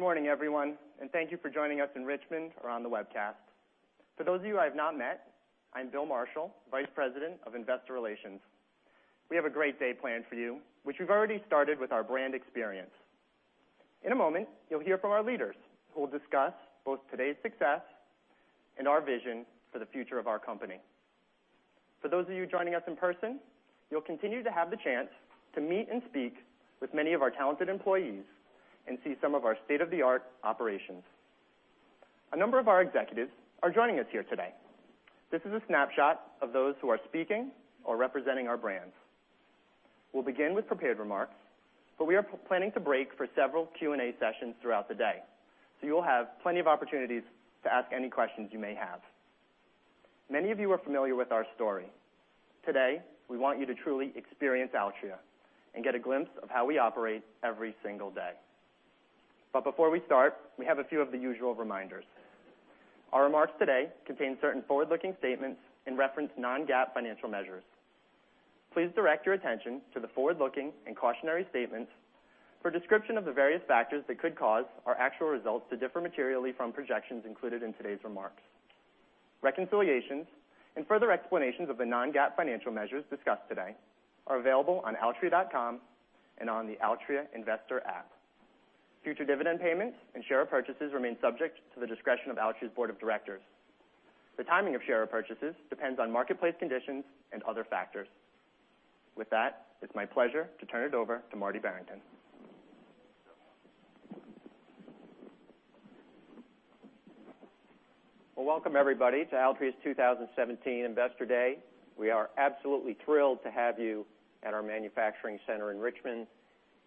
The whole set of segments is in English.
Good morning, everyone, and thank you for joining us in Richmond or on the webcast. For those of you I have not met, I'm Bill Marshall, Vice President of Investor Relations. We have a great day planned for you, which we've already started with our brand experience. In a moment, you'll hear from our leaders, who will discuss both today's success and our vision for the future of our company. For those of you joining us in person, you'll continue to have the chance to meet and speak with many of our talented employees and see some of our state-of-the-art operations. A number of our executives are joining us here today. This is a snapshot of those who are speaking or representing our brands. We'll begin with prepared remarks. We are planning to break for several Q&A sessions throughout the day. You'll have plenty of opportunities to ask any questions you may have. Many of you are familiar with our story. Today, we want you to truly experience Altria and get a glimpse of how we operate every single day. Before we start, we have a few of the usual reminders. Our remarks today contain certain forward-looking statements and reference non-GAAP financial measures. Please direct your attention to the forward-looking and cautionary statements for a description of the various factors that could cause our actual results to differ materially from projections included in today's remarks. Reconciliations and further explanations of the non-GAAP financial measures discussed today are available on altria.com and on the Altria investor app. Future dividend payments and share purchases remain subject to the discretion of Altria's board of directors. The timing of share purchases depends on marketplace conditions and other factors. With that, it's my pleasure to turn it over to Marty Barrington. Welcome everybody to Altria's 2017 Investor Day. We are absolutely thrilled to have you at our manufacturing center in Richmond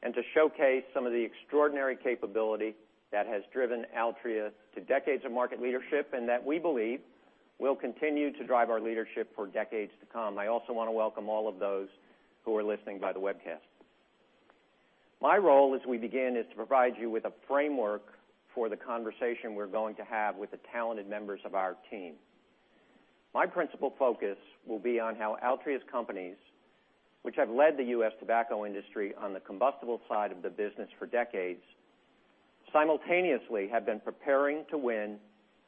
and to showcase some of the extraordinary capability that has driven Altria to decades of market leadership, and that we believe will continue to drive our leadership for decades to come. I also want to welcome all of those who are listening by the webcast. My role as we begin is to provide you with a framework for the conversation we're going to have with the talented members of our team. My principal focus will be on how Altria's companies, which have led the U.S. tobacco industry on the combustible side of the business for decades, simultaneously have been preparing to win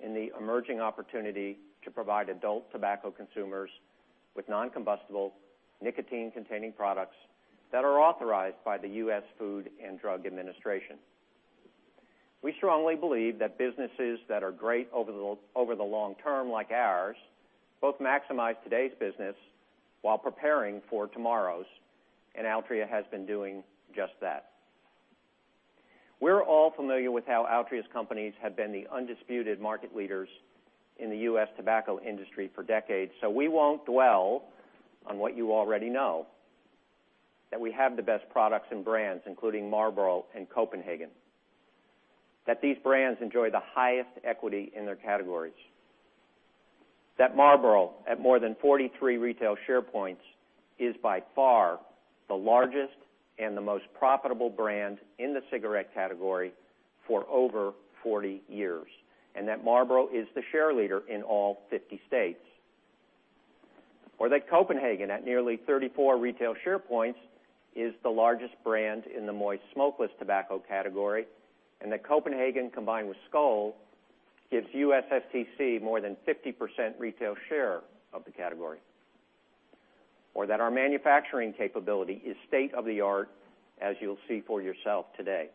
in the emerging opportunity to provide adult tobacco consumers with non-combustible nicotine-containing products that are authorized by the U.S. Food and Drug Administration. We strongly believe that businesses that are great over the long term, like ours, both maximize today's business while preparing for tomorrow's, and Altria has been doing just that. We're all familiar with how Altria's companies have been the undisputed market leaders in the U.S. tobacco industry for decades. We won't dwell on what you already know, that we have the best products and brands, including Marlboro and Copenhagen. That these brands enjoy the highest equity in their categories. That Marlboro, at more than 43 retail share points, is by far the largest and the most profitable brand in the cigarette category for over 40 years, and that Marlboro is the share leader in all 50 states. That Copenhagen, at nearly 34 retail share points, is the largest brand in the moist smokeless tobacco category, and that Copenhagen, combined with Skoal, gives USSTC more than 50% retail share of the category. That our manufacturing capability is state-of-the-art, as you'll see for yourself today.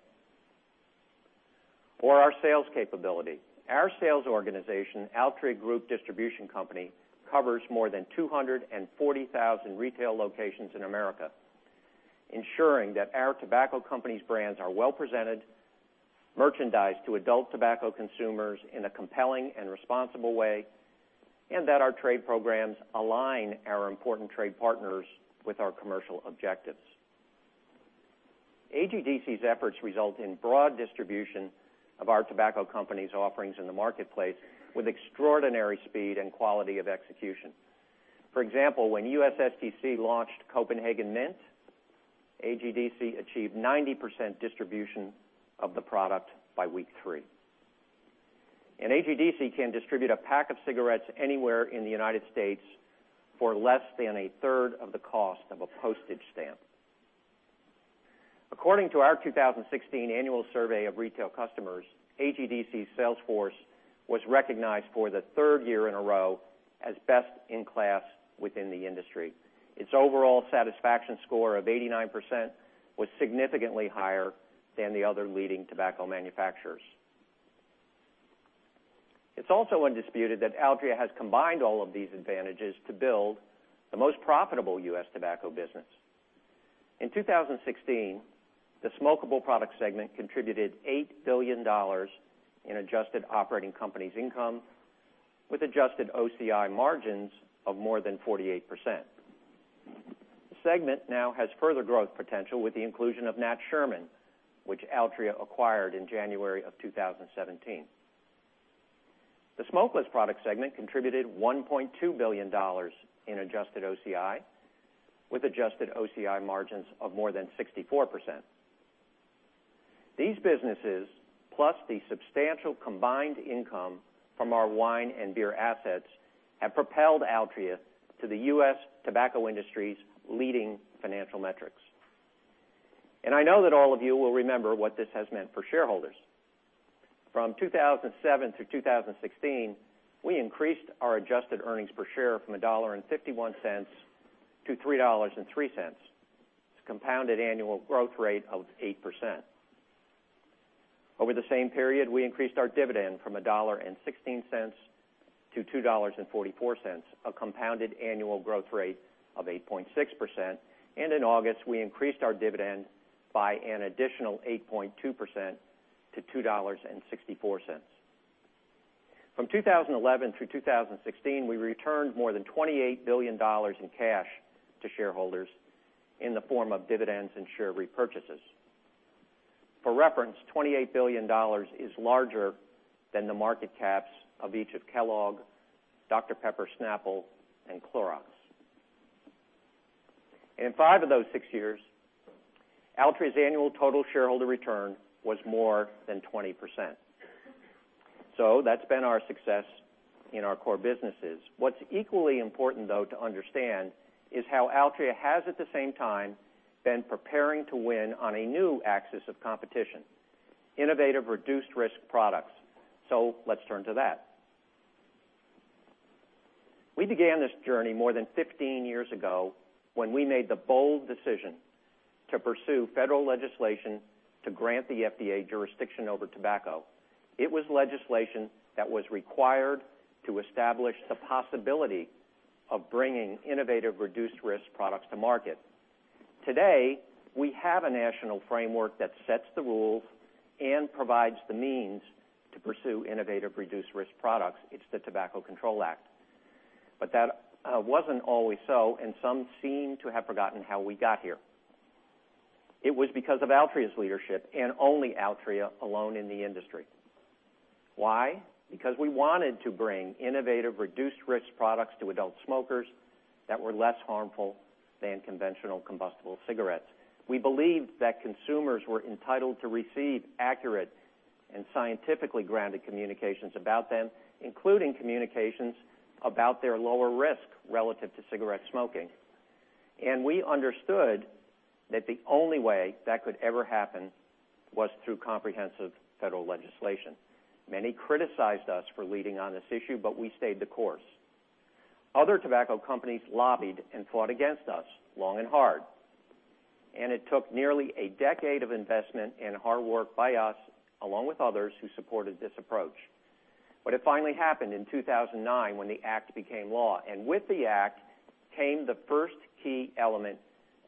Our sales capability. Our sales organization, Altria Group Distribution Company, covers more than 240,000 retail locations in America, ensuring that our tobacco company's brands are well presented, merchandised to adult tobacco consumers in a compelling and responsible way, and that our trade programs align our important trade partners with our commercial objectives. AGDC's efforts result in broad distribution of our tobacco company's offerings in the marketplace with extraordinary speed and quality of execution. For example, when USSTC launched Copenhagen Mint, AGDC achieved 90% distribution of the product by week three. AGDC can distribute a pack of cigarettes anywhere in the U.S. for less than a third of the cost of a postage stamp. According to our 2016 annual survey of retail customers, AGDC's sales force was recognized for the third year in a row as best in class within the industry. Its overall satisfaction score of 89% was significantly higher than the other leading tobacco manufacturers. It's also undisputed that Altria has combined all of these advantages to build the most profitable U.S. tobacco business. In 2016, the smokable product segment contributed $8 billion in adjusted operating company's income, with adjusted OCI margins of more than 48%. The segment now has further growth potential with the inclusion of Nat Sherman, which Altria acquired in January of 2017. The smokeless product segment contributed $1.2 billion in adjusted OCI, with adjusted OCI margins of more than 64%. These businesses, plus the substantial combined income from our wine and beer assets have propelled Altria to the U.S. tobacco industry's leading financial metrics. I know that all of you will remember what this has meant for shareholders. From 2007 through 2016, we increased our adjusted earnings per share from $1.51 to $3.03. It's a compounded annual growth rate of 8%. Over the same period, we increased our dividend from $1.16 to $2.44, a compounded annual growth rate of 8.6%. In August, we increased our dividend by an additional 8.2% to $2.64. From 2011 through 2016, we returned more than $28 billion in cash to shareholders in the form of dividends and share repurchases. For reference, $28 billion is larger than the market caps of each of Kellogg, Dr Pepper Snapple, and Clorox. In five of those six years, Altria's annual total shareholder return was more than 20%. That's been our success in our core businesses. What's equally important, though, to understand is how Altria has, at the same time, been preparing to win on a new axis of competition, innovative reduced-risk products. Let's turn to that. We began this journey more than 15 years ago when we made the bold decision to pursue federal legislation to grant the FDA jurisdiction over tobacco. It was legislation that was required to establish the possibility of bringing innovative reduced-risk products to market. Today, we have a national framework that sets the rules and provides the means to pursue innovative reduced-risk products. It's the Tobacco Control Act. That wasn't always so, and some seem to have forgotten how we got here. It was because of Altria's leadership and only Altria alone in the industry. Why? We wanted to bring innovative reduced-risk products to adult smokers that were less harmful than conventional combustible cigarettes. We believed that consumers were entitled to receive accurate and scientifically grounded communications about them, including communications about their lower risk relative to cigarette smoking. We understood that the only way that could ever happen was through comprehensive federal legislation. Many criticized us for leading on this issue, but we stayed the course. Other tobacco companies lobbied and fought against us long and hard, and it took nearly a decade of investment and hard work by us, along with others who supported this approach. It finally happened in 2009 when the act became law. With the act came the first key element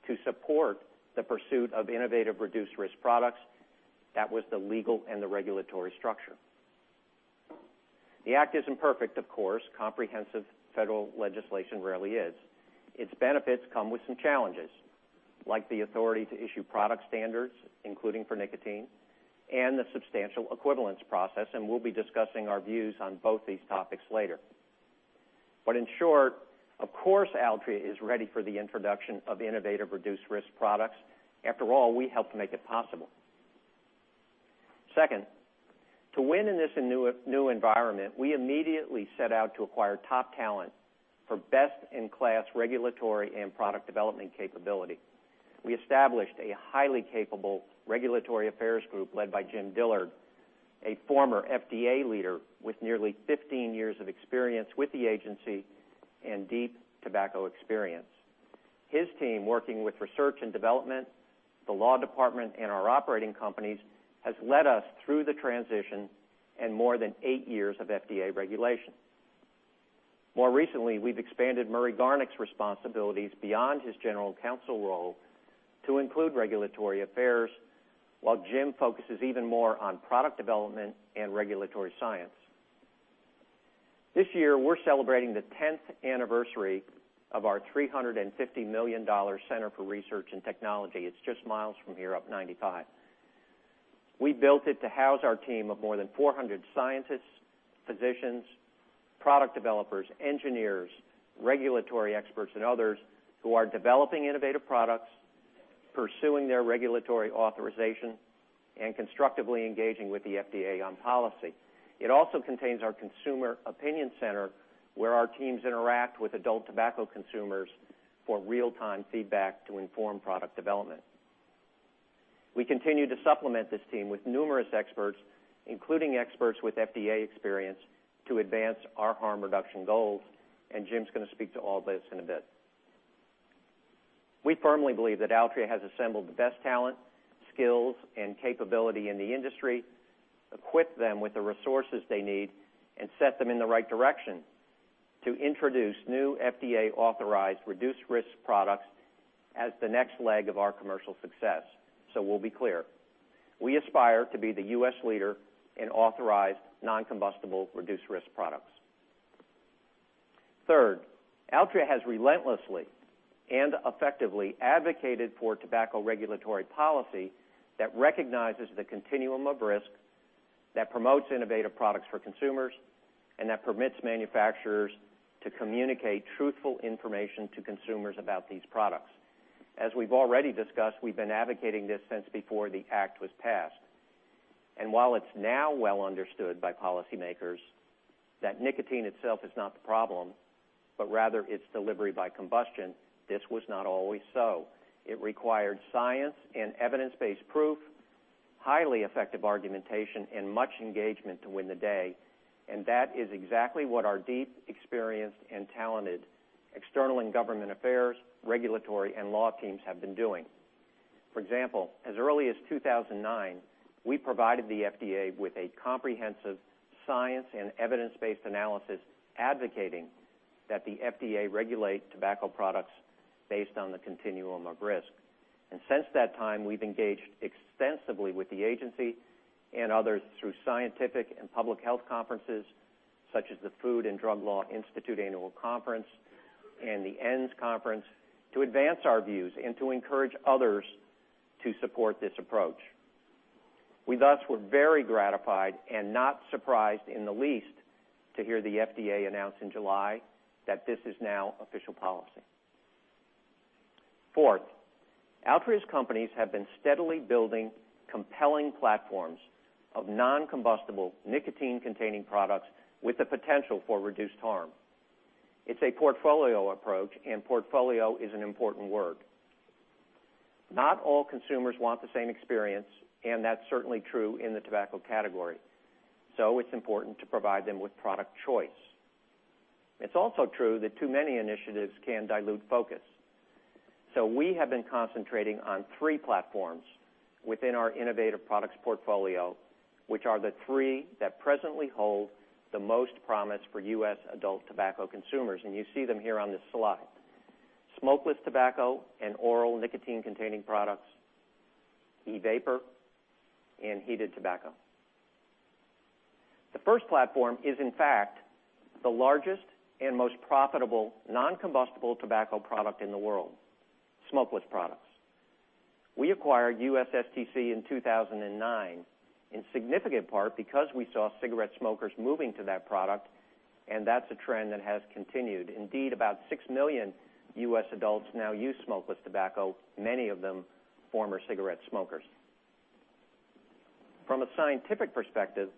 to support the pursuit of innovative reduced-risk products. That was the legal and the regulatory structure. The act isn't perfect, of course. Comprehensive federal legislation rarely is. Its benefits come with some challenges, like the authority to issue product standards, including for nicotine, and the substantial equivalence process, we'll be discussing our views on both these topics later. In short, of course, Altria is ready for the introduction of innovative reduced-risk products. After all, we helped make it possible. Second, to win in this new environment, we immediately set out to acquire top talent for best-in-class regulatory and product development capability. We established a highly capable regulatory affairs group led by Jim Dillard, a former FDA leader with nearly 15 years of experience with the agency and deep tobacco experience. His team, working with research and development, the law department, and our operating companies, has led us through the transition and more than eight years of FDA regulation. More recently, we've expanded Murray Garnick's responsibilities beyond his general counsel role to include regulatory affairs, while Jim focuses even more on product development and regulatory science. This year, we're celebrating the 10th anniversary of our $350 million Center for Research and Technology. It's just miles from here up 95. We built it to house our team of more than 400 scientists, physicians, product developers, engineers, regulatory experts, and others who are developing innovative products, pursuing their regulatory authorization, and constructively engaging with the FDA on policy. It also contains our consumer opinion center, where our teams interact with adult tobacco consumers for real-time feedback to inform product development. We continue to supplement this team with numerous experts, including experts with FDA experience, to advance our harm reduction goals, Jim's going to speak to all this in a bit. We firmly believe that Altria has assembled the best talent, skills, and capability in the industry, equipped them with the resources they need, and set them in the right direction to introduce new FDA-authorized reduced-risk products as the next leg of our commercial success. We'll be clear. We aspire to be the U.S. leader in authorized non-combustible reduced-risk products. Third, Altria has relentlessly and effectively advocated for tobacco regulatory policy that recognizes the continuum of risk, that promotes innovative products for consumers, and that permits manufacturers to communicate truthful information to consumers about these products. As we've already discussed, we've been advocating this since before the act was passed. While it's now well understood by policymakers that nicotine itself is not the problem, but rather its delivery by combustion, this was not always so. It required science and evidence-based proof, highly effective argumentation, and much engagement to win the day. That is exactly what our deep, experienced, and talented external and government affairs, regulatory, and law teams have been doing. For example, as early as 2009, we provided the FDA with a comprehensive science and evidence-based analysis advocating that the FDA regulate tobacco products based on the continuum of risk. Since that time, we've engaged extensively with the agency and others through scientific and public health conferences such as the Food and Drug Law Institute Annual Conference and the ENDS Conference to advance our views and to encourage others to support this approach. We thus were very gratified and not surprised in the least to hear the FDA announce in July that this is now official policy. Fourth, Altria's companies have been steadily building compelling platforms of non-combustible nicotine-containing products with the potential for reduced harm. It's a portfolio approach, and portfolio is an important word. Not all consumers want the same experience, and that's certainly true in the tobacco category. It's important to provide them with product choice. It's also true that too many initiatives can dilute focus. We have been concentrating on three platforms within our innovative products portfolio, which are the three that presently hold the most promise for U.S. adult tobacco consumers. You see them here on this slide. Smokeless tobacco and oral nicotine-containing products, e-vapor, and heated tobacco. The first platform is in fact the largest and most profitable non-combustible tobacco product in the world, smokeless products. We acquired USSTC in 2009 in significant part because we saw cigarette smokers moving to that product, and that's a trend that has continued. Indeed, about 6 million U.S. adults now use smokeless tobacco, many of them former cigarette smokers. From a scientific perspective,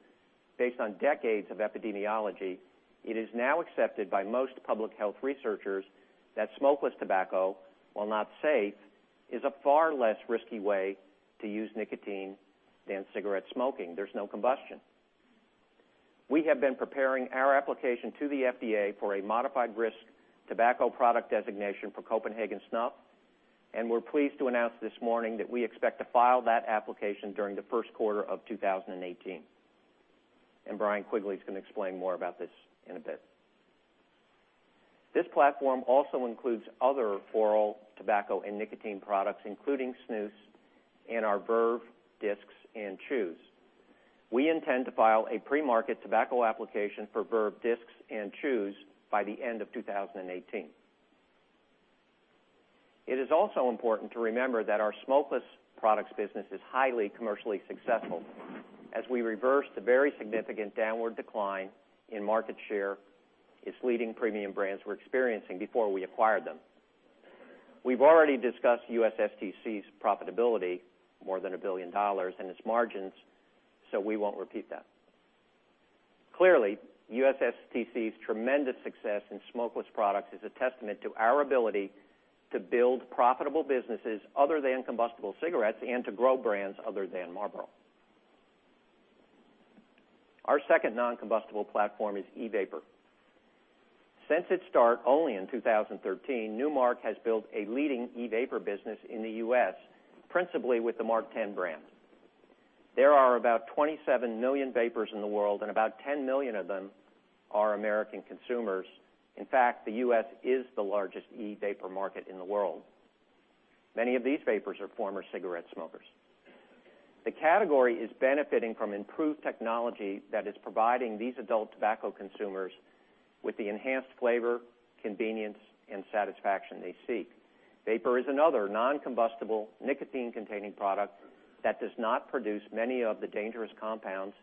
based on decades of epidemiology, it is now accepted by most public health researchers that smokeless tobacco, while not safe, is a far less risky way to use nicotine than cigarette smoking. There's no combustion. We have been preparing our application to the FDA for a modified risk tobacco product designation for Copenhagen Snuff, and we're pleased to announce this morning that we expect to file that application during the first quarter of 2018. Brian Quigley's going to explain more about this in a bit. This platform also includes other oral tobacco and nicotine products, including snus and our Verve discs and chews. We intend to file a pre-market tobacco application for Verve discs and chews by the end of 2018. It is also important to remember that our smokeless products business is highly commercially successful as we reverse the very significant downward decline in market share its leading premium brands were experiencing before we acquired them. We've already discussed USSTC's profitability, more than $1 billion, and its margins. We won't repeat that. Clearly, USSTC's tremendous success in smokeless products is a testament to our ability to build profitable businesses other than combustible cigarettes and to grow brands other than Marlboro. Our second non-combustible platform is e-vapor. Since its start only in 2013, Nu Mark has built a leading e-vapor business in the U.S., principally with the MarkTen brand. There are about 27 million vapers in the world, and about 10 million of them are American consumers. In fact, the U.S. is the largest e-vapor market in the world. Many of these vapers are former cigarette smokers. The category is benefiting from improved technology that is providing these adult tobacco consumers with the enhanced flavor, convenience, and satisfaction they seek. Vapor is another non-combustible nicotine-containing product that does not produce many of the dangerous compounds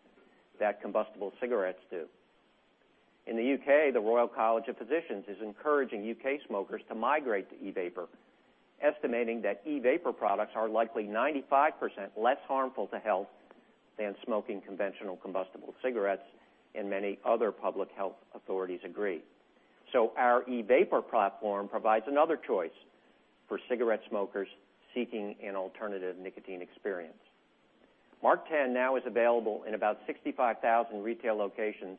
that combustible cigarettes do. In the U.K., the Royal College of Physicians is encouraging U.K. smokers to migrate to e-vapor, estimating that e-vapor products are likely 95% less harmful to health than smoking conventional combustible cigarettes, and many other public health authorities agree. Our e-vapor platform provides another choice for cigarette smokers seeking an alternative nicotine experience. MarkTen now is available in about 65,000 retail locations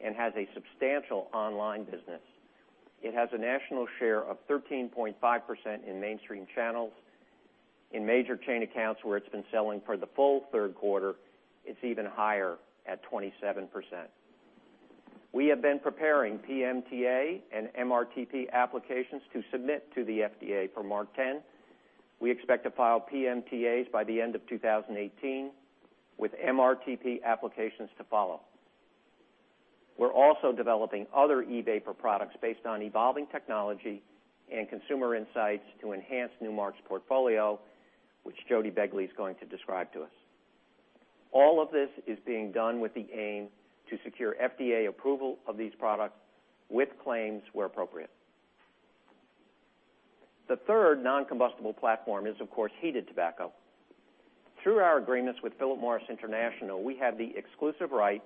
and has a substantial online business. It has a national share of 13.5% in mainstream channels. In major chain accounts where it's been selling for the full third quarter, it's even higher at 27%. We have been preparing PMTA and MRTP applications to submit to the FDA for MarkTen. We expect to file PMTAs by the end of 2018 with MRTP applications to follow. We're also developing other e-vapor products based on evolving technology and consumer insights to enhance Nu Mark's portfolio, which Jody Begley's going to describe to us. All of this is being done with the aim to secure FDA approval of these products with claims where appropriate. The third non-combustible platform is, of course, heated tobacco. Through our agreements with Philip Morris International, we have the exclusive right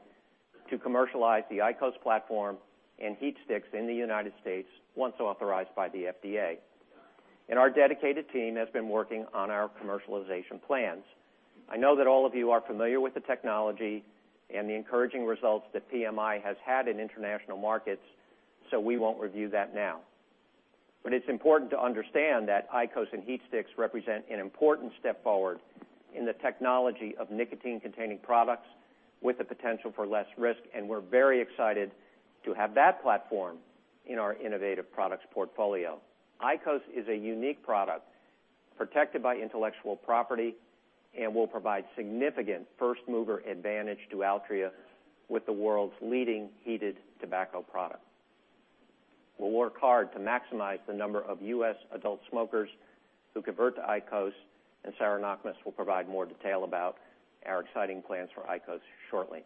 to commercialize the IQOS platform and HeatSticks in the United States once authorized by the FDA. Our dedicated team has been working on our commercialization plans. I know that all of you are familiar with the technology and the encouraging results that PMI has had in international markets. We won't review that now. It's important to understand that IQOS and HeatSticks represent an important step forward in the technology of nicotine-containing products with the potential for less risk, and we're very excited to have that platform in our innovative products portfolio. IQOS is a unique product, protected by intellectual property, and will provide significant first-mover advantage to Altria with the world's leading heated tobacco product. We'll work hard to maximize the number of U.S. adult smokers who convert to IQOS, and Sarah Knakmuhs will provide more detail about our exciting plans for IQOS shortly.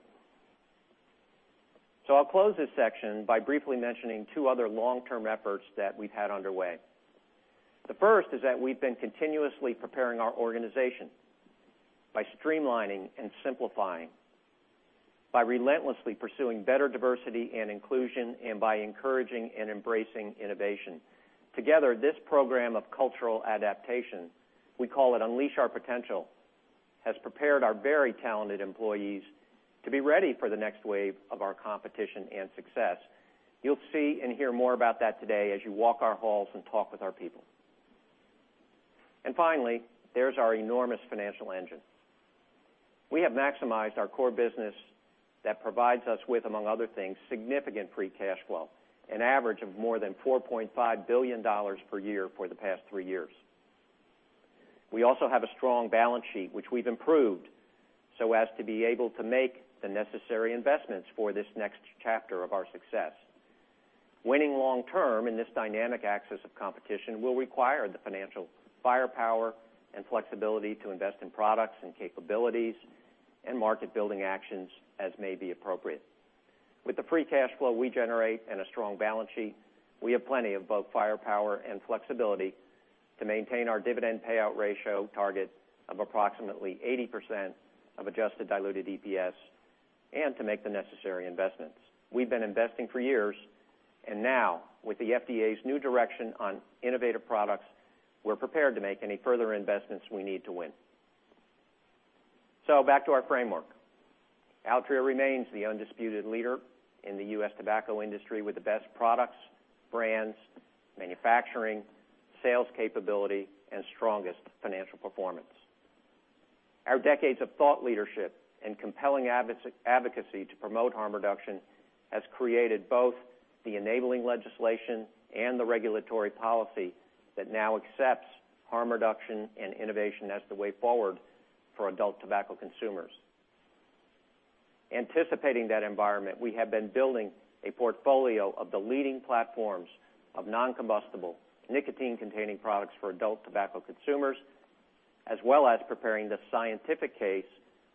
I'll close this section by briefly mentioning two other long-term efforts that we've had underway. The first is that we've been continuously preparing our organization by streamlining and simplifying, by relentlessly pursuing better diversity and inclusion, and by encouraging and embracing innovation. Together, this program of cultural adaptation, we call it Unleash Our Potential, has prepared our very talented employees to be ready for the next wave of our competition and success. You'll see and hear more about that today as you walk our halls and talk with our people. Finally, there's our enormous financial engine. We have maximized our core business that provides us with, among other things, significant free cash flow, an average of more than $4.5 billion per year for the past three years. We also have a strong balance sheet, which we've improved so as to be able to make the necessary investments for this next chapter of our success. Winning long term in this dynamic axis of competition will require the financial firepower and flexibility to invest in products and capabilities and market-building actions as may be appropriate. With the free cash flow we generate and a strong balance sheet, we have plenty of both firepower and flexibility to maintain our dividend payout ratio target of approximately 80% of adjusted diluted EPS and to make the necessary investments. We've been investing for years. Now, with the FDA's new direction on innovative products, we're prepared to make any further investments we need to win. Back to our framework. Altria remains the undisputed leader in the U.S. tobacco industry with the best products, brands, manufacturing, sales capability, and strongest financial performance. Our decades of thought leadership and compelling advocacy to promote harm reduction has created both the enabling legislation and the regulatory policy that now accepts harm reduction and innovation as the way forward for adult tobacco consumers. Anticipating that environment, we have been building a portfolio of the leading platforms of non-combustible nicotine-containing products for adult tobacco consumers, as well as preparing the scientific case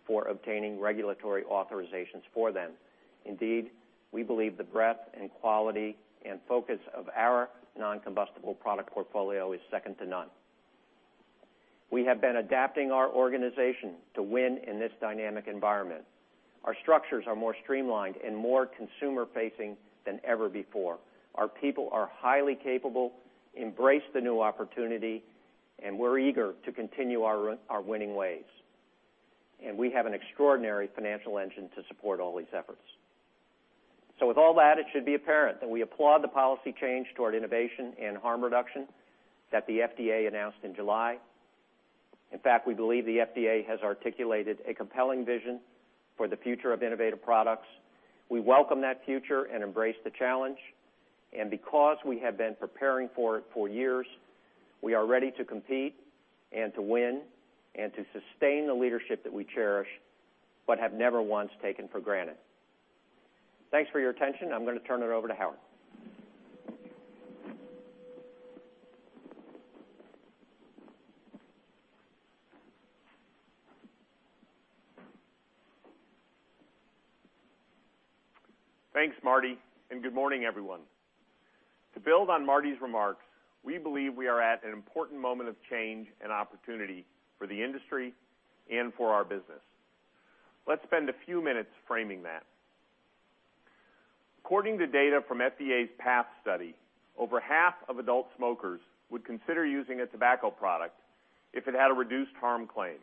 for obtaining regulatory authorizations for them. Indeed, we believe the breadth and quality and focus of our non-combustible product portfolio is second to none. We have been adapting our organization to win in this dynamic environment. Our structures are more streamlined and more consumer-facing than ever before. Our people are highly capable, embrace the new opportunity. We're eager to continue our winning ways. We have an extraordinary financial engine to support all these efforts. With all that, it should be apparent that we applaud the policy change toward innovation and harm reduction that the FDA announced in July. In fact, we believe the FDA has articulated a compelling vision for the future of innovative products. We welcome that future and embrace the challenge. Because we have been preparing for it for years, we are ready to compete and to win and to sustain the leadership that we cherish but have never once taken for granted. Thanks for your attention. I'm going to turn it over to Howard. Thanks, Marty, and good morning, everyone. To build on Marty's remarks, we believe we are at an important moment of change and opportunity for the industry and for our business. Let's spend a few minutes framing that. According to data from FDA's PATH study, over half of adult smokers would consider using a tobacco product if it had a reduced harm claim.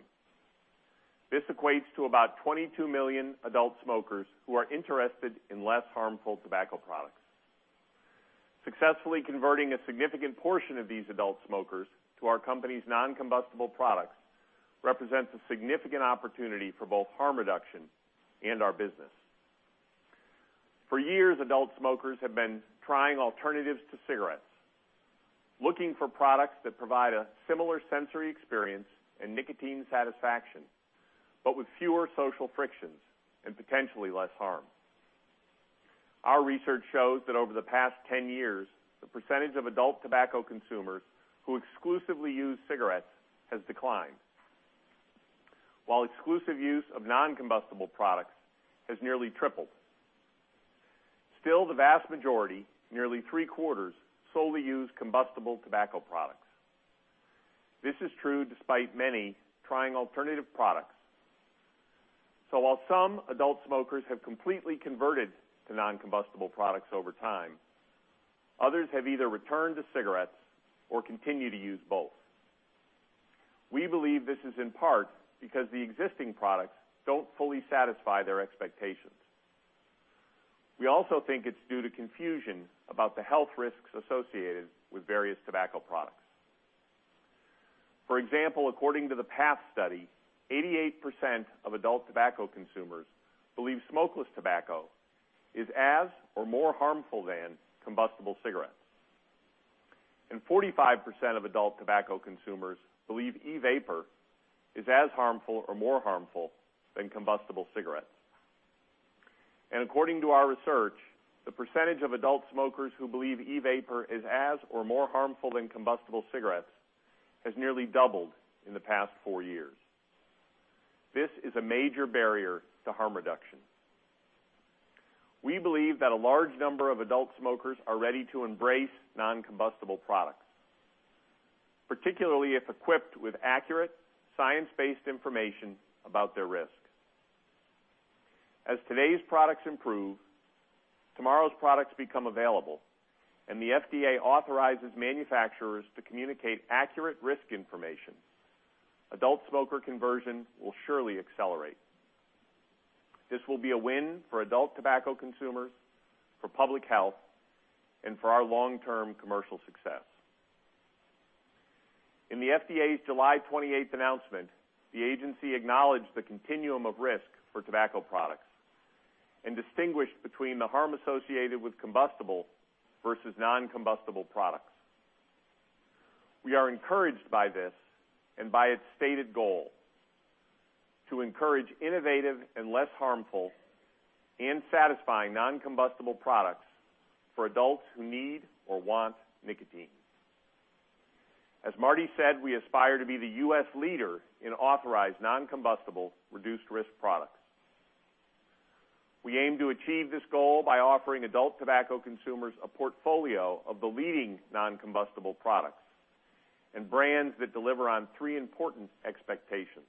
This equates to about 22 million adult smokers who are interested in less harmful tobacco products. Successfully converting a significant portion of these adult smokers to our company's non-combustible products represents a significant opportunity for both harm reduction and our business. For years, adult smokers have been trying alternatives to cigarettes, looking for products that provide a similar sensory experience and nicotine satisfaction, but with fewer social frictions and potentially less harm. Our research shows that over the past 10 years, the percentage of adult tobacco consumers who exclusively use cigarettes has declined, while exclusive use of non-combustible products has nearly tripled. Still the vast majority, nearly three quarters, solely use combustible tobacco products. This is true despite many trying alternative products. While some adult smokers have completely converted to non-combustible products over time, others have either returned to cigarettes or continue to use both. We believe this is in part because the existing products don't fully satisfy their expectations. We also think it's due to confusion about the health risks associated with various tobacco products. For example, according to the PATH Study, 88% of adult tobacco consumers believe smokeless tobacco is as or more harmful than combustible cigarettes, and 45% of adult tobacco consumers believe e-vapor is as harmful or more harmful than combustible cigarettes. According to our research, the percentage of adult smokers who believe e-vapor is as or more harmful than combustible cigarettes has nearly doubled in the past four years. This is a major barrier to harm reduction. We believe that a large number of adult smokers are ready to embrace non-combustible products, particularly if equipped with accurate science-based information about their risk. As today's products improve, tomorrow's products become available, and the FDA authorizes manufacturers to communicate accurate risk information, adult smoker conversion will surely accelerate. This will be a win for adult tobacco consumers, for public health, and for our long-term commercial success. In the FDA's July 28th announcement, the agency acknowledged the continuum of risk for tobacco products and distinguished between the harm associated with combustible versus non-combustible products. We are encouraged by this and by its stated goal: to encourage innovative and less harmful and satisfying non-combustible products for adults who need or want nicotine. As Marty said, we aspire to be the U.S. leader in authorized, non-combustible, reduced-risk products. We aim to achieve this goal by offering adult tobacco consumers a portfolio of the leading non-combustible products and brands that deliver on three important expectations: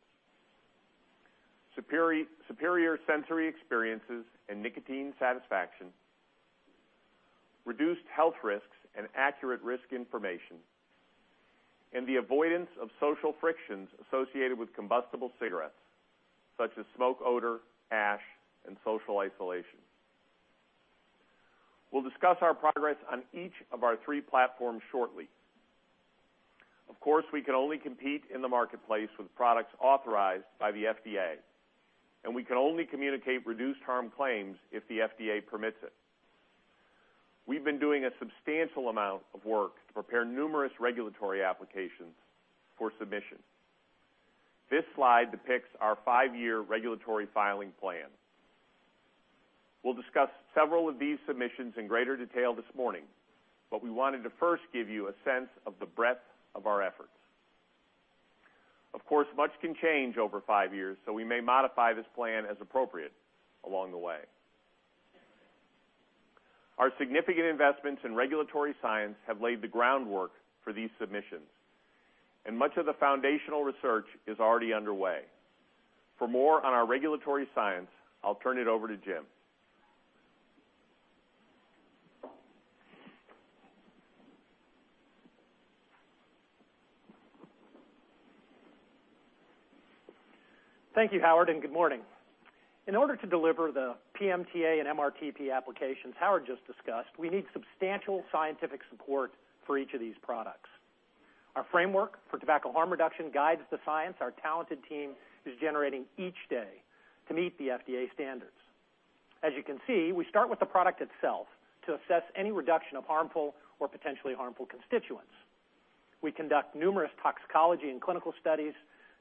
superior sensory experiences and nicotine satisfaction, reduced health risks and accurate risk information, and the avoidance of social frictions associated with combustible cigarettes, such as smoke odor, ash, and social isolation. We'll discuss our progress on each of our three platforms shortly. Of course, we can only compete in the marketplace with products authorized by the FDA, and we can only communicate reduced harm claims if the FDA permits it. We've been doing a substantial amount of work to prepare numerous regulatory applications for submission. This slide depicts our five-year regulatory filing plan. We'll discuss several of these submissions in greater detail this morning, but we wanted to first give you a sense of the breadth of our efforts. Of course, much can change over five years, so we may modify this plan as appropriate along the way. Our significant investments in regulatory science have laid the groundwork for these submissions, and much of the foundational research is already underway. For more on our regulatory science, I'll turn it over to Jim. Thank you, Howard, and good morning. In order to deliver the PMTA and MRTP applications Howard just discussed, we need substantial scientific support for each of these products. Our framework for tobacco harm reduction guides the science our talented team is generating each day to meet the FDA standards. As you can see, we start with the product itself to assess any reduction of harmful or potentially harmful constituents. We conduct numerous toxicology and clinical studies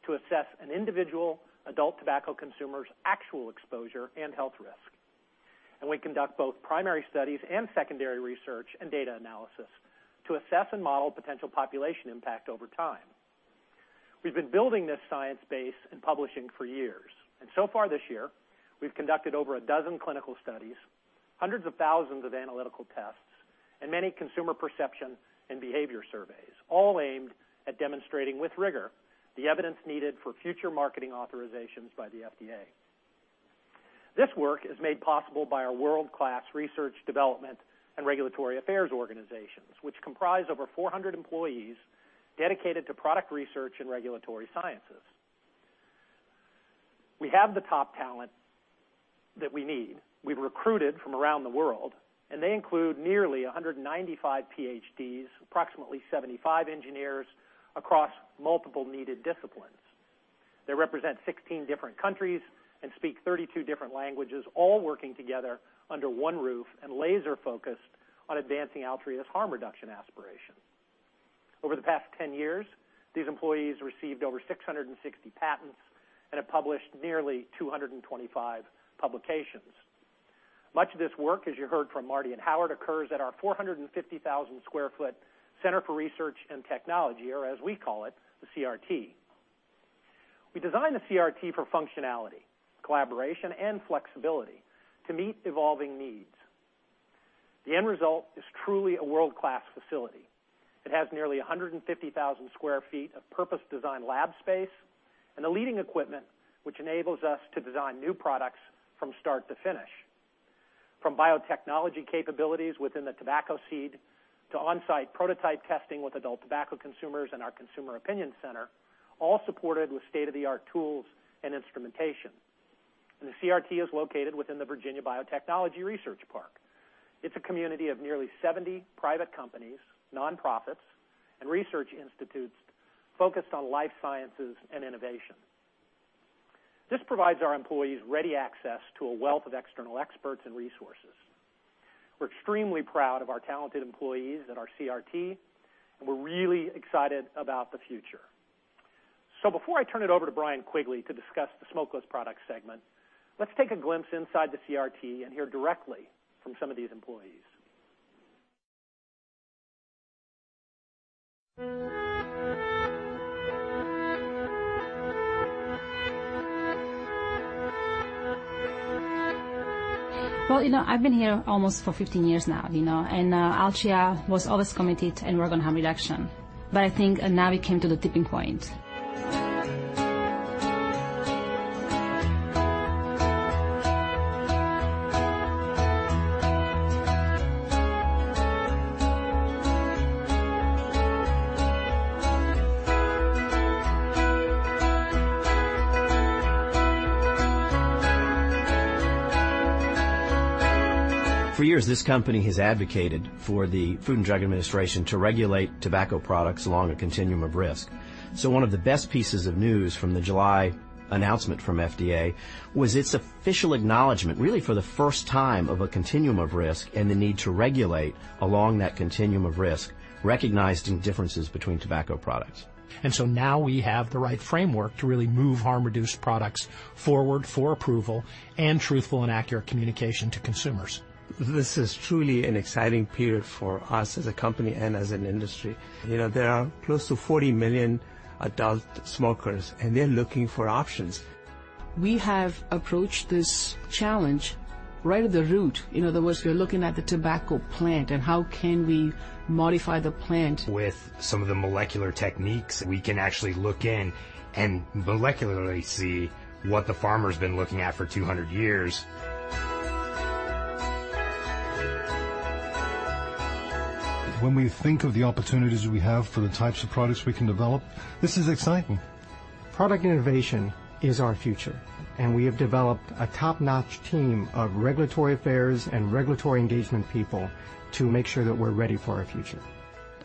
to assess an individual adult tobacco consumer's actual exposure and health risk. We conduct both primary studies and secondary research and data analysis to assess and model potential population impact over time. We've been building this science base and publishing for years. So far this year, we've conducted over a dozen clinical studies, hundreds of thousands of analytical tests, and many consumer perception and behavior surveys, all aimed at demonstrating with rigor the evidence needed for future marketing authorizations by the FDA. This work is made possible by our world-class research development and regulatory affairs organizations, which comprise over 400 employees dedicated to product research and regulatory sciences. We have the top talent that we need. We've recruited from around the world, and they include nearly 195 PhDs, approximately 75 engineers across multiple needed disciplines. They represent 16 different countries and speak 32 different languages, all working together under one roof and laser focused on advancing Altria's harm reduction aspiration. Over the past 10 years, these employees received over 660 patents and have published nearly 225 publications. Much of this work, as you heard from Marty and Howard, occurs at our 450,000 sq ft Center for Research and Technology, or as we call it, the CRT. We designed the CRT for functionality, collaboration, and flexibility to meet evolving needs. The end result is truly a world-class facility. It has nearly 150,000 sq ft of purpose-designed lab space and the leading equipment, which enables us to design new products from start to finish. From biotechnology capabilities within the tobacco seed to on-site prototype testing with adult tobacco consumers in our consumer opinion center, all supported with state-of-the-art tools and instrumentation. The CRT is located within the Virginia Biotechnology Research Park. It's a community of nearly 70 private companies, nonprofits, and research institutes focused on life sciences and innovation. This provides our employees ready access to a wealth of external experts and resources. We're extremely proud of our talented employees at our CRT, and we're really excited about the future. Before I turn it over to Brian Quigley to discuss the smokeless product segment, let's take a glimpse inside the CRT and hear directly from some of these employees. Well, I've been here almost for 15 years now. Altria was always committed in working on harm reduction. I think now we came to the tipping point. For years, this company has advocated for the Food and Drug Administration to regulate tobacco products along a continuum of risk. One of the best pieces of news from the July announcement from FDA was its official acknowledgement, really for the first time, of a continuum of risk and the need to regulate along that continuum of risk, recognizing differences between tobacco products. Now we have the right framework to really move harm-reduced products forward for approval and truthful and accurate communication to consumers. This is truly an exciting period for us as a company and as an industry. There are close to 40 million adult smokers, and they're looking for options. We have approached this challenge right at the root. In other words, we're looking at the tobacco plant and how can we modify the plant. With some of the molecular techniques, we can actually look in and molecularly see what the farmer's been looking at for 200 years. When we think of the opportunities we have for the types of products we can develop, this is exciting. Product innovation is our future. We have developed a top-notch team of regulatory affairs and regulatory engagement people to make sure that we're ready for our future.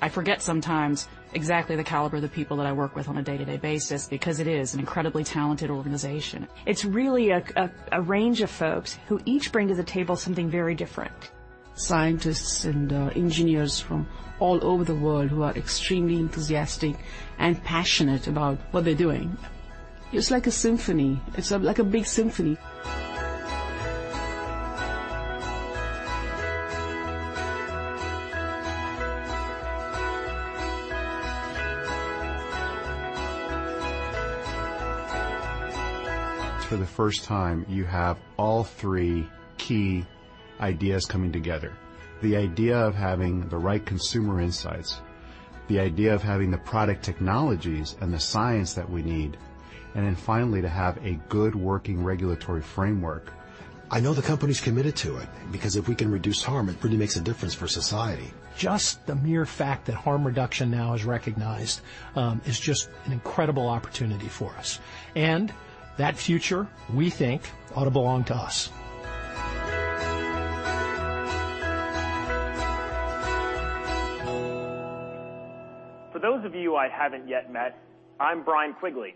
I forget sometimes exactly the caliber of the people that I work with on a day-to-day basis because it is an incredibly talented organization. It's really a range of folks who each bring to the table something very different. Scientists and engineers from all over the world who are extremely enthusiastic and passionate about what they're doing. It's like a symphony. It's like a big symphony. For the first time, you have all three key ideas coming together. The idea of having the right consumer insights, the idea of having the product technologies and the science that we need, and then finally, to have a good working regulatory framework. I know the company's committed to it because if we can reduce harm, it really makes a difference for society. Just the mere fact that harm reduction now is recognized is just an incredible opportunity for us. That future, we think, ought to belong to us. For those of you I haven't yet met, I'm Brian Quigley.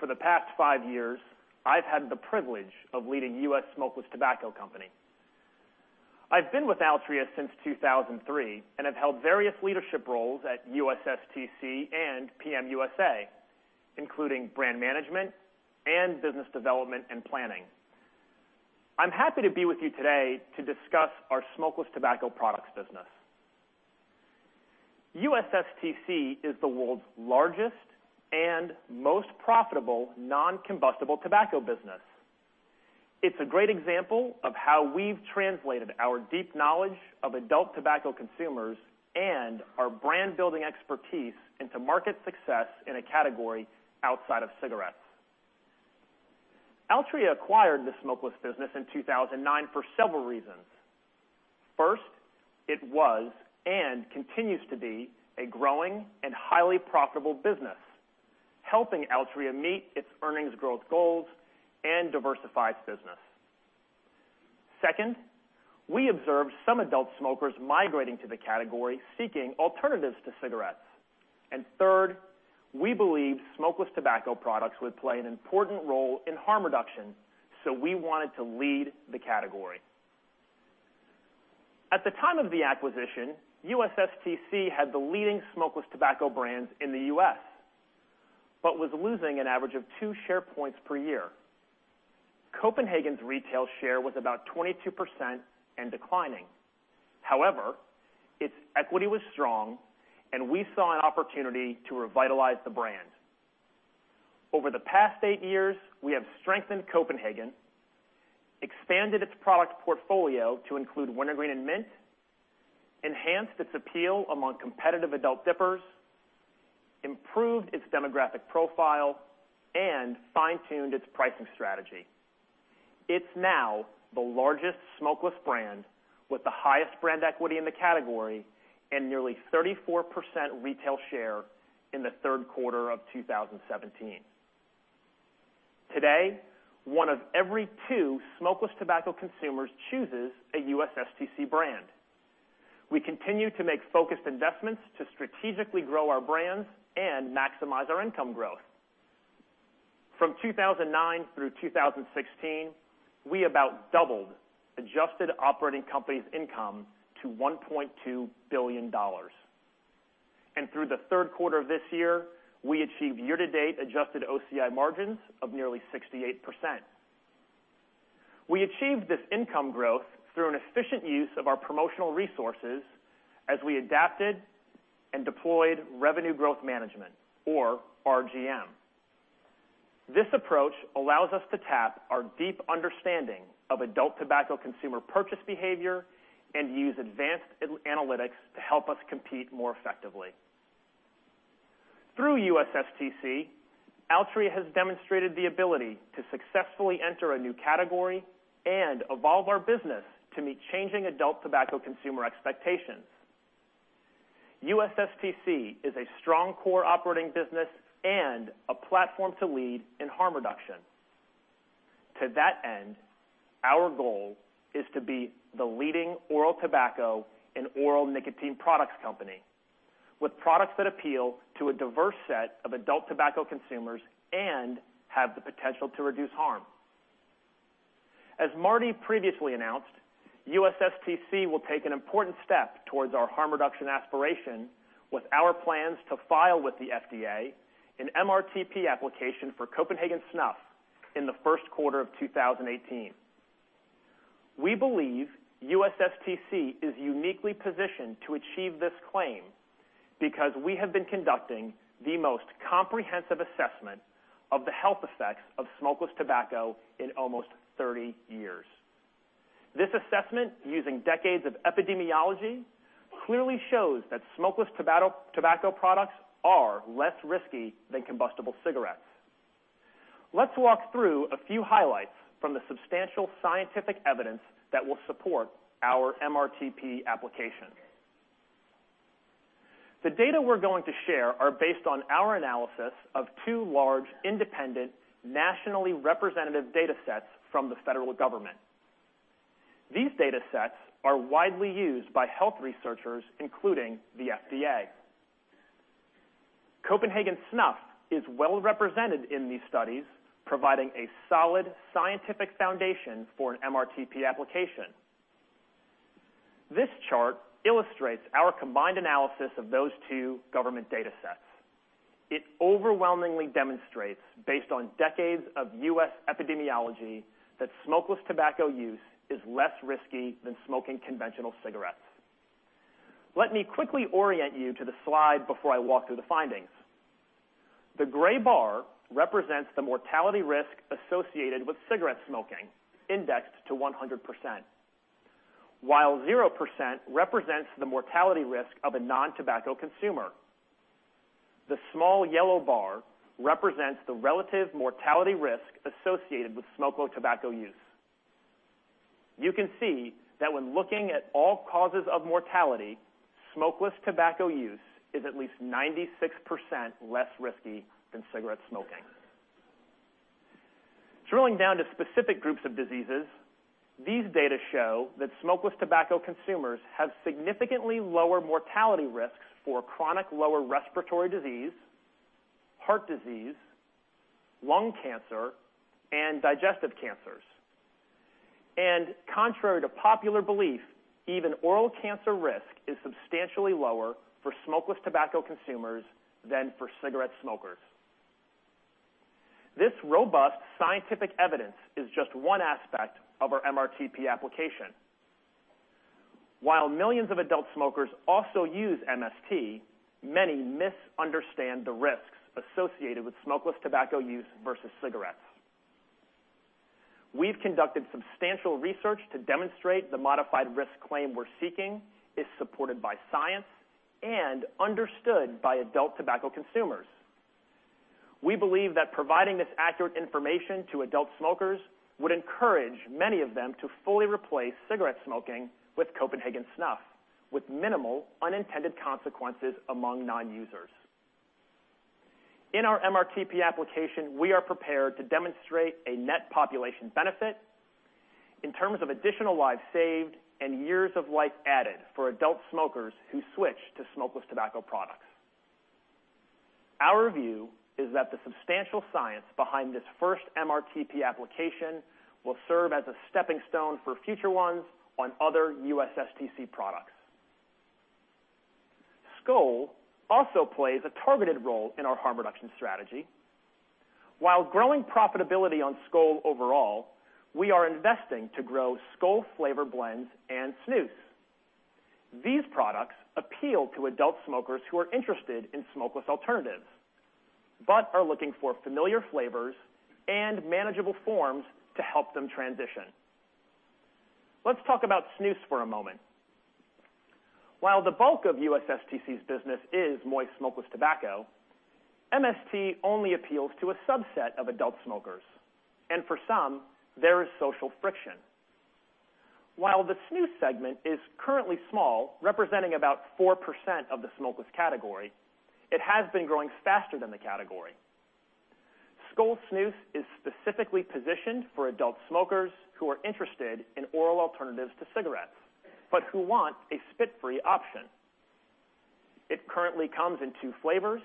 For the past five years, I've had the privilege of leading U.S. Smokeless Tobacco Company. I've been with Altria since 2003 and have held various leadership roles at USSTC and PM USA, including brand management and business development and planning. I'm happy to be with you today to discuss our smokeless tobacco products business. USSTC is the world's largest and most profitable non-combustible tobacco business. It's a great example of how we've translated our deep knowledge of adult tobacco consumers and our brand-building expertise into market success in a category outside of cigarettes. Altria acquired the smokeless business in 2009 for several reasons. First, it was and continues to be a growing and highly profitable business, helping Altria meet its earnings growth goals and diversify its business. Second, we observed some adult smokers migrating to the category, seeking alternatives to cigarettes. Third, we believe smokeless tobacco products would play an important role in harm reduction, so we wanted to lead the category. At the time of the acquisition, USSTC had the leading smokeless tobacco brands in the U.S. Was losing an average of two share points per year. Copenhagen's retail share was about 22% and declining. However, its equity was strong, and we saw an opportunity to revitalize the brand. Over the past eight years, we have strengthened Copenhagen, expanded its product portfolio to include Wintergreen and Mint, enhanced its appeal among competitive adult dippers, improved its demographic profile, and fine-tuned its pricing strategy. It's now the largest smokeless brand with the highest brand equity in the category and nearly 34% retail share in the third quarter of 2017. Today, one of every two smokeless tobacco consumers chooses a USSTC brand. We continue to make focused investments to strategically grow our brands and maximize our income growth. From 2009 through 2016, we about doubled adjusted operating companies income to $1.2 billion. Through the third quarter of this year, we achieved year-to-date adjusted OCI margins of nearly 68%. We achieved this income growth through an efficient use of our promotional resources as we adapted and deployed revenue growth management or RGM. This approach allows us to tap our deep understanding of adult tobacco consumer purchase behavior and use advanced analytics to help us compete more effectively. Through USSTC, Altria has demonstrated the ability to successfully enter a new category and evolve our business to meet changing adult tobacco consumer expectations. USSTC is a strong core operating business and a platform to lead in harm reduction. To that end, our goal is to be the leading oral tobacco and oral nicotine products company with products that appeal to a diverse set of adult tobacco consumers and have the potential to reduce harm. As Marty previously announced, USSTC will take an important step towards our harm reduction aspiration with our plans to file with the FDA an MRTP application for Copenhagen Snuff in the first quarter of 2018. We believe USSTC is uniquely positioned to achieve this claim because we have been conducting the most comprehensive assessment of the health effects of smokeless tobacco in almost 30 years. This assessment, using decades of epidemiology, clearly shows that smokeless tobacco products are less risky than combustible cigarettes. Let's walk through a few highlights from the substantial scientific evidence that will support our MRTP application. The data we're going to share are based on our analysis of two large, independent, nationally representative data sets from the federal government. These data sets are widely used by health researchers, including the FDA. Copenhagen Snuff is well represented in these studies, providing a solid scientific foundation for an MRTP application. This chart illustrates our combined analysis of those two government data sets. It overwhelmingly demonstrates, based on decades of U.S. epidemiology, that smokeless tobacco use is less risky than smoking conventional cigarettes. Let me quickly orient you to the slide before I walk through the findings. The gray bar represents the mortality risk associated with cigarette smoking indexed to 100%, while 0% represents the mortality risk of a non-tobacco consumer. The small yellow bar represents the relative mortality risk associated with smokeless tobacco use. You can see that when looking at all causes of mortality, smokeless tobacco use is at least 96% less risky than cigarette smoking. Drilling down to specific groups of diseases, these data show that smokeless tobacco consumers have significantly lower mortality risks for chronic lower respiratory disease, heart disease, lung cancer, and digestive cancers. Contrary to popular belief, even oral cancer risk is substantially lower for smokeless tobacco consumers than for cigarette smokers. This robust scientific evidence is just one aspect of our MRTP application. While millions of adult smokers also use MST, many misunderstand the risks associated with smokeless tobacco use versus cigarettes. We've conducted substantial research to demonstrate the modified risk claim we're seeking is supported by science and understood by adult tobacco consumers. We believe that providing this accurate information to adult smokers would encourage many of them to fully replace cigarette smoking with Copenhagen Snuff, with minimal unintended consequences among non-users. In our MRTP application, we are prepared to demonstrate a net population benefit in terms of additional lives saved and years of life added for adult smokers who switch to smokeless tobacco products. Our view is that the substantial science behind this first MRTP application will serve as a stepping stone for future ones on other USSTC products. Skoal also plays a targeted role in our harm reduction strategy. While growing profitability on Skoal overall, we are investing to grow Skoal flavor blends and snus. These products appeal to adult smokers who are interested in smokeless alternatives, but are looking for familiar flavors and manageable forms to help them transition. Let's talk about snus for a moment. While the bulk of USSTC's business is moist smokeless tobacco, MST only appeals to a subset of adult smokers, and for some, there is social friction. While the snus segment is currently small, representing about 4% of the smokeless category, it has been growing faster than the category. Skoal Snus is specifically positioned for adult smokers who are interested in oral alternatives to cigarettes, but who want a spit-free option. It currently comes in two flavors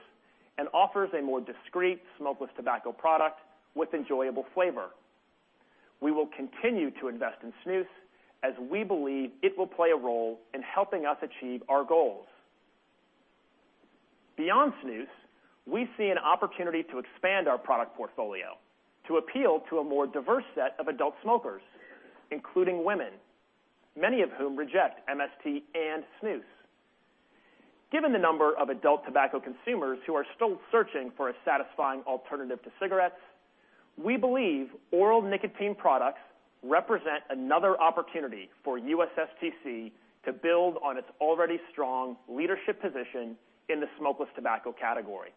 and offers a more discreet smokeless tobacco product with enjoyable flavor. We will continue to invest in snus as we believe it will play a role in helping us achieve our goals. Beyond snus, we see an opportunity to expand our product portfolio to appeal to a more diverse set of adult smokers, including women, many of whom reject MST and snus. Given the number of adult tobacco consumers who are still searching for a satisfying alternative to cigarettes, we believe oral nicotine products represent another opportunity for USSTC to build on its already strong leadership position in the smokeless tobacco category.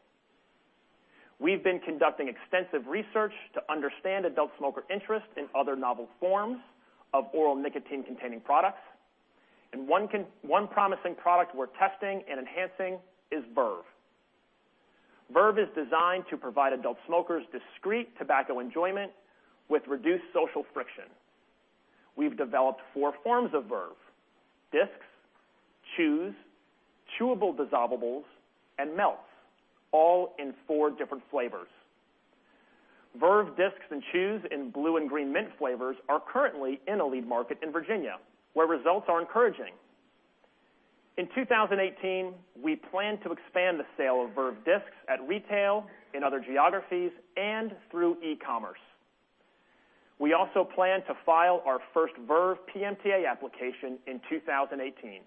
We've been conducting extensive research to understand adult smoker interest in other novel forms of oral nicotine-containing products, and one promising product we're testing and enhancing is Verve. Verve is designed to provide adult smokers discreet tobacco enjoyment with reduced social friction. We've developed four forms of Verve: discs, chews, chewable dissolvables, and melts, all in four different flavors. Verve discs and chews in blue and green mint flavors are currently in a lead market in Virginia, where results are encouraging. In 2018, we plan to expand the sale of Verve discs at retail, in other geographies, and through e-commerce. We also plan to file our first Verve PMTA application in 2018.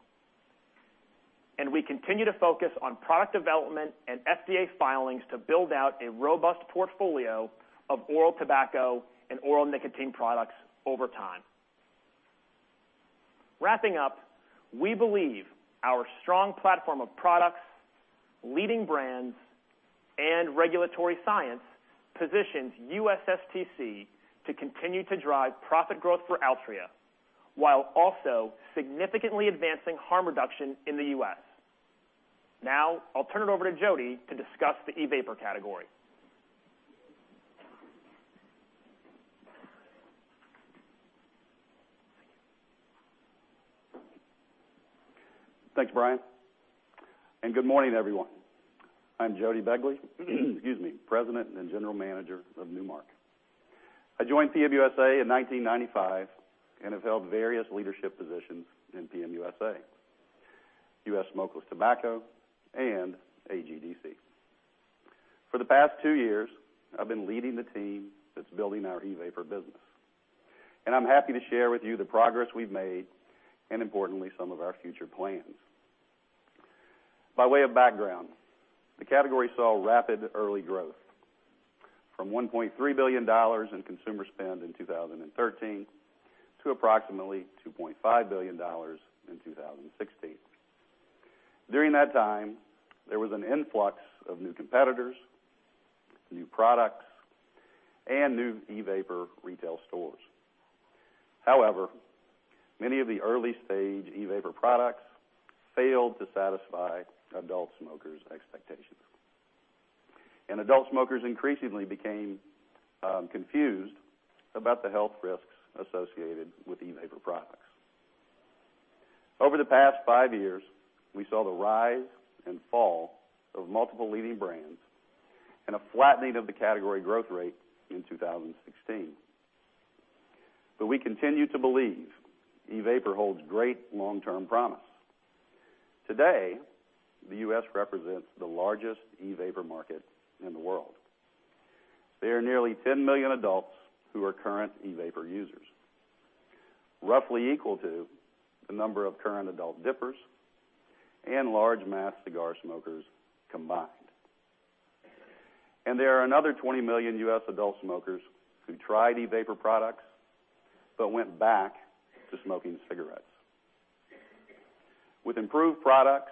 We continue to focus on product development and FDA filings to build out a robust portfolio of oral tobacco and oral nicotine products over time. Wrapping up, we believe our strong platform of products, leading brands, and regulatory science positions USSTC to continue to drive profit growth for Altria while also significantly advancing harm reduction in the U.S. I'll turn it over to Jody to discuss the e-vapor category. Thanks, Brian. Good morning, everyone. I'm Jody Begley, excuse me, President and General Manager of Nu Mark. I joined PM USA in 1995 and have held various leadership positions in PM USA, U.S. Smokeless Tobacco, and AGDC. For the past two years, I've been leading the team that's building our e-vapor business. I'm happy to share with you the progress we've made, importantly, some of our future plans. By way of background, the category saw rapid early growth from $1.3 billion in consumer spend in 2013 to approximately $2.5 billion in 2016. During that time, there was an influx of new competitors, new products, and new e-vapor retail stores. However, many of the early-stage e-vapor products failed to satisfy adult smokers' expectations. Adult smokers increasingly became confused about the health risks associated with e-vapor products. Over the past five years, we saw the rise and fall of multiple leading brands, a flattening of the category growth rate in 2016. We continue to believe e-vapor holds great long-term promise. Today, the U.S. represents the largest e-vapor market in the world. There are nearly 10 million adults who are current e-vapor users, roughly equal to the number of current adult dippers and large mass cigar smokers combined. There are another 20 million U.S. adult smokers who tried e-vapor products but went back to smoking cigarettes. With improved products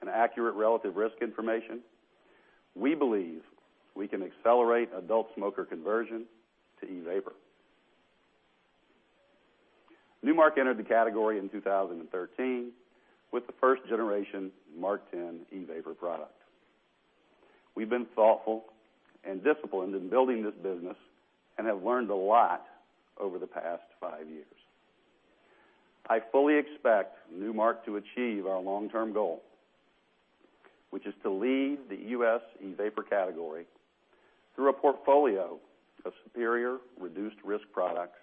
and accurate relative risk information, we believe we can accelerate adult smoker conversion to e-vapor. Nu Mark entered the category in 2013 with the first generation MarkTen e-vapor product. We've been thoughtful and disciplined in building this business, have learned a lot over the past five years. I fully expect Nu Mark to achieve our long-term goal, which is to lead the U.S. e-vapor category through a portfolio of superior reduced risk products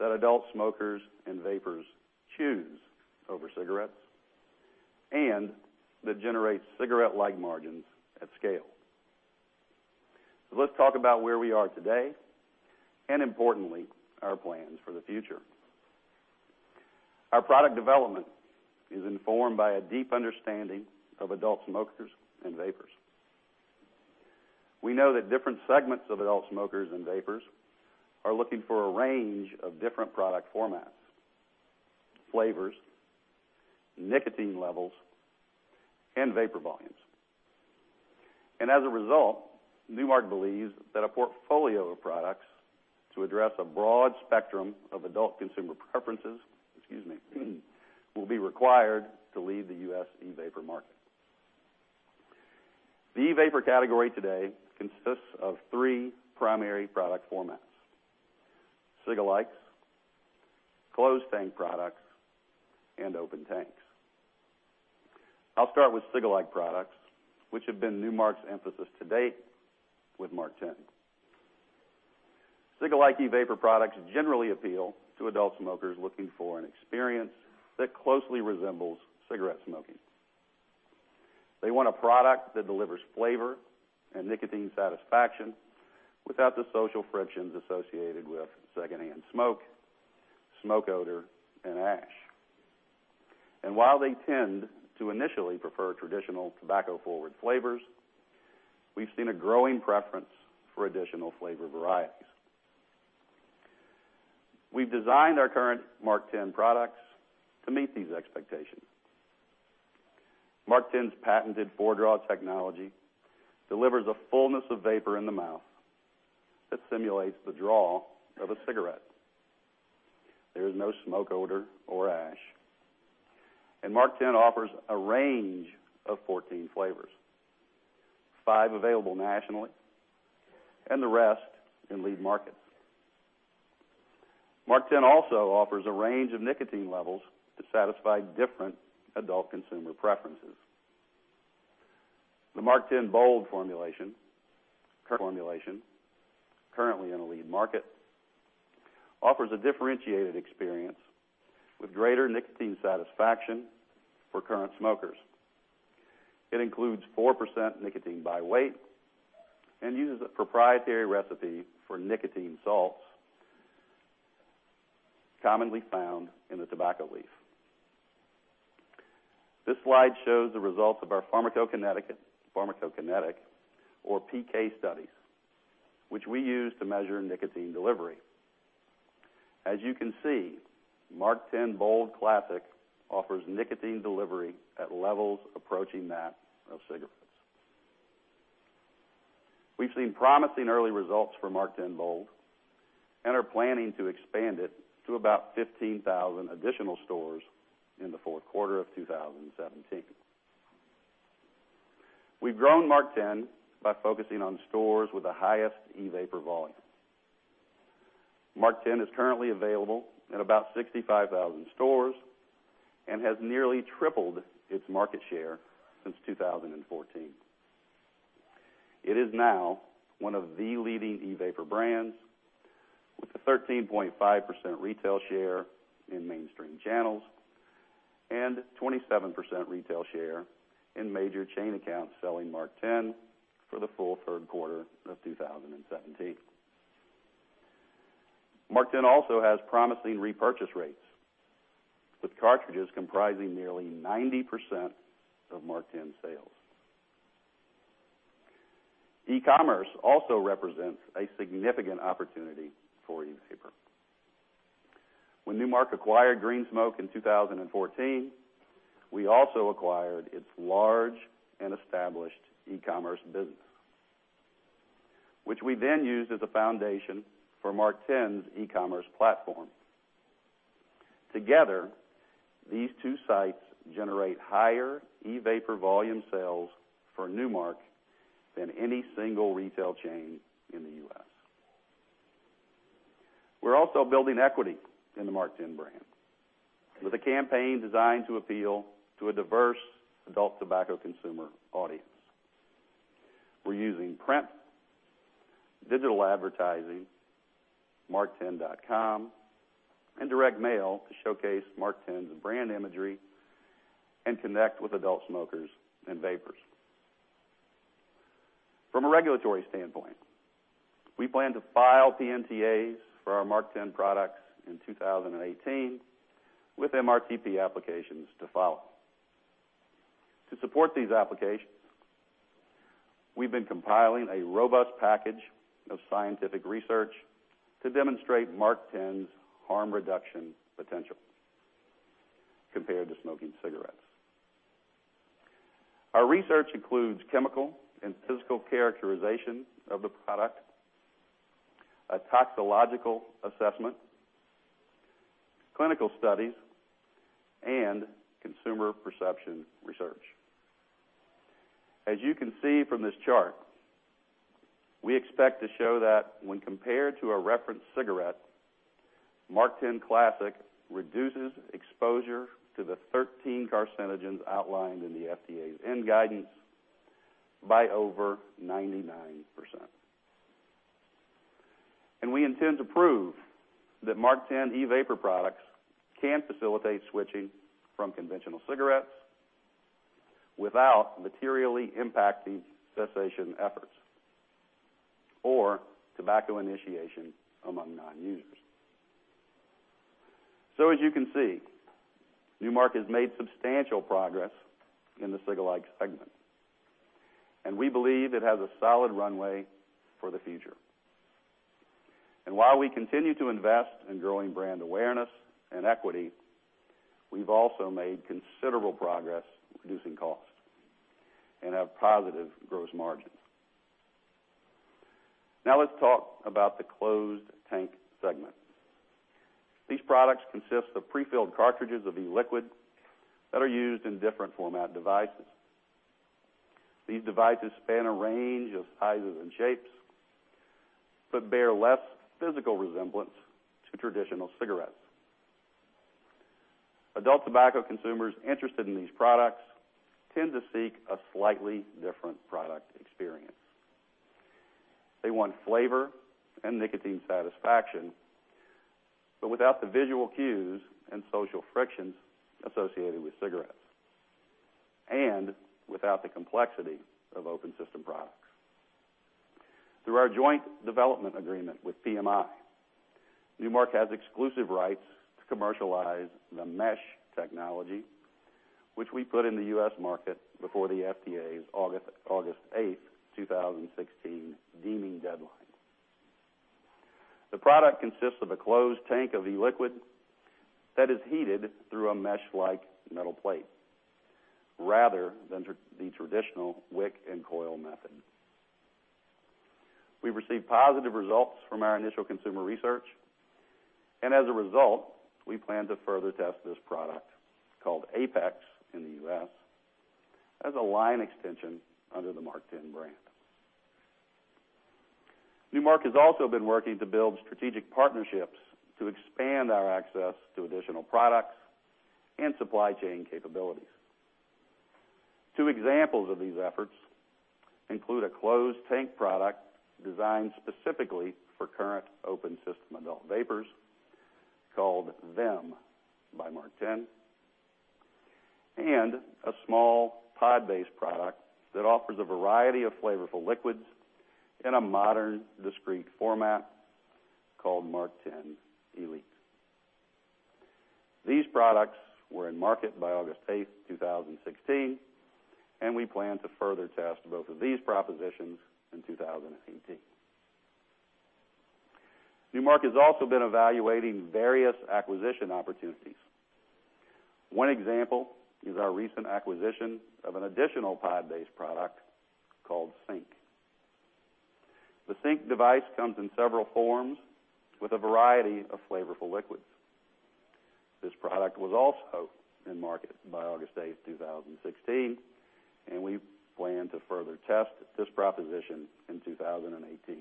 That adult smokers and vapers choose over cigarettes, that generates cigarette-like margins at scale. Let's talk about where we are today, importantly, our plans for the future. Our product development is informed by a deep understanding of adult smokers and vapers. We know that different segments of adult smokers and vapers are looking for a range of different product formats, flavors, nicotine levels, and vapor volumes. As a result, Nu Mark believes that a portfolio of products to address a broad spectrum of adult consumer preferences, excuse me, will be required to lead the U.S. e-vapor market. The e-vapor category today consists of three primary product formats: cigalikes, closed tank products, and open tanks. I'll start with cigalike products, which have been Nu Mark's emphasis to date with MarkTen. Cigalike e-vapor products generally appeal to adult smokers looking for an experience that closely resembles cigarette smoking. They want a product that delivers flavor and nicotine satisfaction without the social frictions associated with secondhand smoke odor, and ash. While they tend to initially prefer traditional tobacco-forward flavors, we've seen a growing preference for additional flavor varieties. We've designed our current MarkTen products to meet these expectations. MarkTen's patented four-draw technology delivers a fullness of vapor in the mouth that simulates the draw of a cigarette. There is no smoke odor or ash. MarkTen offers a range of 14 flavors. Five available nationally, and the rest in lead markets. MarkTen also offers a range of nicotine levels to satisfy different adult consumer preferences. The MarkTen Bold formulation, currently in a lead market, offers a differentiated experience with greater nicotine satisfaction for current smokers. It includes 4% nicotine by weight and uses a proprietary recipe for nicotine salts commonly found in the tobacco leaf. This slide shows the results of our pharmacokinetic or PK studies, which we use to measure nicotine delivery. As you can see, MarkTen Bold Classic offers nicotine delivery at levels approaching that of cigarettes. We've seen promising early results for MarkTen Bold and are planning to expand it to about 15,000 additional stores in the fourth quarter of 2017. We've grown MarkTen by focusing on stores with the highest e-vapor volume. MarkTen is currently available in about 65,000 stores and has nearly tripled its market share since 2014. It is now one of the leading e-vapor brands, with a 13.5% retail share in mainstream channels and 27% retail share in major chain accounts selling MarkTen for the full third quarter of 2017. MarkTen also has promising repurchase rates, with cartridges comprising nearly 90% of MarkTen sales. E-commerce also represents a significant opportunity for e-vapor. When Nu Mark acquired Green Smoke in 2014, we also acquired its large and established e-commerce business, which we then used as a foundation for MarkTen's e-commerce platform. Together, these two sites generate higher e-vapor volume sales for Nu Mark than any single retail chain in the U.S. We're also building equity in the MarkTen brand with a campaign designed to appeal to a diverse adult tobacco consumer audience. We're using print, digital advertising, markten.com, and direct mail to showcase MarkTen's brand imagery and connect with adult smokers and vapers. From a regulatory standpoint, we plan to file PMTAs for our MarkTen products in 2018, with MRTP applications to follow. To support these applications, we've been compiling a robust package of scientific research to demonstrate MarkTen's harm reduction potential compared to smoking cigarettes. Our research includes chemical and physical characterization of the product, a toxicological assessment, clinical studies, and consumer perception research. As you can see from this chart, we expect to show that when compared to a reference cigarette, MarkTen Classic reduces exposure to the 13 carcinogens outlined in the FDA's ENDS guidance- By over 99%. We intend to prove that MarkTen e-vapor products can facilitate switching from conventional cigarettes without materially impacting cessation efforts or tobacco initiation among non-users. As you can see, Nu Mark has made substantial progress in the cigalike segment, and we believe it has a solid runway for the future. While we continue to invest in growing brand awareness and equity, we've also made considerable progress in reducing costs and have positive gross margins. Let's talk about the closed tank segment. These products consist of prefilled cartridges of e-liquid that are used in different format devices. These devices span a range of sizes and shapes, but bear less physical resemblance to traditional cigarettes. Adult tobacco consumers interested in these products tend to seek a slightly different product experience. They want flavor and nicotine satisfaction, but without the visual cues and social frictions associated with cigarettes, and without the complexity of open-system products. Through our joint development agreement with PMI, Nu Mark has exclusive rights to commercialize the mesh technology, which we put in the U.S. market before the FDA's August 8th, 2016 deeming deadline. The product consists of a closed tank of e-liquid that is heated through a mesh-like metal plate rather than the traditional wick and coil method. We've received positive results from our initial consumer research. As a result, we plan to further test this product, called Apex in the U.S., as a line extension under the MarkTen brand. Nu Mark has also been working to build strategic partnerships to expand our access to additional products and supply chain capabilities. Two examples of these efforts include a closed-tank product designed specifically for current open-system adult vapers called VIM by MarkTen, and a small pod-based product that offers a variety of flavorful liquids in a modern, discreet format called MarkTen Elite. These products were in market by August 8th, 2016, and we plan to further test both of these propositions in 2018. Nu Mark has also been evaluating various acquisition opportunities. One example is our recent acquisition of an additional pod-based product called Sync. The Sync device comes in several forms with a variety of flavorful liquids. This product was also in market by August 8th, 2016, and we plan to further test this proposition in 2018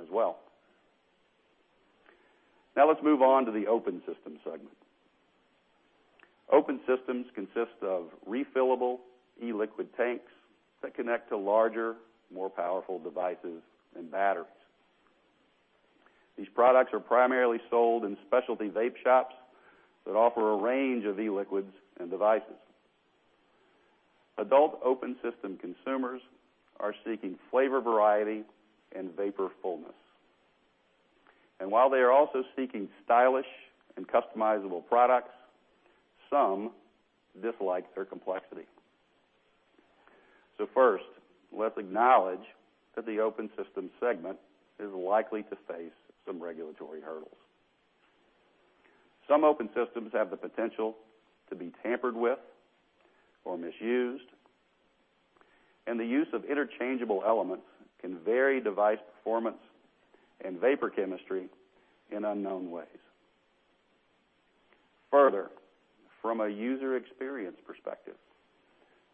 as well. Let's move on to the open-system segment. Open systems consist of refillable e-liquid tanks that connect to larger, more powerful devices and batteries. These products are primarily sold in specialty vape shops that offer a range of e-liquids and devices. Adult open-system consumers are seeking flavor variety and vapor fullness. While they are also seeking stylish and customizable products, some dislike their complexity. First, let's acknowledge that the open-system segment is likely to face some regulatory hurdles. Some open systems have the potential to be tampered with or misused, and the use of interchangeable elements can vary device performance and vapor chemistry in unknown ways. Further, from a user experience perspective,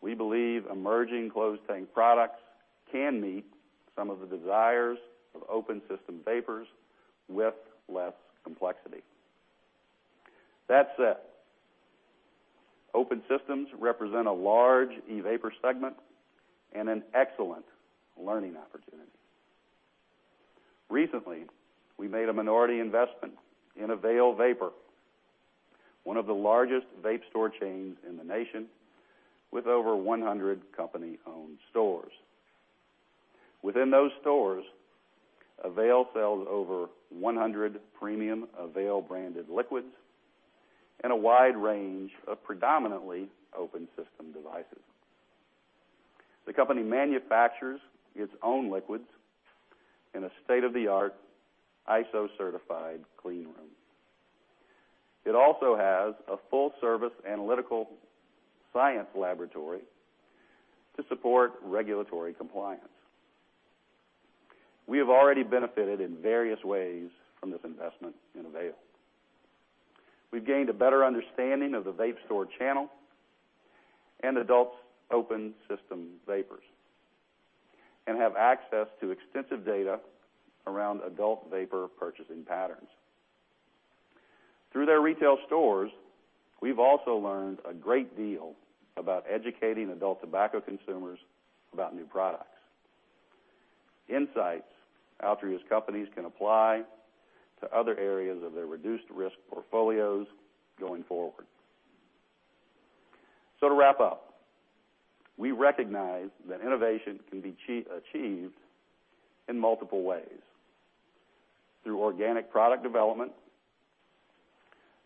we believe emerging closed-tank products can meet some of the desires of open-system vapers with less complexity. That said, open systems represent a large e-vapor segment and an excellent learning opportunity. Recently, we made a minority investment in Avail Vapor, one of the largest vape store chains in the nation, with over 100 company-owned stores. Within those stores, Avail sells over 100 premium Avail-branded liquids and a wide range of predominantly open-system devices. The company manufactures its own liquids in a state-of-the-art ISO-certified clean room. It also has a full-service analytical science laboratory to support regulatory compliance. We have already benefited in various ways from this investment in Avail. We've gained a better understanding of the vape store channel and adult open-system vapers and have access to extensive data around adult vapor purchasing patterns. Through their retail stores, we've also learned a great deal about educating adult tobacco consumers about new products. Insights Altria's companies can apply to other areas of their reduced risk portfolios going forward. To wrap up, we recognize that innovation can be achieved in multiple ways: through organic product development,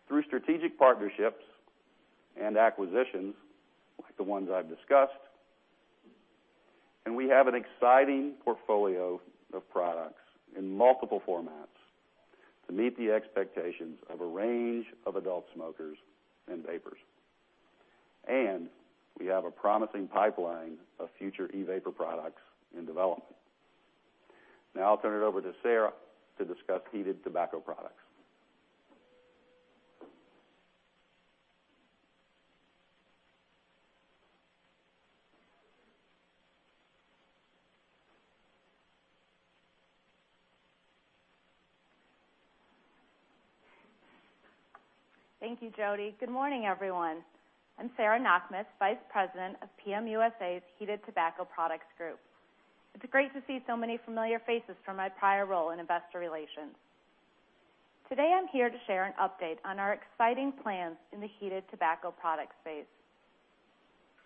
through strategic partnerships and acquisitions like the ones I've discussed, and we have an exciting portfolio of products in multiple formats to meet the expectations of a range of adult smokers and vapers. We have a promising pipeline of future e-vapor products in development. Now I'll turn it over to Sarah to discuss heated tobacco products. Thank you, Jody. Good morning, everyone. I'm Sarah Knakmuhs, Vice President of PM USA's Heated Tobacco Products Group. It's great to see so many familiar faces from my prior role in investor relations. Today, I'm here to share an update on our exciting plans in the heated tobacco product space.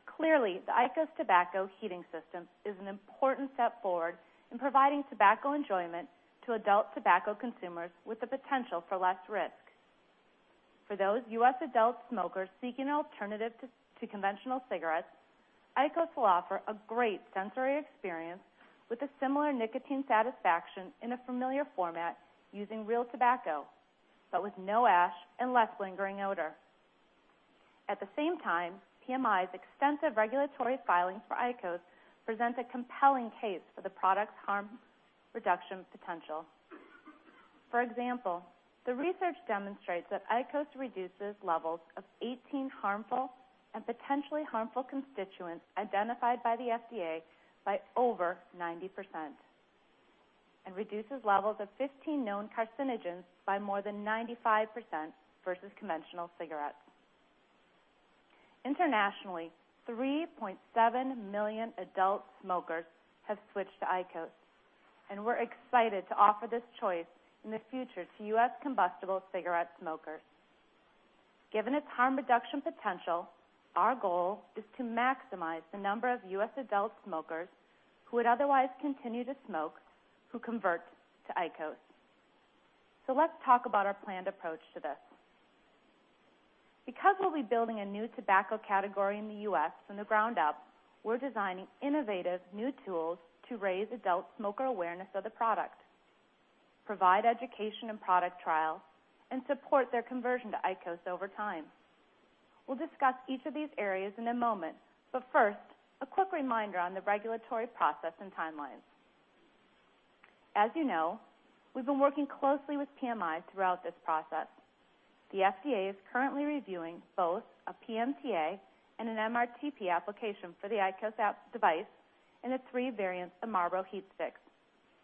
Clearly, the IQOS tobacco heating system is an important step forward in providing tobacco enjoyment to adult tobacco consumers with the potential for less risk. For those U.S. adult smokers seeking an alternative to conventional cigarettes, IQOS will offer a great sensory experience with a similar nicotine satisfaction in a familiar format using real tobacco, but with no ash and less lingering odor. At the same time, PMI's extensive regulatory filings for IQOS present a compelling case for the product's harm reduction potential. For example, the research demonstrates that IQOS reduces levels of 18 harmful and potentially harmful constituents identified by the FDA by over 90% and reduces levels of 15 known carcinogens by more than 95% versus conventional cigarettes. Internationally, 3.7 million adult smokers have switched to IQOS, and we're excited to offer this choice in the future to U.S. combustible cigarette smokers. Given its harm reduction potential, our goal is to maximize the number of U.S. adult smokers who would otherwise continue to smoke, who convert to IQOS. Let's talk about our planned approach to this. Because we'll be building a new tobacco category in the U.S. from the ground up, we're designing innovative new tools to raise adult smoker awareness of the product, provide education and product trial, and support their conversion to IQOS over time. We'll discuss each of these areas in a moment. First, a quick reminder on the regulatory process and timelines. As you know, we've been working closely with PMI throughout this process. The FDA is currently reviewing both a PMTA and an MRTP application for the IQOS device and the three variants of Marlboro HeatSticks,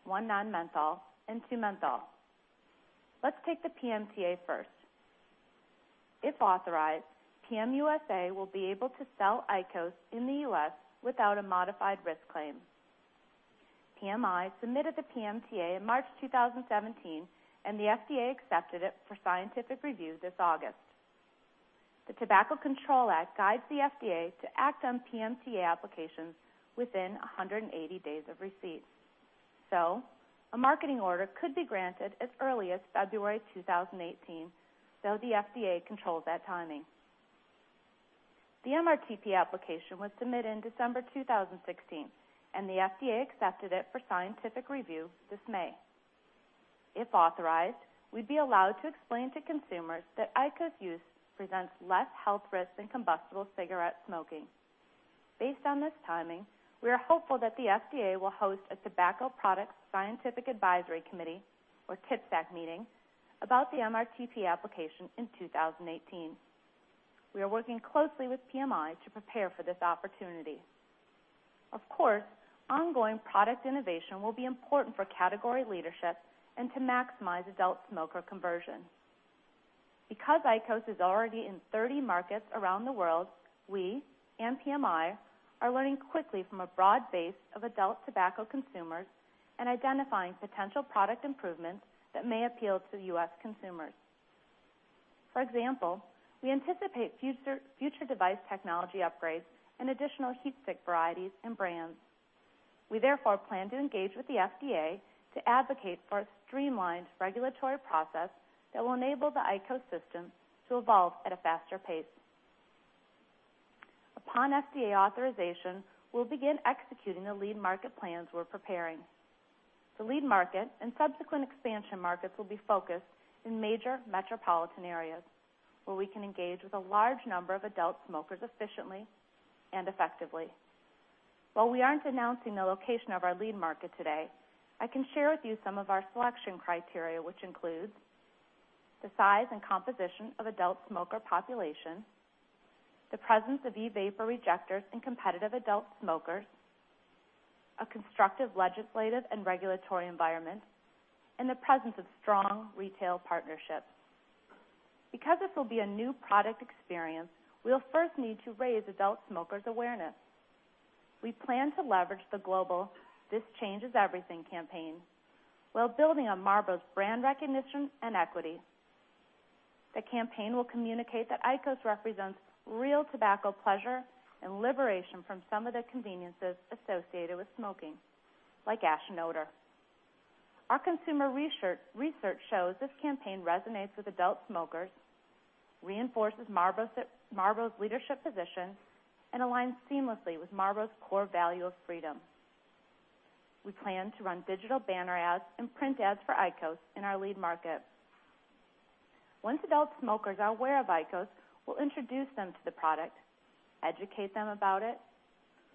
one non-menthol and two menthol. Let's take the PMTA first. If authorized, PM USA will be able to sell IQOS in the U.S. without a modified risk claim. PMI submitted the PMTA in March 2017, and the FDA accepted it for scientific review this August. The Tobacco Control Act guides the FDA to act on PMTA applications within 180 days of receipt. A marketing order could be granted as early as February 2018, though the FDA controls that timing. The MRTP application was submitted in December 2016, and the FDA accepted it for scientific review this May. If authorized, we'd be allowed to explain to consumers that IQOS use presents less health risk than combustible cigarette smoking. Based on this timing, we are hopeful that the FDA will host a Tobacco Products Scientific Advisory Committee, or TPSAC, meeting about the MRTP application in 2018. We are working closely with PMI to prepare for this opportunity. Of course, ongoing product innovation will be important for category leadership and to maximize adult smoker conversion. Because IQOS is already in 30 markets around the world, we and PMI are learning quickly from a broad base of adult tobacco consumers and identifying potential product improvements that may appeal to U.S. consumers. For example, we anticipate future device technology upgrades and additional HeatSticks varieties and brands. We therefore plan to engage with the FDA to advocate for a streamlined regulatory process that will enable the IQOS system to evolve at a faster pace. Upon FDA authorization, we'll begin executing the lead market plans we're preparing. The lead market and subsequent expansion markets will be focused in major metropolitan areas where we can engage with a large number of adult smokers efficiently and effectively. While we aren't announcing the location of our lead market today, I can share with you some of our selection criteria, which includes the size and composition of adult smoker population, the presence of e-vapor rejecters and competitive adult smokers. A constructive legislative and regulatory environment, and the presence of strong retail partnerships. Because this will be a new product experience, we'll first need to raise adult smokers' awareness. We plan to leverage the global This Changes Everything campaign, while building on Marlboro's brand recognition and equity. The campaign will communicate that IQOS represents real tobacco pleasure and liberation from some of the inconveniences associated with smoking, like ash and odor. Our consumer research shows this campaign resonates with adult smokers, reinforces Marlboro's leadership position, and aligns seamlessly with Marlboro's core value of freedom. We plan to run digital banner ads and print ads for IQOS in our lead market. Once adult smokers are aware of IQOS, we'll introduce them to the product, educate them about it,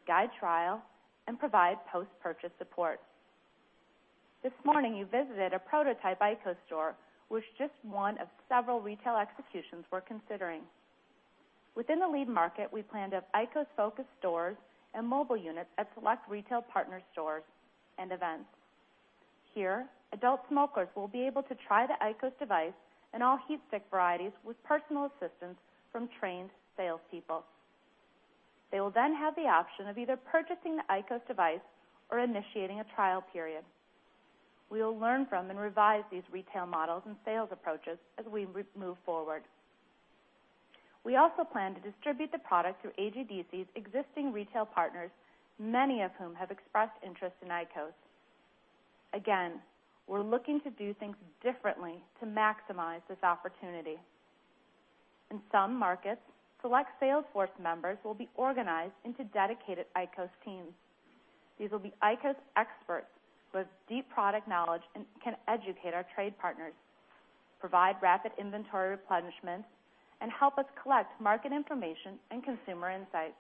guide trial, and provide post-purchase support. This morning, you visited a prototype IQOS store, which is just one of several retail executions we're considering. Within the lead market, we plan to have IQOS-focused stores and mobile units at select retail partner stores and events. Here, adult smokers will be able to try the IQOS device and all HeatStick varieties with personal assistance from trained salespeople. They will then have the option of either purchasing the IQOS device or initiating a trial period. We will learn from and revise these retail models and sales approaches as we move forward. We also plan to distribute the product through AGDC's existing retail partners, many of whom have expressed interest in IQOS. Again, we're looking to do things differently to maximize this opportunity. In some markets, select sales force members will be organized into dedicated IQOS teams. These will be IQOS experts with deep product knowledge and can educate our trade partners, provide rapid inventory replenishment, and help us collect market information and consumer insights.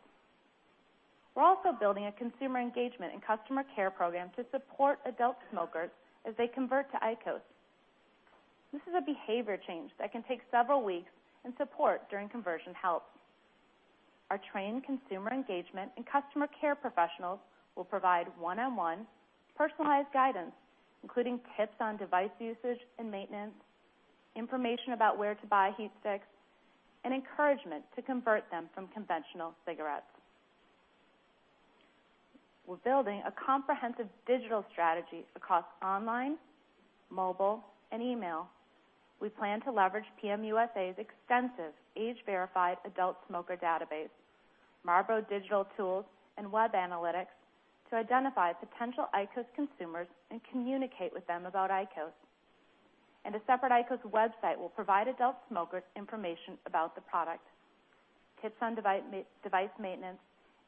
We're also building a consumer engagement and customer care program to support adult smokers as they convert to IQOS. This is a behavior change that can take several weeks, and support during conversion helps. Our trained consumer engagement and customer care professionals will provide one-on-one personalized guidance, including tips on device usage and maintenance, information about where to buy HeatSticks, and encouragement to convert them from conventional cigarettes. We're building a comprehensive digital strategy across online, mobile, and email. We plan to leverage PM USA's extensive age-verified adult smoker database, Marlboro digital tools, and web analytics to identify potential IQOS consumers and communicate with them about IQOS. A separate IQOS website will provide adult smokers information about the product, tips on device maintenance,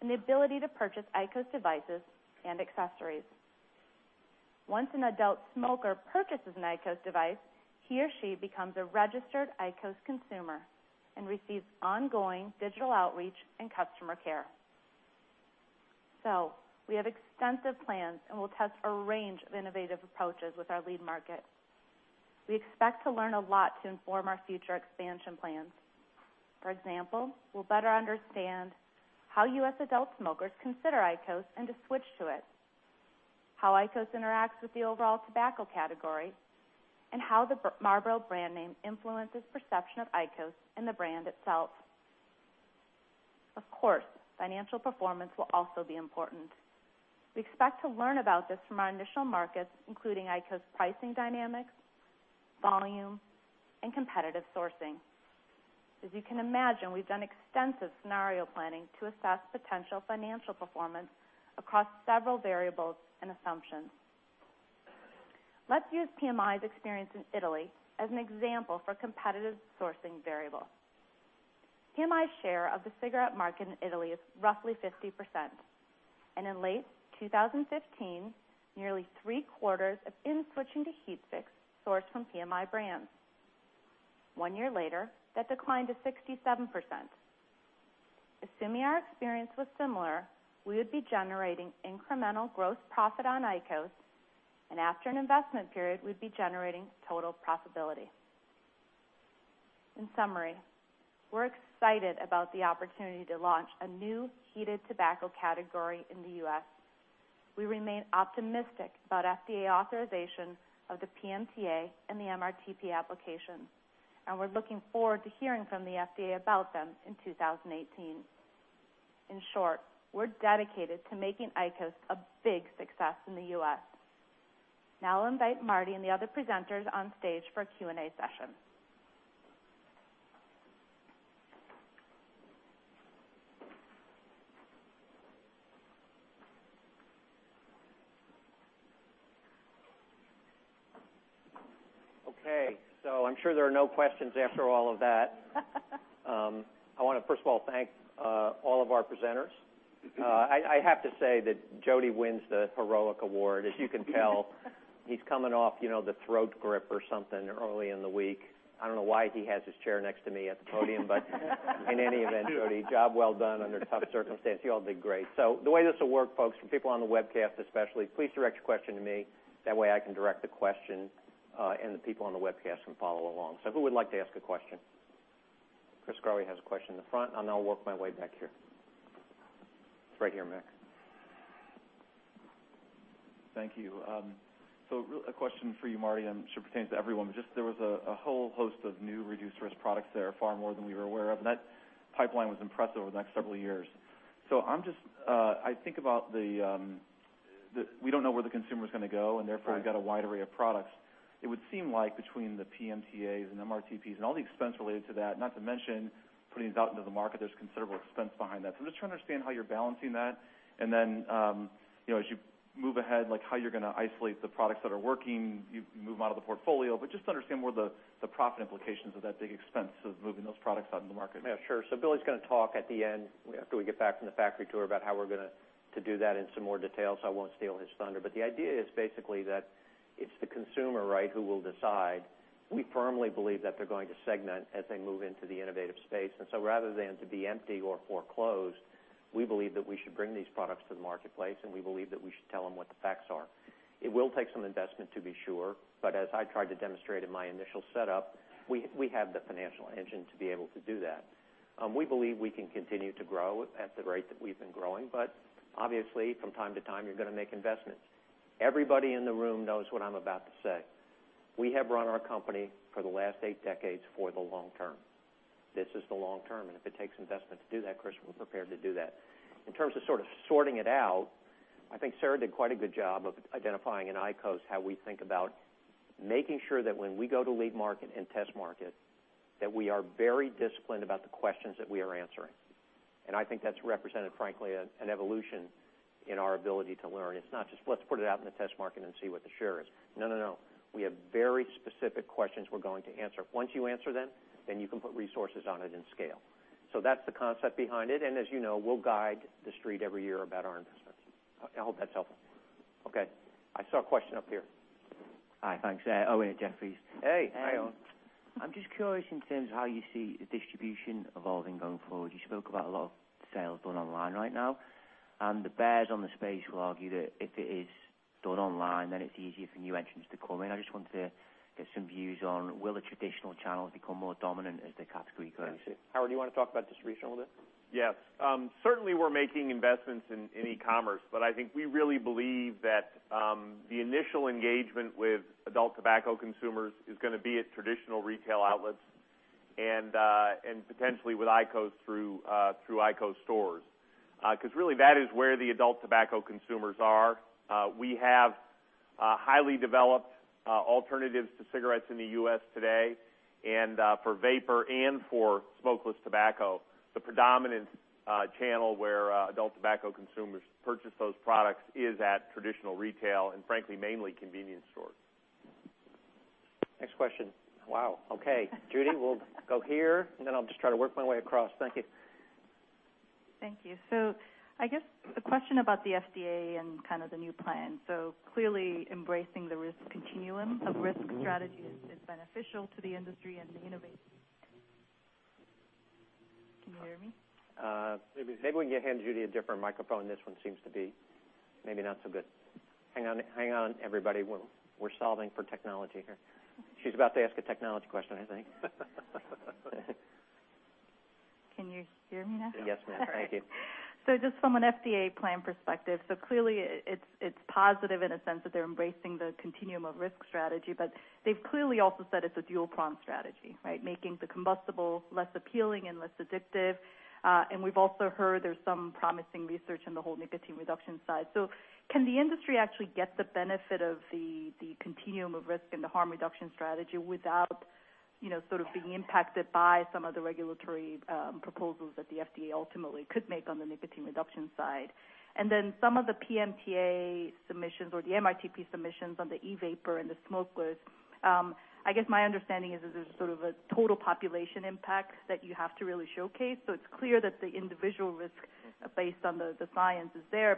and the ability to purchase IQOS devices and accessories. Once an adult smoker purchases an IQOS device, he or she becomes a registered IQOS consumer and receives ongoing digital outreach and customer care. We have extensive plans, and we'll test a range of innovative approaches with our lead market. We expect to learn a lot to inform our future expansion plans. For example, we'll better understand how U.S. adult smokers consider IQOS and to switch to it, how IQOS interacts with the overall tobacco category, and how the Marlboro brand name influences perception of IQOS and the brand itself. Of course, financial performance will also be important. We expect to learn about this from our initial markets, including IQOS pricing dynamics, volume, and competitive sourcing. As you can imagine, we've done extensive scenario planning to assess potential financial performance across several variables and assumptions. Let's use PMI's experience in Italy as an example for competitive sourcing variable. PMI's share of the cigarette market in Italy is roughly 50%, and in late 2015, nearly three-quarters of in-switchers switching to HeatSticks sourced from PMI brands. One year later, that declined to 67%. Assuming our experience was similar, we would be generating incremental gross profit on IQOS, and after an investment period, we'd be generating total profitability. In summary, we're excited about the opportunity to launch a new heated tobacco category in the U.S. We remain optimistic about FDA authorization of the PMTA and the MRTP applications, and we're looking forward to hearing from the FDA about them in 2018. In short, we're dedicated to making IQOS a big success in the U.S. I'll invite Marty and the other presenters on stage for a Q&A session. I'm sure there are no questions after all of that. I want to first of all thank all of our presenters. I have to say that Jody wins the heroic award. As you can tell, he's coming off the throat grip or something early in the week. I don't know why he has his chair next to me at the podium, but in any event, Jody, job well done under tough circumstances. You all did great. The way this will work, folks, for people on the webcast especially, please direct your question to me. That way, I can direct the question, and the people on the webcast can follow along. Who would like to ask a question? Chris Growe has a question in the front, and I'll work my way back here. Right here, Mick. Thank you. A question for you, Marty, and I'm sure it pertains to everyone. Just there was a whole host of new reduced-risk products there, far more than we were aware of, and that pipeline was impressive over the next several years. I think about the, we don't know where the consumer's going to go. Right we've got a wide array of products. It would seem like between the PMTAs and MRTPs and all the expense related to that, not to mention putting these out into the market, there's considerable expense behind that. I'm just trying to understand how you're balancing that, and then, as you move ahead, how you're going to isolate the products that are working, you can move them out of the portfolio. Just to understand more of the profit implications of that big expense of moving those products out into the market. Yeah, sure. Billy's going to talk at the end, after we get back from the factory tour, about how we're going to do that in some more detail, so I won't steal his thunder. The idea is basically that it's the consumer, right, who will decide. We firmly believe that they're going to segment as they move into the innovative space. Rather than to be empty or foreclosed, we believe that we should bring these products to the marketplace, and we believe that we should tell them what the facts are. It will take some investment to be sure, as I tried to demonstrate in my initial setup, we have the financial engine to be able to do that. We believe we can continue to grow at the rate that we've been growing. Obviously, from time to time, you're going to make investments. Everybody in the room knows what I'm about to say. We have run our company for the last eight decades for the long term. This is the long term, and if it takes investment to do that, Chris, we're prepared to do that. In terms of sort of sorting it out, I think Sarah did quite a good job of identifying in IQOS how we think about making sure that when we go to lead market and test market, that we are very disciplined about the questions that we are answering. I think that's represented, frankly, an evolution in our ability to learn. It's not just, let's put it out in the test market and see what the share is. No, no. We have very specific questions we're going to answer. Once you answer them, you can put resources on it and scale. That's the concept behind it. As you know, we'll guide the street every year about our investments. I hope that's helpful. Okay. I saw a question up here. Hi. Thanks. Owen at Jefferies. Hey, Owen. I'm just curious in terms of how you see the distribution evolving going forward. You spoke about a lot of sales done online right now. The bears on the space will argue that if it is done online, then it's easier for new entrants to come in. I just wanted to get some views on will the traditional channels become more dominant as the category grows? I see. Howard, do you want to talk about distribution a little bit? Yes. Certainly, we're making investments in e-commerce, but I think we really believe that the initial engagement with adult tobacco consumers is going to be at traditional retail outlets and potentially with IQOS through IQOS stores. Because really that is where the adult tobacco consumers are. We have highly developed alternatives to cigarettes in the U.S. today. For vapor and for smokeless tobacco, the predominant channel where adult tobacco consumers purchase those products is at traditional retail and frankly, mainly convenience stores. Next question. Wow. Okay. Judy, we'll go here, and then I'll just try to work my way across. Thank you. Thank you. I guess a question about the FDA and kind of the new plan. Clearly embracing the risk continuum of risk strategy is beneficial to the industry and the innovation. Can you hear me? Maybe we can hand Judy a different microphone. This one seems to be maybe not so good. Hang on, everybody. We're solving for technology here. She's about to ask a technology question, I think. Can you hear me now? Yes, ma'am. Thank you. Just from an FDA plan perspective, clearly it's positive in a sense that they're embracing the continuum of risk strategy, but they've clearly also said it's a dual-pronged strategy, right? Making the combustible less appealing and less addictive. We've also heard there's some promising research in the whole nicotine reduction side. Some of the PMTA submissions or the MRTP submissions on the e-vapor and the smokeless, I guess my understanding is there's a sort of a total population impact that you have to really showcase. It's clear that the individual risk based on the science is there.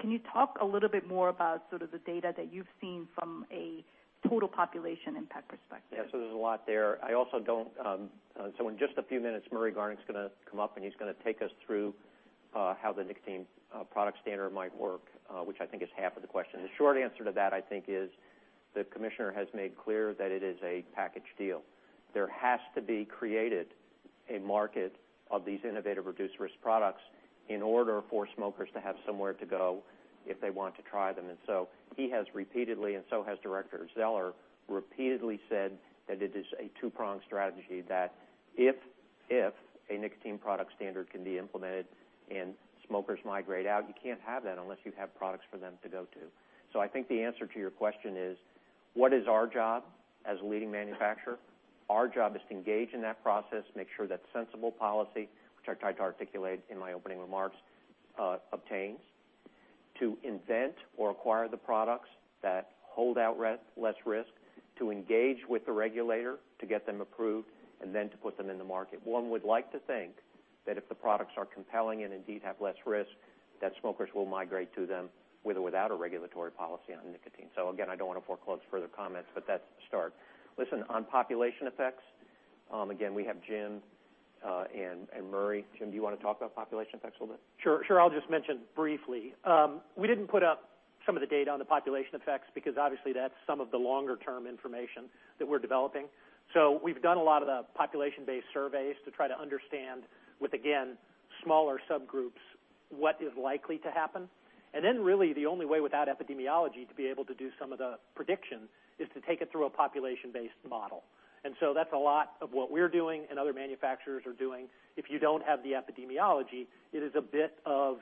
Can you talk a little bit more about sort of the data that you've seen from a total population impact perspective? Yeah. There's a lot there. In just a few minutes, Murray Garnick's going to come up, and he's going to take us through how the nicotine product standard might work, which I think is half of the question. The short answer to that, I think, is the commissioner has made clear that it is a package deal. There has to be created a market of these innovative reduced-risk products in order for smokers to have somewhere to go if they want to try them. He has repeatedly, and so has Director Zeller, repeatedly said that it is a two-pronged strategy, that if a nicotine product standard can be implemented and smokers migrate out, you can't have that unless you have products for them to go to. I think the answer to your question is, what is our job as a leading manufacturer? Our job is to engage in that process, make sure that sensible policy, which I tried to articulate in my opening remarks, obtains. To invent or acquire the products that hold out less risk. To engage with the regulator to get them approved, and then to put them in the market. One would like to think that if the products are compelling and indeed have less risk, that smokers will migrate to them with or without a regulatory policy on nicotine. Again, I don't want to foreclose further comments, that's a start. Listen, on population effects, again, we have Jim, and Murray. Jim, do you want to talk about population effects a little bit? Sure. I'll just mention briefly. We didn't put up Some of the data on the population effects, because obviously that's some of the longer-term information that we're developing. We've done a lot of the population-based surveys to try to understand with, again, smaller subgroups, what is likely to happen. Then really the only way without epidemiology to be able to do some of the prediction is to take it through a population-based model. That's a lot of what we're doing and other manufacturers are doing. If you don't have the epidemiology, it is a bit of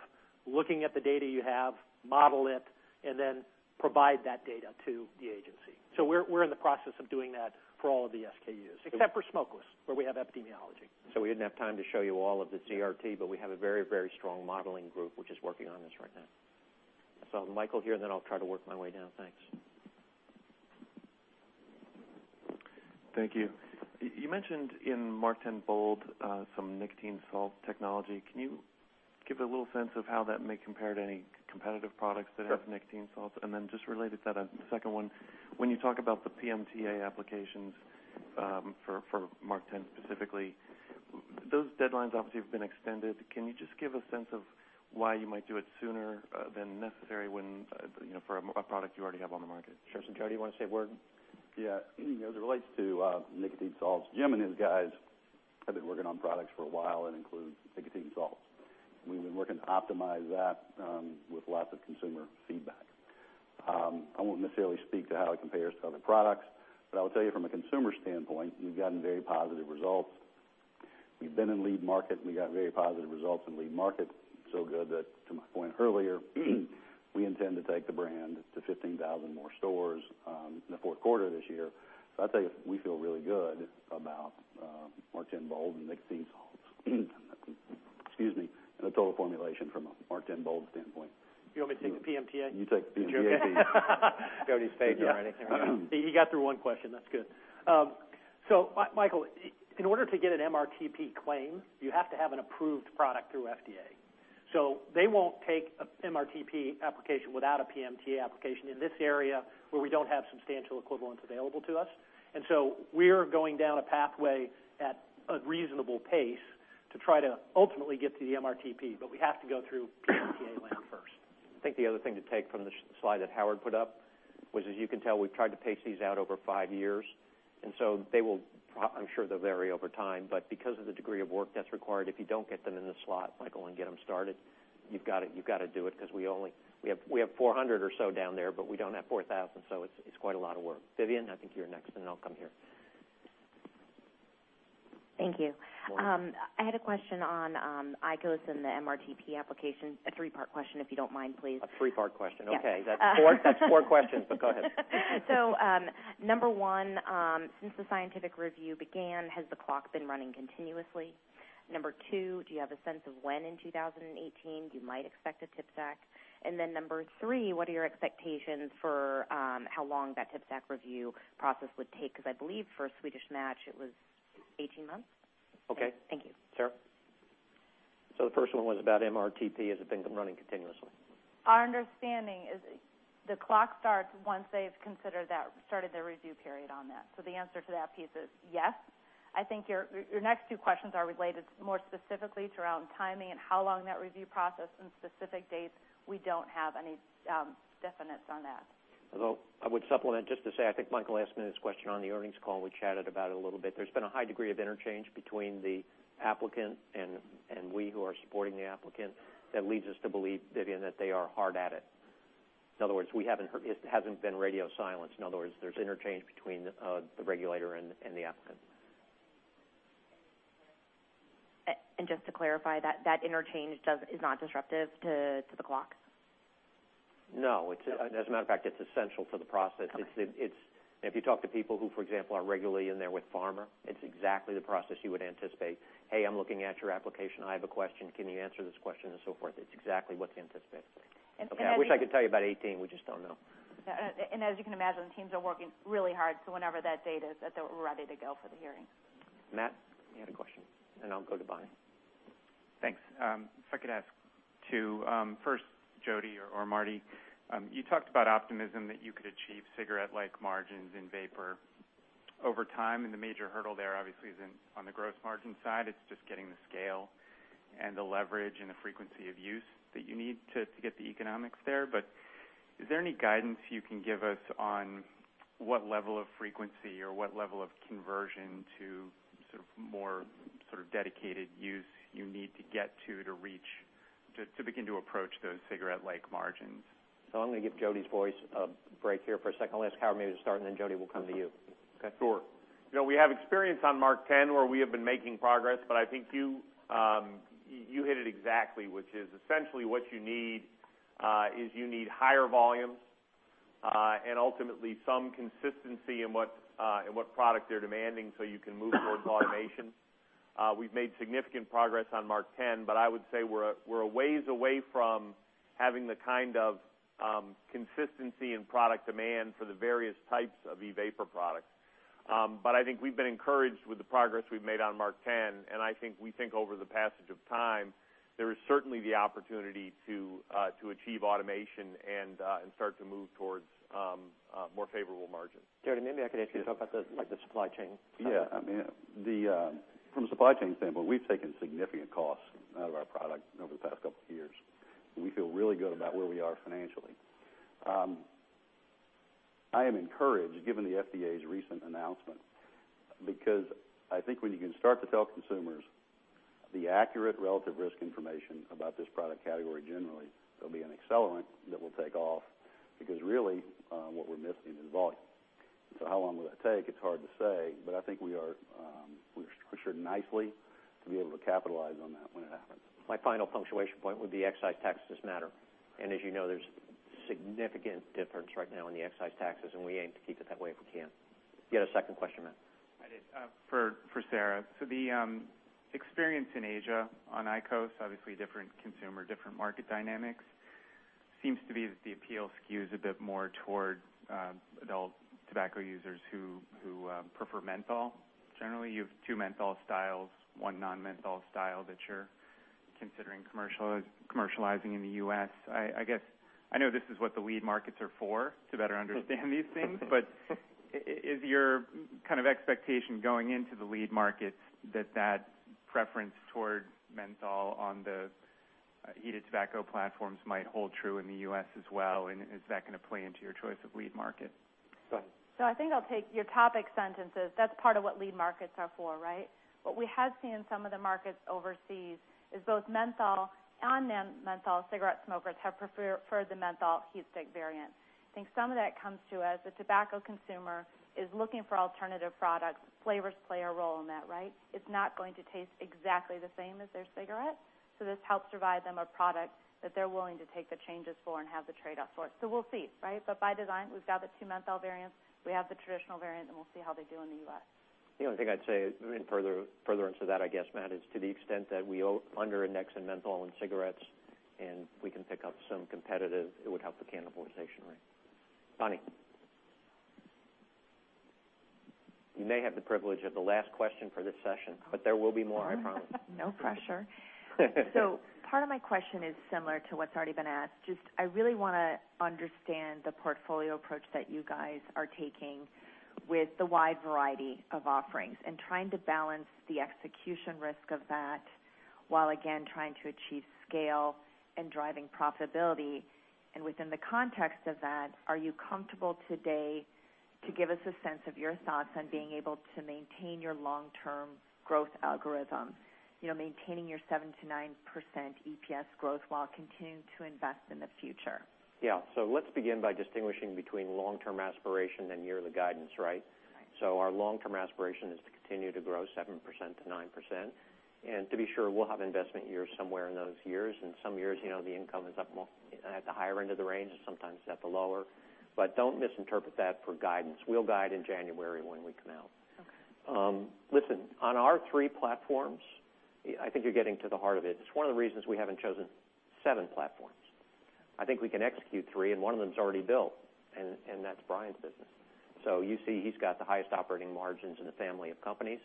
looking at the data you have, model it, and then provide that data to the agency. We're in the process of doing that for all of the SKUs, except for smokeless, where we have epidemiology. We didn't have time to show you all of the CRT, but we have a very strong modeling group, which is working on this right now. I saw Michael here, and then I'll try to work my way down. Thanks. Thank you. You mentioned in MarkTen Bold, some nicotine salt technology. Can you give a little sense of how that may compare to any competitive products that have nicotine salts? Sure. Just related to that, a second one. When you talk about the PMTA applications for MarkTen specifically, those deadlines obviously have been extended. Can you just give a sense of why you might do it sooner than necessary for a product you already have on the market? Sure. Jody, you want to say a word? Yeah. As it relates to nicotine salts, Jim and his guys have been working on products for a while that include nicotine salts. We've been working to optimize that with lots of consumer feedback. I won't necessarily speak to how it compares to other products, but I will tell you from a consumer standpoint, we've gotten very positive results. We've been in lead market, and we got very positive results in lead market. Good that, to my point earlier, we intend to take the brand to 15,000 more stores in the fourth quarter this year. I'd say we feel really good about MarkTen Bold and nicotine salts. Excuse me. And the total formulation from a MarkTen Bold standpoint. You want me to take the PMTA? You take the PMTA. Jody's favorite or anything. He got through one question. That's good. Michael, in order to get an MRTP claim, you have to have an approved product through FDA. They won't take an MRTP application without a PMTA application in this area where we don't have substantial equivalence available to us. We are going down a pathway at a reasonable pace to try to ultimately get to the MRTP, but we have to go through PMTA land first. I think the other thing to take from the slide that Howard put up was, as you can tell, we've tried to pace these out over 5 years, and so I'm sure they'll vary over time, but because of the degree of work that's required, if you don't get them in the slot, Michael, and get them started, you've got to do it because we have 400 or so down there, but we don't have 4,000, so it's quite a lot of work. Vivien, I think you're next, then I'll come here. Thank you. Lauren. I had a question on IQOS and the MRTP application. A three-part question, if you don't mind, please. A three-part question. Yes. Okay. That's four questions. Go ahead. Number 1, since the scientific review began, has the clock been running continuously? Number 2, do you have a sense of when in 2018 you might expect a TPSAC? Number 3, what are your expectations for how long that TPSAC review process would take? Because I believe for a Swedish Match, it was 18 months. Okay. Thank you. Sarah? The first one was about MRTP, has it been running continuously? Our understanding is the clock starts once they've started their review period on that. The answer to that piece is yes. I think your next two questions are related more specifically around timing and how long that review process and specific dates. We don't have any definites on that. I would supplement just to say, I think Michael asked me this question on the earnings call. We chatted about it a little bit. There's been a high degree of interchange between the applicant and we who are supporting the applicant. That leads us to believe, Vivien, that they are hard at it. In other words, it hasn't been radio silence. In other words, there's interchange between the regulator and the applicant. Just to clarify, that interchange is not disruptive to the clock? No. As a matter of fact, it's essential to the process. Okay. If you talk to people who, for example, are regularly in there with Pharma, it's exactly the process you would anticipate. "Hey, I'm looking at your application. I have a question. Can you answer this question?" and so forth. It's exactly what's anticipated. And as you- I wish I could tell you about 18. We just don't know. As you can imagine, the teams are working really hard, so whenever that date is, that they're ready to go for the hearing. Matt, you had a question. I'll go to Bonnie. Thanks. If I could ask two. First, Jody or Marty, you talked about optimism that you could achieve cigarette-like margins in vapor over time, and the major hurdle there obviously isn't on the gross margin side, it's just getting the scale and the leverage and the frequency of use that you need to get the economics there. Is there any guidance you can give us on what level of frequency or what level of conversion to more dedicated use you need to get to to begin to approach those cigarette-like margins? I'm going to give Jody's voice a break here for a second. I'll ask Howard maybe to start, and then Jody, we'll come to you. Okay? Sure. We have experience on MarkTen, where we have been making progress. I think you hit it exactly, which is essentially what you need is you need higher volumes and ultimately some consistency in what product they're demanding so you can move towards automation. We've made significant progress on MarkTen. I would say we're a ways away from having the kind of consistency in product demand for the various types of e-vapor products. I think we've been encouraged with the progress we've made on MarkTen, and I think we think over the passage of time, there is certainly the opportunity to achieve automation. Move towards more favorable margins. Jody, maybe I could ask you to talk about the supply chain. Yeah. From a supply chain standpoint, we've taken significant costs out of our product over the past couple of years, and we feel really good about where we are financially. I am encouraged, given the FDA's recent announcement, because I think when you can start to tell consumers the accurate relative risk information about this product category, generally, there'll be an accelerant that will take off, because really what we're missing is volume. How long will it take? It's hard to say. I think we are structured nicely to be able to capitalize on that when it happens. My final punctuation point would be excise taxes matter. As you know, there's significant difference right now in the excise taxes, and we aim to keep it that way if we can. You had a second question, Matt? I did. For Sarah. The experience in Asia on IQOS, obviously different consumer, different market dynamics, seems to be that the appeal skews a bit more toward adult tobacco users who prefer menthol. Generally, you have two menthol styles, one non-menthol style that you're considering commercializing in the U.S. I know this is what the lead markets are for, to better understand these things. Is your expectation going into the lead markets that that preference toward menthol on the heated tobacco platforms might hold true in the U.S. as well, and is that going to play into your choice of lead market? Go ahead. I think I'll take your topic sentences. That's part of what lead markets are for, right? What we have seen in some of the markets overseas is both menthol and non-menthol cigarette smokers have preferred the menthol HeatStick variant. I think some of that comes to as the tobacco consumer is looking for alternative products, flavors play a role in that, right? It's not going to taste exactly the same as their cigarette, so this helps provide them a product that they're willing to take the changes for and have the trade-off for. We'll see, right? By design, we've got the two menthol variants, we have the traditional variant, and we'll see how they do in the U.S. The only thing I'd say in furtherance of that, I guess, Matt, is to the extent that we under index in menthol and cigarettes, and if we can pick up some competitive, it would help the cannibalization rate. Bonnie. You may have the privilege of the last question for this session, there will be more, I promise. No pressure. Part of my question is similar to what's already been asked. Just, I really want to understand the portfolio approach that you guys are taking with the wide variety of offerings and trying to balance the execution risk of that, while again, trying to achieve scale and driving profitability. Within the context of that, are you comfortable today to give us a sense of your thoughts on being able to maintain your long-term growth algorithm? Maintaining your 7%-9% EPS growth while continuing to invest in the future. Let's begin by distinguishing between long-term aspiration and yearly guidance, right? Right. Our long-term aspiration is to continue to grow 7%-9%. To be sure, we'll have investment years somewhere in those years. In some years, the income is up at the higher end of the range, and sometimes it's at the lower. Don't misinterpret that for guidance. We'll guide in January when we come out. Okay. Listen, on our 3 platforms, I think you're getting to the heart of it. It's one of the reasons we haven't chosen 7 platforms. I think we can execute 3, and one of them is already built, and that's Brian's business. You see he's got the highest operating margins in the family of companies.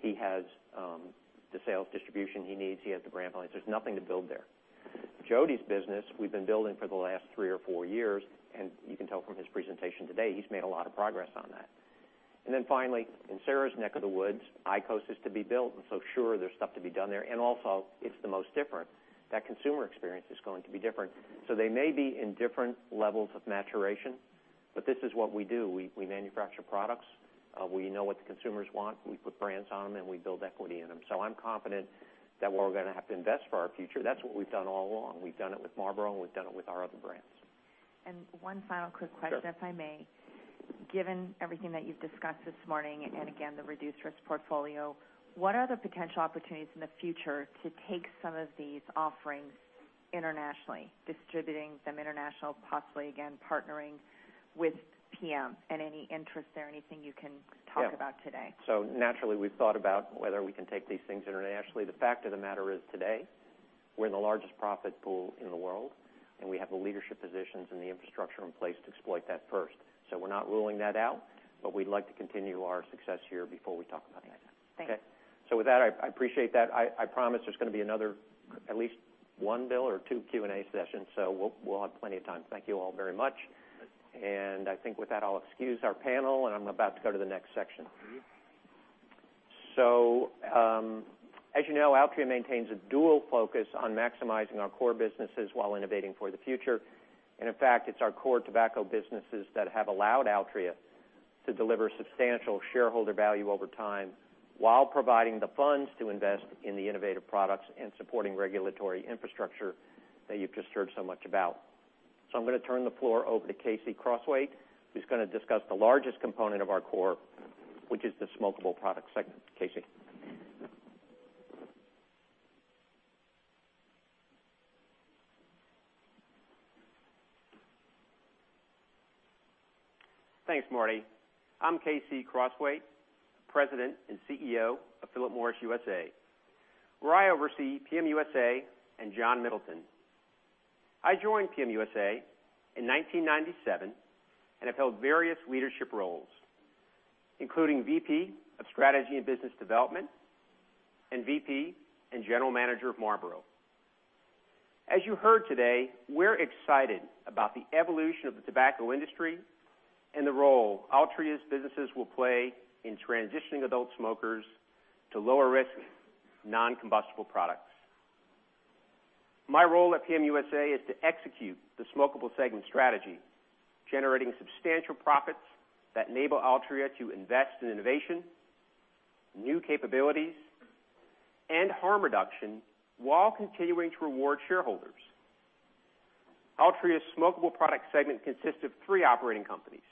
He has the sales distribution he needs. He has the brand alliance. There's nothing to build there. Jody's business, we've been building for the last three or four years, and you can tell from his presentation today, he's made a lot of progress on that. Then finally, in Sarah's neck of the woods, IQOS is to be built, so sure, there's stuff to be done there. Also, it's the most different. That consumer experience is going to be different. They may be in different levels of maturation, this is what we do. We manufacture products. We know what the consumers want. We put brands on them, and we build equity in them. I'm confident that we're going to have to invest for our future. That's what we've done all along. We've done it with Marlboro, we've done it with our other brands. one final quick question. Sure if I may. Given everything that you've discussed this morning, again, the reduced-risk portfolio, what are the potential opportunities in the future to take some of these offerings internationally, distributing them international, possibly, again, partnering with PMI? Any interest there, anything you can talk about today? Naturally, we've thought about whether we can take these things internationally. The fact of the matter is today, we're the largest profit pool in the world, and we have the leadership positions and the infrastructure in place to exploit that first. We're not ruling that out, but we'd like to continue our success here before we talk about anything. Thanks. With that, I appreciate that. I promise there's going to be another at least one, Bill, or two Q&A sessions. We'll have plenty of time. Thank you all very much. I think with that, I'll excuse our panel, and I'm about to go to the next section. As you know, Altria maintains a dual focus on maximizing our core businesses while innovating for the future. In fact, it's our core tobacco businesses that have allowed Altria to deliver substantial shareholder value over time while providing the funds to invest in the innovative products and supporting regulatory infrastructure that you've just heard so much about. I'm going to turn the floor over to K.C. Crosthwaite, who's going to discuss the largest component of our core, which is the smokable product segment. KC? Thanks, Marty. I'm K.C. Crosthwaite, President and CEO of Philip Morris USA, where I oversee PM USA and John Middleton. I joined PM USA in 1997 and have held various leadership roles. Including VP of Strategy and Business Development and VP and General Manager of Marlboro. As you heard today, we're excited about the evolution of the tobacco industry and the role Altria's businesses will play in transitioning adult smokers to lower risk, non-combustible products. My role at PM USA is to execute the smokable segment strategy, generating substantial profits that enable Altria to invest in innovation, new capabilities, and harm reduction while continuing to reward shareholders. Altria's smokable product segment consists of three operating companies,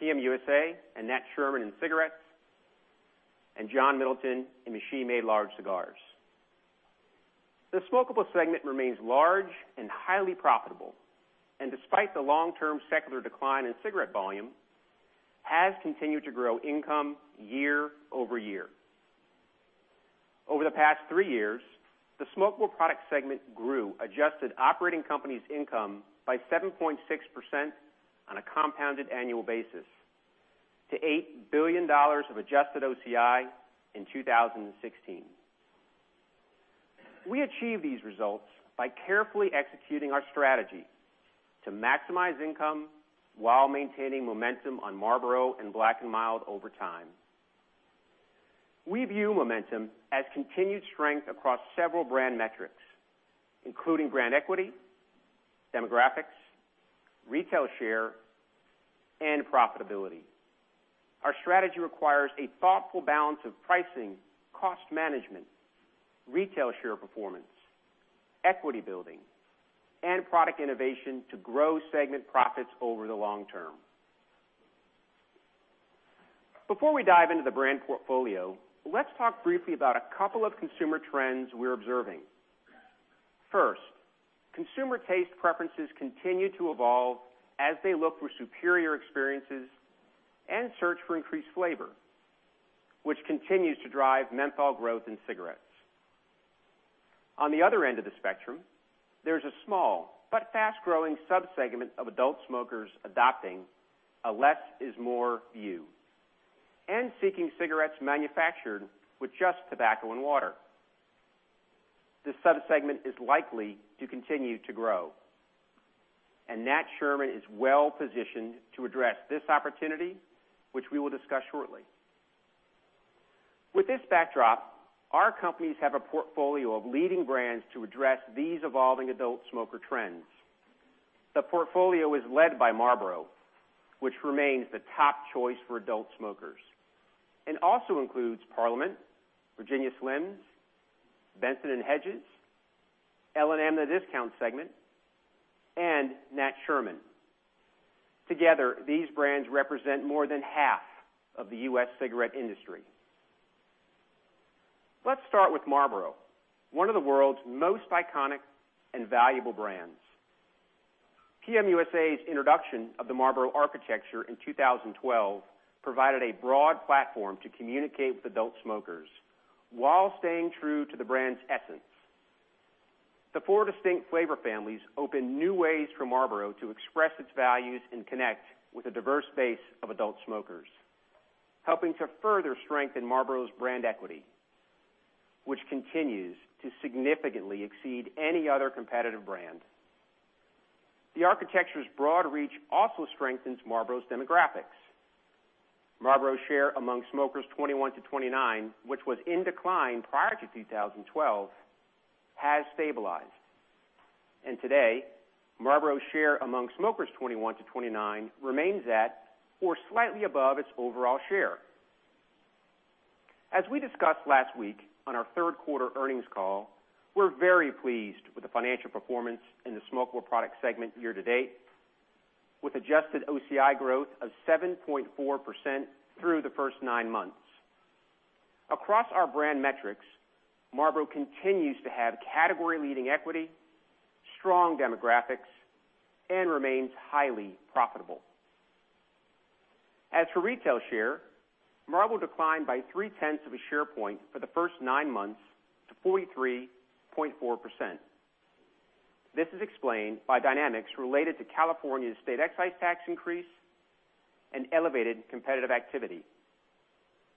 PM USA and Nat Sherman in cigarettes, and John Middleton in machine-made large cigars. The smokable segment remains large and highly profitable, and despite the long-term secular decline in cigarette volume, has continued to grow income year-over-year. Over the past three years, the smokable product segment grew adjusted operating companies income by 7.6% on a compounded annual basis to $8 billion of adjusted OCI in 2016. We achieve these results by carefully executing our strategy to maximize income while maintaining momentum on Marlboro and Black & Mild over time. We view momentum as continued strength across several brand metrics, including brand equity, demographics, retail share, and profitability. Our strategy requires a thoughtful balance of pricing, cost management, retail share performance, equity building, and product innovation to grow segment profits over the long term. Before we dive into the brand portfolio, let's talk briefly about a couple of consumer trends we're observing. First, consumer taste preferences continue to evolve as they look for superior experiences and search for increased flavor, which continues to drive menthol growth in cigarettes. On the other end of the spectrum, there's a small but fast-growing subsegment of adult smokers adopting a less is more view and seeking cigarettes manufactured with just tobacco and water. This subsegment is likely to continue to grow, and Nat Sherman is well positioned to address this opportunity, which we will discuss shortly. With this backdrop, our companies have a portfolio of leading brands to address these evolving adult smoker trends. The portfolio is led by Marlboro, which remains the top choice for adult smokers, and also includes Parliament, Virginia Slims, Benson & Hedges, L&M in the discount segment, and Nat Sherman. Together, these brands represent more than half of the U.S. cigarette industry. Let's start with Marlboro, one of the world's most iconic and valuable brands. PM USA's introduction of the Marlboro Architecture in 2012 provided a broad platform to communicate with adult smokers while staying true to the brand's essence. The four distinct flavor families open new ways for Marlboro to express its values and connect with a diverse base of adult smokers, helping to further strengthen Marlboro's brand equity, which continues to significantly exceed any other competitive brand. The architecture's broad reach also strengthens Marlboro's demographics. Marlboro's share among smokers 21 to 29, which was in decline prior to 2012, has stabilized. Today, Marlboro's share among smokers 21 to 29 remains at or slightly above its overall share. As we discussed last week on our third quarter earnings call, we're very pleased with the financial performance in the smokable product segment year to date with adjusted OCI growth of 7.4% through the first nine months. Across our brand metrics, Marlboro continues to have category-leading equity, strong demographics, and remains highly profitable. As for retail share, Marlboro declined by three-tenths of a share point for the first nine months to 43.4%. This is explained by dynamics related to California's state excise tax increase and elevated competitive activity,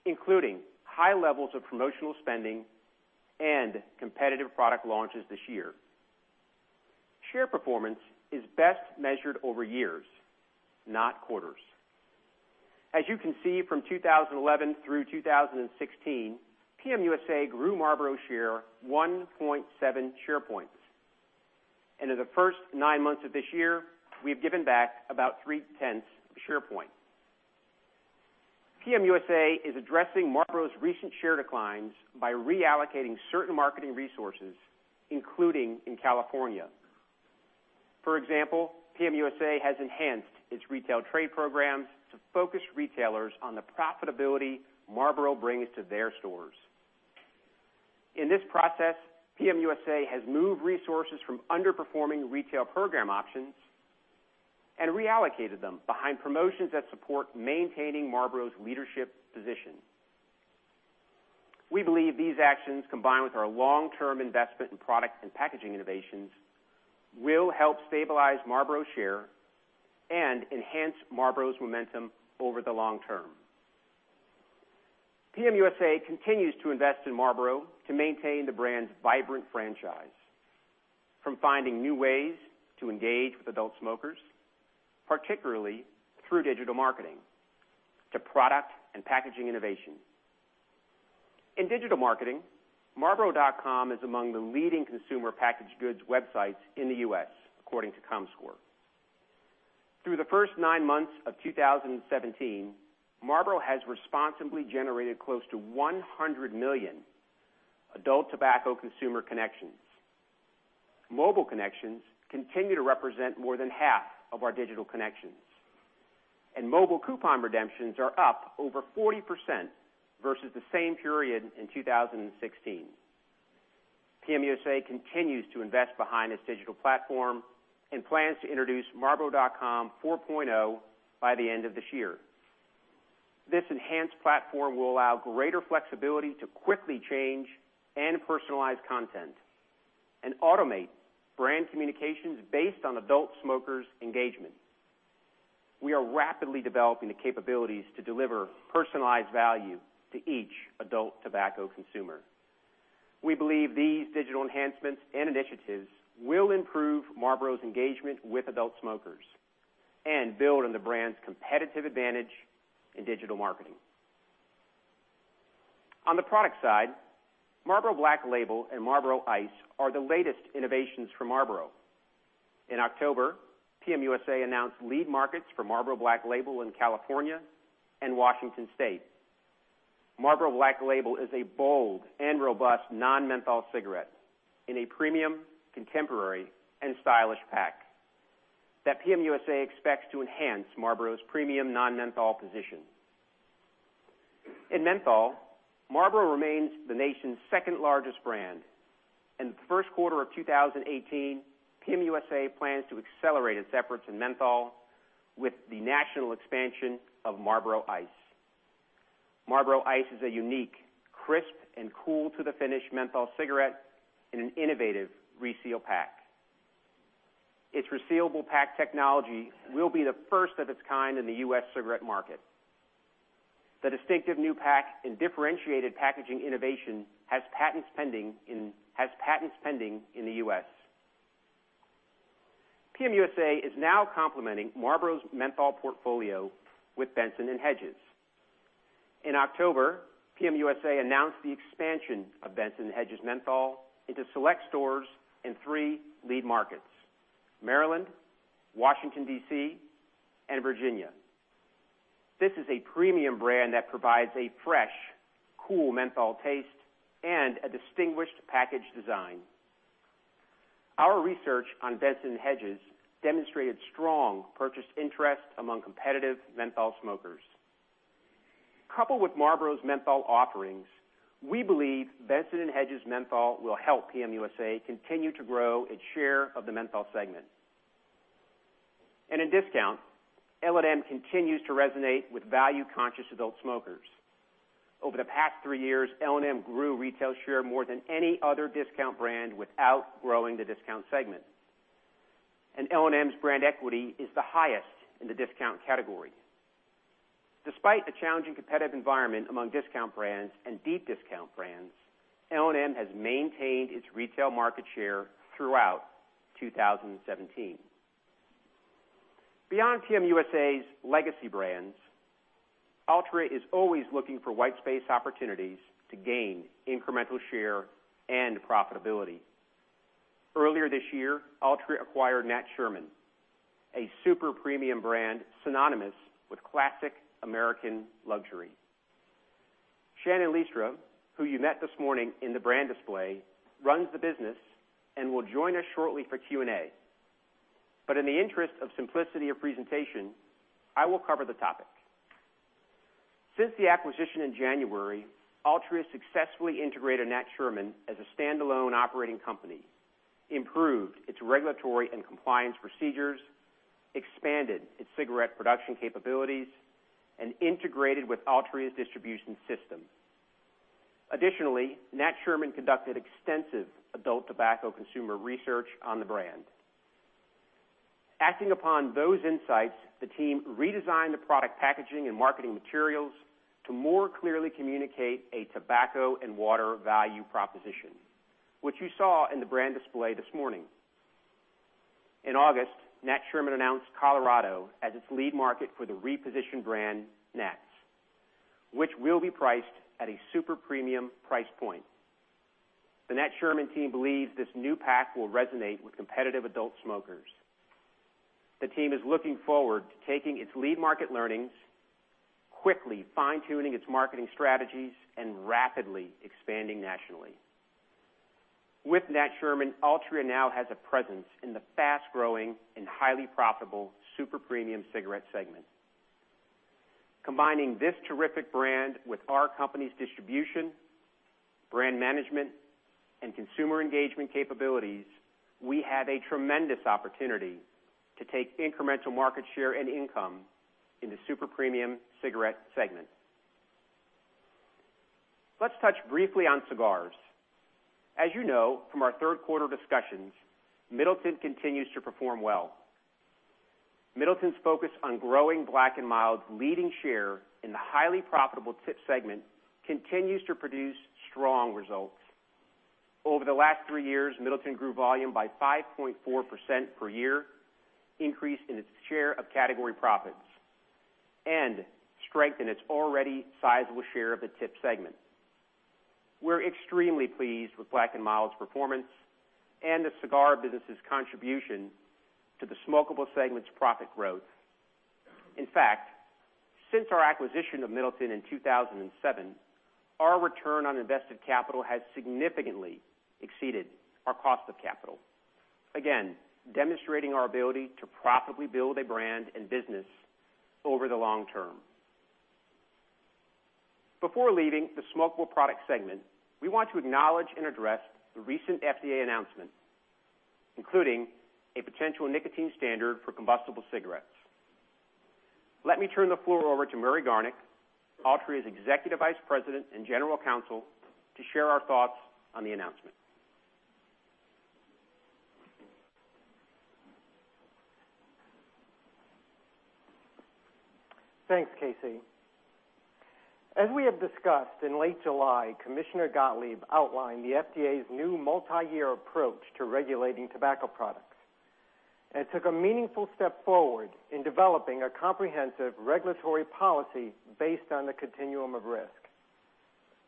including high levels of promotional spending and competitive product launches this year. Share performance is best measured over years, not quarters. As you can see from 2011 through 2016, PM USA grew Marlboro share 1.7 share points. In the first nine months of this year, we've given back about three-tenths of a share point. PM USA is addressing Marlboro's recent share declines by reallocating certain marketing resources, including in California. For example, PM USA has enhanced its retail trade programs to focus retailers on the profitability Marlboro brings to their stores. In this process, PM USA has moved resources from underperforming retail program options and reallocated them behind promotions that support maintaining Marlboro's leadership position. We believe these actions, combined with our long-term investment in product and packaging innovations, will help stabilize Marlboro share and enhance Marlboro's momentum over the long term. PM USA continues to invest in Marlboro to maintain the brand's vibrant franchise. From finding new ways to engage with adult smokers, particularly through digital marketing, to product and packaging innovation. In digital marketing, marlboro.com is among the leading consumer packaged goods websites in the U.S., according to Comscore. Through the first nine months of 2017, Marlboro has responsibly generated close to 100 million adult tobacco consumer connections. Mobile connections continue to represent more than half of our digital connections. Mobile coupon redemptions are up over 40% versus the same period in 2016. PM USA continues to invest behind its digital platform and plans to introduce marlboro.com 4.0 by the end of this year. This enhanced platform will allow greater flexibility to quickly change and personalize content and automate brand communications based on adult smokers' engagement. We are rapidly developing the capabilities to deliver personalized value to each adult tobacco consumer. We believe these digital enhancements and initiatives will improve Marlboro's engagement with adult smokers and build on the brand's competitive advantage in digital marketing. On the product side, Marlboro Black Label and Marlboro Ice are the latest innovations from Marlboro. In October, PM USA announced lead markets for Marlboro Black Label in California and Washington State. Marlboro Black Label is a bold and robust non-menthol cigarette in a premium, contemporary, and stylish pack that PM USA expects to enhance Marlboro's premium non-menthol position. In menthol, Marlboro remains the nation's second-largest brand. In the first quarter of 2018, PM USA plans to accelerate its efforts in menthol with the national expansion of Marlboro Ice. Marlboro Ice is a unique, crisp, and cool-to-the-finish menthol cigarette in an innovative reseal pack. Its resealable pack technology will be the first of its kind in the U.S. cigarette market. The distinctive new pack and differentiated packaging innovation has patents pending in the U.S. PM USA is now complementing Marlboro's menthol portfolio with Benson & Hedges. In October, PM USA announced the expansion of Benson & Hedges menthol into select stores in three lead markets: Maryland, Washington, D.C., and Virginia. This is a premium brand that provides a fresh, cool menthol taste and a distinguished package design. Our research on Benson & Hedges demonstrated strong purchase interest among competitive menthol smokers. Coupled with Marlboro's menthol offerings, we believe Benson & Hedges menthol will help PM USA continue to grow its share of the menthol segment. In discount, L&M continues to resonate with value-conscious adult smokers. Over the past three years, L&M grew retail share more than any other discount brand without growing the discount segment. L&M's brand equity is the highest in the discount category. Despite the challenging competitive environment among discount brands and deep discount brands, L&M has maintained its retail market share throughout 2017. Beyond PM USA's legacy brands, Altria is always looking for white space opportunities to gain incremental share and profitability. Earlier this year, Altria acquired Nat Sherman, a super premium brand synonymous with classic American luxury. Shannon Laudeman, who you met this morning in the brand display, runs the business and will join us shortly for Q&A. In the interest of simplicity of presentation, I will cover the topic. Since the acquisition in January, Altria successfully integrated Nat Sherman as a standalone operating company, improved its regulatory and compliance procedures, expanded its cigarette production capabilities, and integrated with Altria's distribution system. Additionally, Nat Sherman conducted extensive adult tobacco consumer research on the brand. Acting upon those insights, the team redesigned the product packaging and marketing materials to more clearly communicate a tobacco and water value proposition, which you saw in the brand display this morning. In August, Nat Sherman announced Colorado as its lead market for the repositioned brand Nat, which will be priced at a super premium price point. The Nat Sherman team believes this new pack will resonate with competitive adult smokers. The team is looking forward to taking its lead market learnings, quickly fine-tuning its marketing strategies, and rapidly expanding nationally. With Nat Sherman, Altria now has a presence in the fast-growing and highly profitable super premium cigarette segment. Combining this terrific brand with our company's distribution, brand management and consumer engagement capabilities, we have a tremendous opportunity to take incremental market share and income in the super premium cigarette segment. Let's touch briefly on cigars. As you know from our third quarter discussions, Middleton continues to perform well. Middleton's focus on growing Black & Mild's leading share in the highly profitable tip segment continues to produce strong results. Over the last three years, Middleton grew volume by 5.4% per year, increased in its share of category profits, and strengthened its already sizable share of the tip segment. We're extremely pleased with Black & Mild's performance and the cigar business' contribution to the smokable segment's profit growth. In fact, since our acquisition of John Middleton in 2007, our return on invested capital has significantly exceeded our cost of capital, again, demonstrating our ability to profitably build a brand and business over the long term. Before leaving the smokable product segment, we want to acknowledge and address the recent FDA announcement, including a potential nicotine standard for combustible cigarettes. Let me turn the floor over to Murray Garnick, Altria's Executive Vice President and General Counsel, to share our thoughts on the announcement. Thanks, K.C. As we have discussed, in late July, Commissioner Gottlieb outlined the FDA's new multi-year approach to regulating tobacco products and took a meaningful step forward in developing a comprehensive regulatory policy based on the continuum of risk.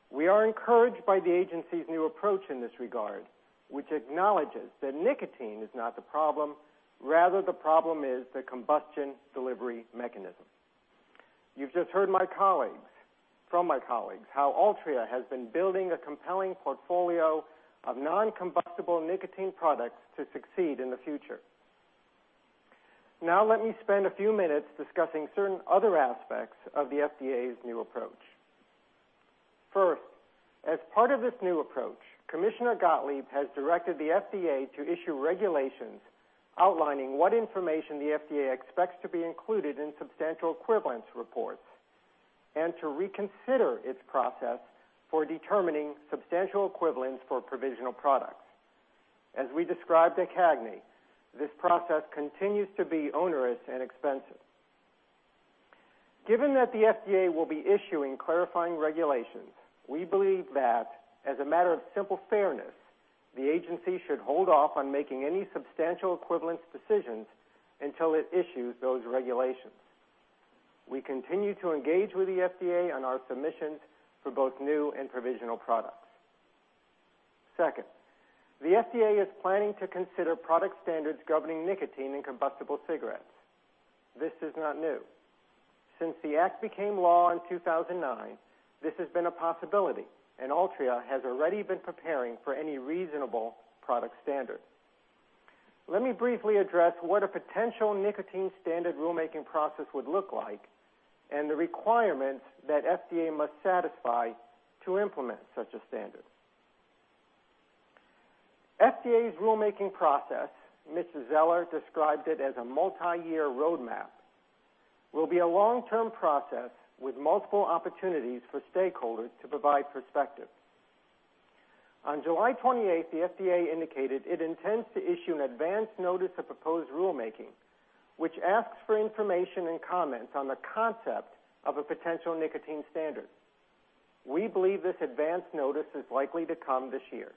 We are encouraged by the agency's new approach in this regard, which acknowledges that nicotine is not the problem, rather the problem is the combustion delivery mechanism. You've just heard from my colleagues how Altria has been building a compelling portfolio of non-combustible nicotine products to succeed in the future. Let me spend a few minutes discussing certain other aspects of the FDA's new approach. First, as part of this new approach, Commissioner Gottlieb has directed the FDA to issue regulations outlining what information the FDA expects to be included in substantial equivalence reports and to reconsider its process for determining substantial equivalence for provisional products. As we described at CAGNY, this process continues to be onerous and expensive. Given that the FDA will be issuing clarifying regulations, we believe that, as a matter of simple fairness, the agency should hold off on making any substantial equivalence decisions until it issues those regulations. We continue to engage with the FDA on our submissions for both new and provisional products. Second, the FDA is planning to consider product standards governing nicotine in combustible cigarettes. This is not new. Since the act became law in 2009, this has been a possibility, and Altria has already been preparing for any reasonable product standard. Let me briefly address what a potential nicotine standard rulemaking process would look like and the requirements that FDA must satisfy to implement such a standard. FDA's rulemaking process, Mitch Zeller described it as a multi-year roadmap, will be a long-term process with multiple opportunities for stakeholders to provide perspective. On July 28th, the FDA indicated it intends to issue an advance notice of proposed rulemaking, which asks for information and comments on the concept of a potential nicotine standard. We believe this advance notice is likely to come this year.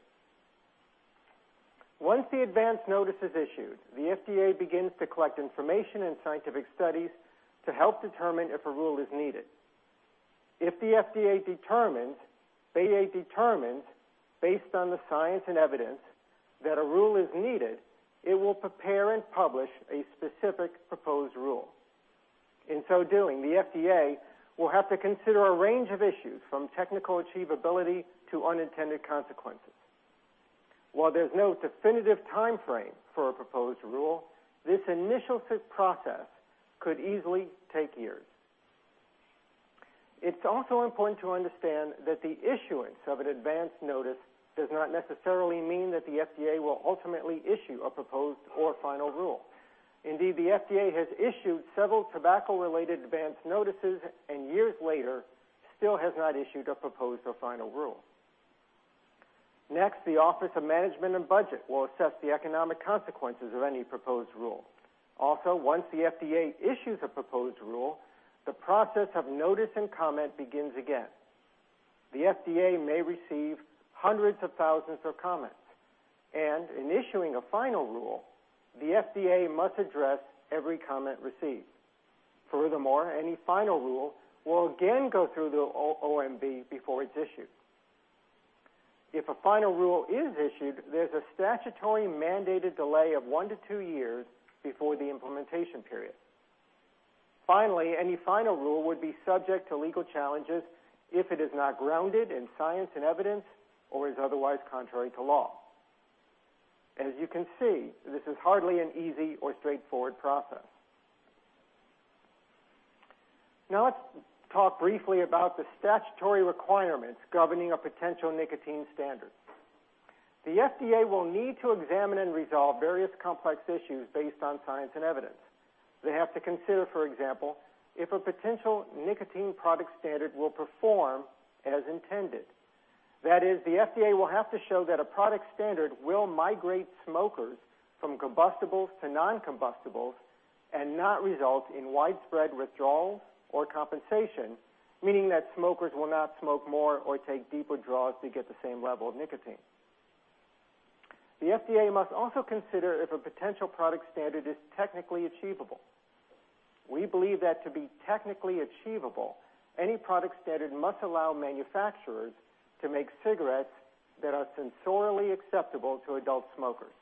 Once the advance notice is issued, the FDA begins to collect information and scientific studies to help determine if a rule is needed. If the FDA determines based on the science and evidence that a rule is needed, it will prepare and publish a specific proposed rule. In so doing, the FDA will have to consider a range of issues from technical achievability to unintended consequences. While there's no definitive timeframe for a proposed rule, this initial process could easily take years. It is also important to understand that the issuance of an advance notice does not necessarily mean that the FDA will ultimately issue a proposed or final rule. Indeed, the FDA has issued several tobacco-related advance notices, and years later, still has not issued a proposed or final rule. Next, the Office of Management and Budget will assess the economic consequences of any proposed rule. Also, once the FDA issues a proposed rule, the process of notice and comment begins again. The FDA may receive hundreds of thousands of comments, and in issuing a final rule, the FDA must address every comment received. Furthermore, any final rule will again go through the OMB before it is issued. If a final rule is issued, there is a statutory mandated delay of one to two years before the implementation period. Finally, any final rule would be subject to legal challenges if it is not grounded in science and evidence or is otherwise contrary to law. As you can see, this is hardly an easy or straightforward process. Let's talk briefly about the statutory requirements governing a potential nicotine standard. The FDA will need to examine and resolve various complex issues based on science and evidence. They have to consider, for example, if a potential nicotine product standard will perform as intended. That is, the FDA will have to show that a product standard will migrate smokers from combustibles to non-combustibles and not result in widespread withdrawal or compensation, meaning that smokers will not smoke more or take deeper draws to get the same level of nicotine. The FDA must also consider if a potential product standard is technically achievable. We believe that to be technically achievable, any product standard must allow manufacturers to make cigarettes that are sensorially acceptable to adult smokers.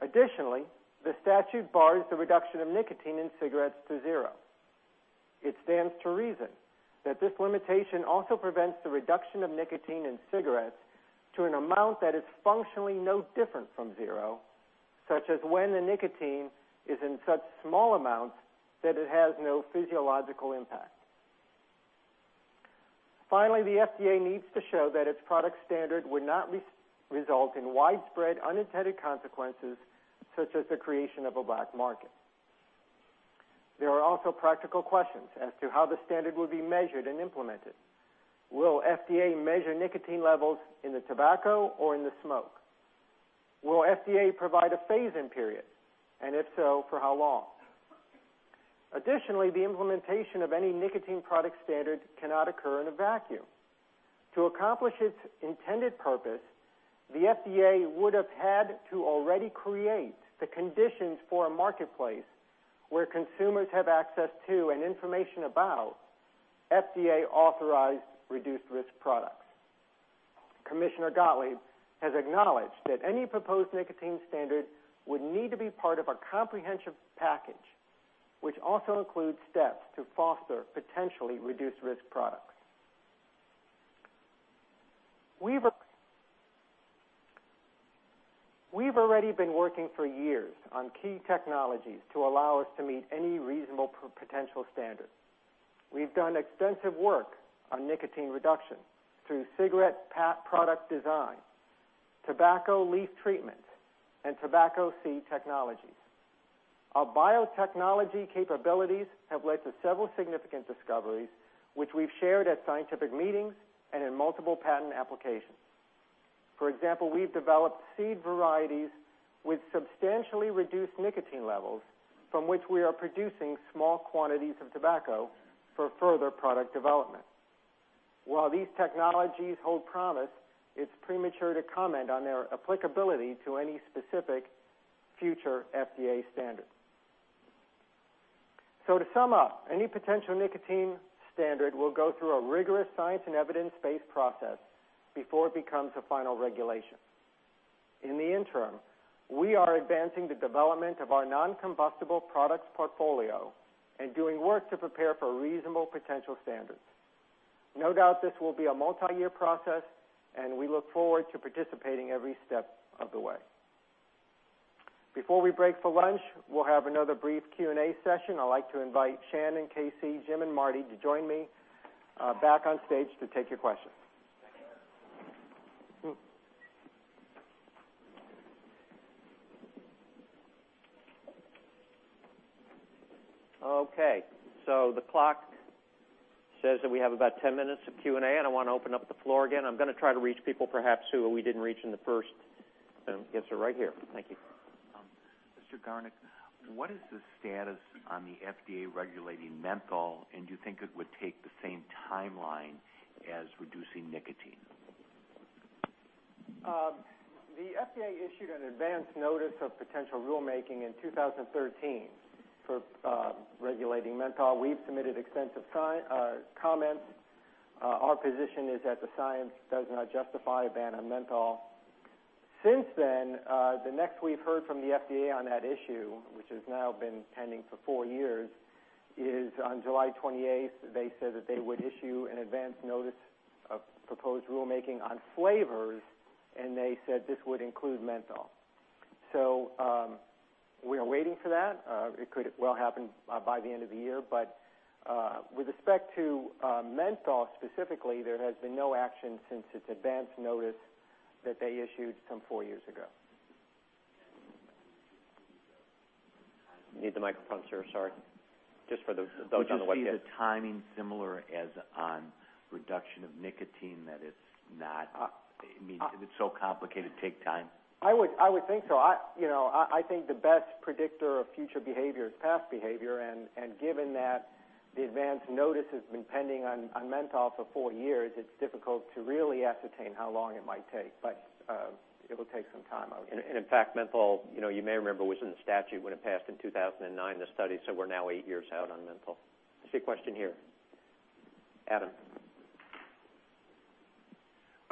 Additionally, the statute bars the reduction of nicotine in cigarettes to zero. It stands to reason that this limitation also prevents the reduction of nicotine in cigarettes to an amount that is functionally no different from zero, such as when the nicotine is in such small amounts that it has no physiological impact. Finally, the FDA needs to show that its product standard would not result in widespread unintended consequences, such as the creation of a black market. There are also practical questions as to how the standard would be measured and implemented. Will FDA measure nicotine levels in the tobacco or in the smoke? Will FDA provide a phase-in period, and if so, for how long? Additionally, the implementation of any nicotine product standard cannot occur in a vacuum. To accomplish its intended purpose, the FDA would have had to already create the conditions for a marketplace where consumers have access to, and information about, FDA-authorized reduced-risk products. Commissioner Gottlieb has acknowledged that any proposed nicotine standard would need to be part of a comprehensive package, which also includes steps to foster potentially reduced-risk products. We've already been working for years on key technologies to allow us to meet any reasonable potential standard. We've done extensive work on nicotine reduction through cigarette product design, tobacco leaf treatment, and tobacco seed technologies. Our biotechnology capabilities have led to several significant discoveries, which we've shared at scientific meetings and in multiple patent applications. For example, we've developed seed varieties with substantially reduced nicotine levels from which we are producing small quantities of tobacco for further product development. While these technologies hold promise, it is premature to comment on their applicability to any specific future FDA standard. To sum up, any potential nicotine standard will go through a rigorous science and evidence-based process before it becomes a final regulation. In the interim, we are advancing the development of our non-combustible products portfolio and doing work to prepare for reasonable potential standards. No doubt this will be a multi-year process, and we look forward to participating every step of the way. Before we break for lunch, we will have another brief Q&A session. I would like to invite Shannon, Casey, Jim, and Marty to join me back on stage to take your questions. Okay. The clock says that we have about 10 minutes of Q&A. I want to open up the floor again. I am going to try to reach people, perhaps, who we did not reach in the first. Yes, sir. Right here. Thank you. Mr. Garnick, what is the status on the FDA regulating menthol? Do you think it would take the same timeline as reducing nicotine? The FDA issued an advance notice of potential rulemaking in 2013 for regulating menthol. We have submitted extensive comments. Our position is that the science does not justify a ban on menthol. Since then, the next we have heard from the FDA on that issue, which has now been pending for four years, is on July 28th, they said that they would issue an advance notice of proposed rulemaking on flavors. They said this would include menthol. We are waiting for that. It could well happen by the end of the year. With respect to menthol specifically, there has been no action since its advance notice that they issued some four years ago. You need the microphone, sir. Sorry. Just for those on the webcast. Would you see the timing similar as on reduction of nicotine, that it's so complicated, it would take time? I would think so. I think the best predictor of future behavior is past behavior, and given that the advance notice has been pending on menthol for four years, it's difficult to really ascertain how long it might take. It will take some time, I would think. In fact, menthol, you may remember, was in the statute when it passed in 2009, the study. We're now eight years out on menthol. I see a question here. Adam.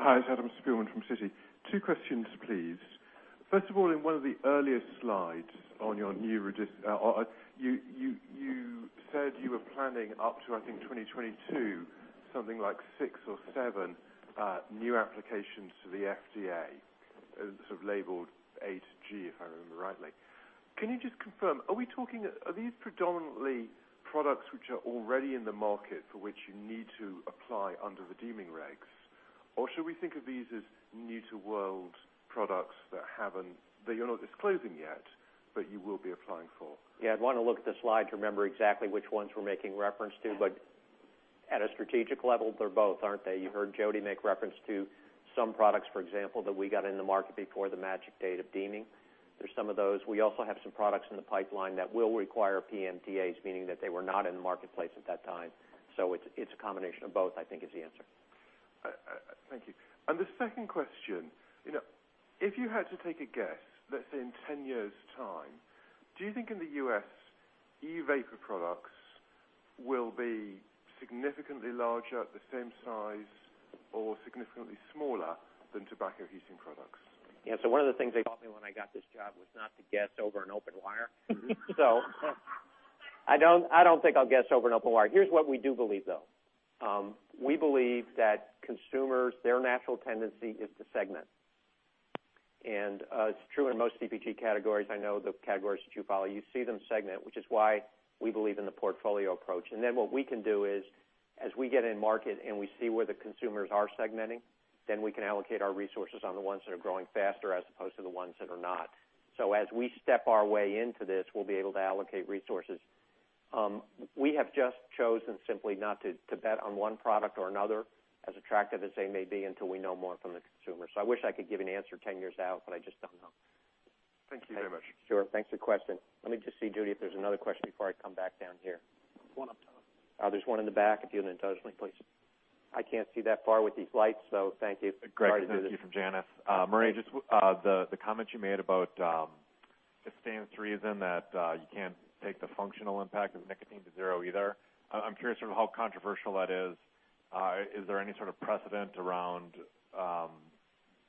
Hi, it's Adam Spielman from Citi. Two questions, please. First of all, in one of the earliest slides, you said you were planning up to, I think, 2022, something like six or seven new applications to the FDA. Sort of labeled 8G, if I remember rightly. Can you just confirm, are these predominantly products which are already in the market for which you need to apply under the deeming regs? Or should we think of these as new-to-world products that you're not disclosing yet, but you will be applying for? Yeah. I'd want to look at the slide to remember exactly which ones we're making reference to. At a strategic level, they're both, aren't they? You heard Jody make reference to some products, for example, that we got in the market before the magic date of deeming. There's some of those. We also have some products in the pipeline that will require PMTAs, meaning that they were not in the marketplace at that time. It's a combination of both, I think is the answer. Thank you. The second question, if you had to take a guess, let's say in 10 years' time, do you think in the U.S., e-vapor products will be significantly larger, the same size, or significantly smaller than tobacco heating products? Yeah. One of the things they taught me when I got this job was not to guess over an open wire. I don't think I'll guess over an open wire. Here's what we do believe, though. We believe that consumers, their natural tendency is to segment. It's true in most CPG categories. I know the categories that you follow. You see them segment, which is why we believe in the portfolio approach. What we can do is, as we get in market and we see where the consumers are segmenting, then we can allocate our resources on the ones that are growing faster as opposed to the ones that are not. As we step our way into this, we'll be able to allocate resources. We have just chosen simply not to bet on one product or another, as attractive as they may be, until we know more from the consumer. I wish I could give you an answer 10 years out, but I just don't know. Thank you very much. Sure. Thanks for the question. Let me just see, Judy, if there's another question before I come back down here. There's one up top. There's one in the back, if you'll indulge me, please. I can't see that far with these lights, so thank you. Greg, from Janney. Murray, just the comment you made about it stands to reason that you can't take the functional impact of nicotine to zero either. I'm curious how controversial that is. Is there any sort of precedent around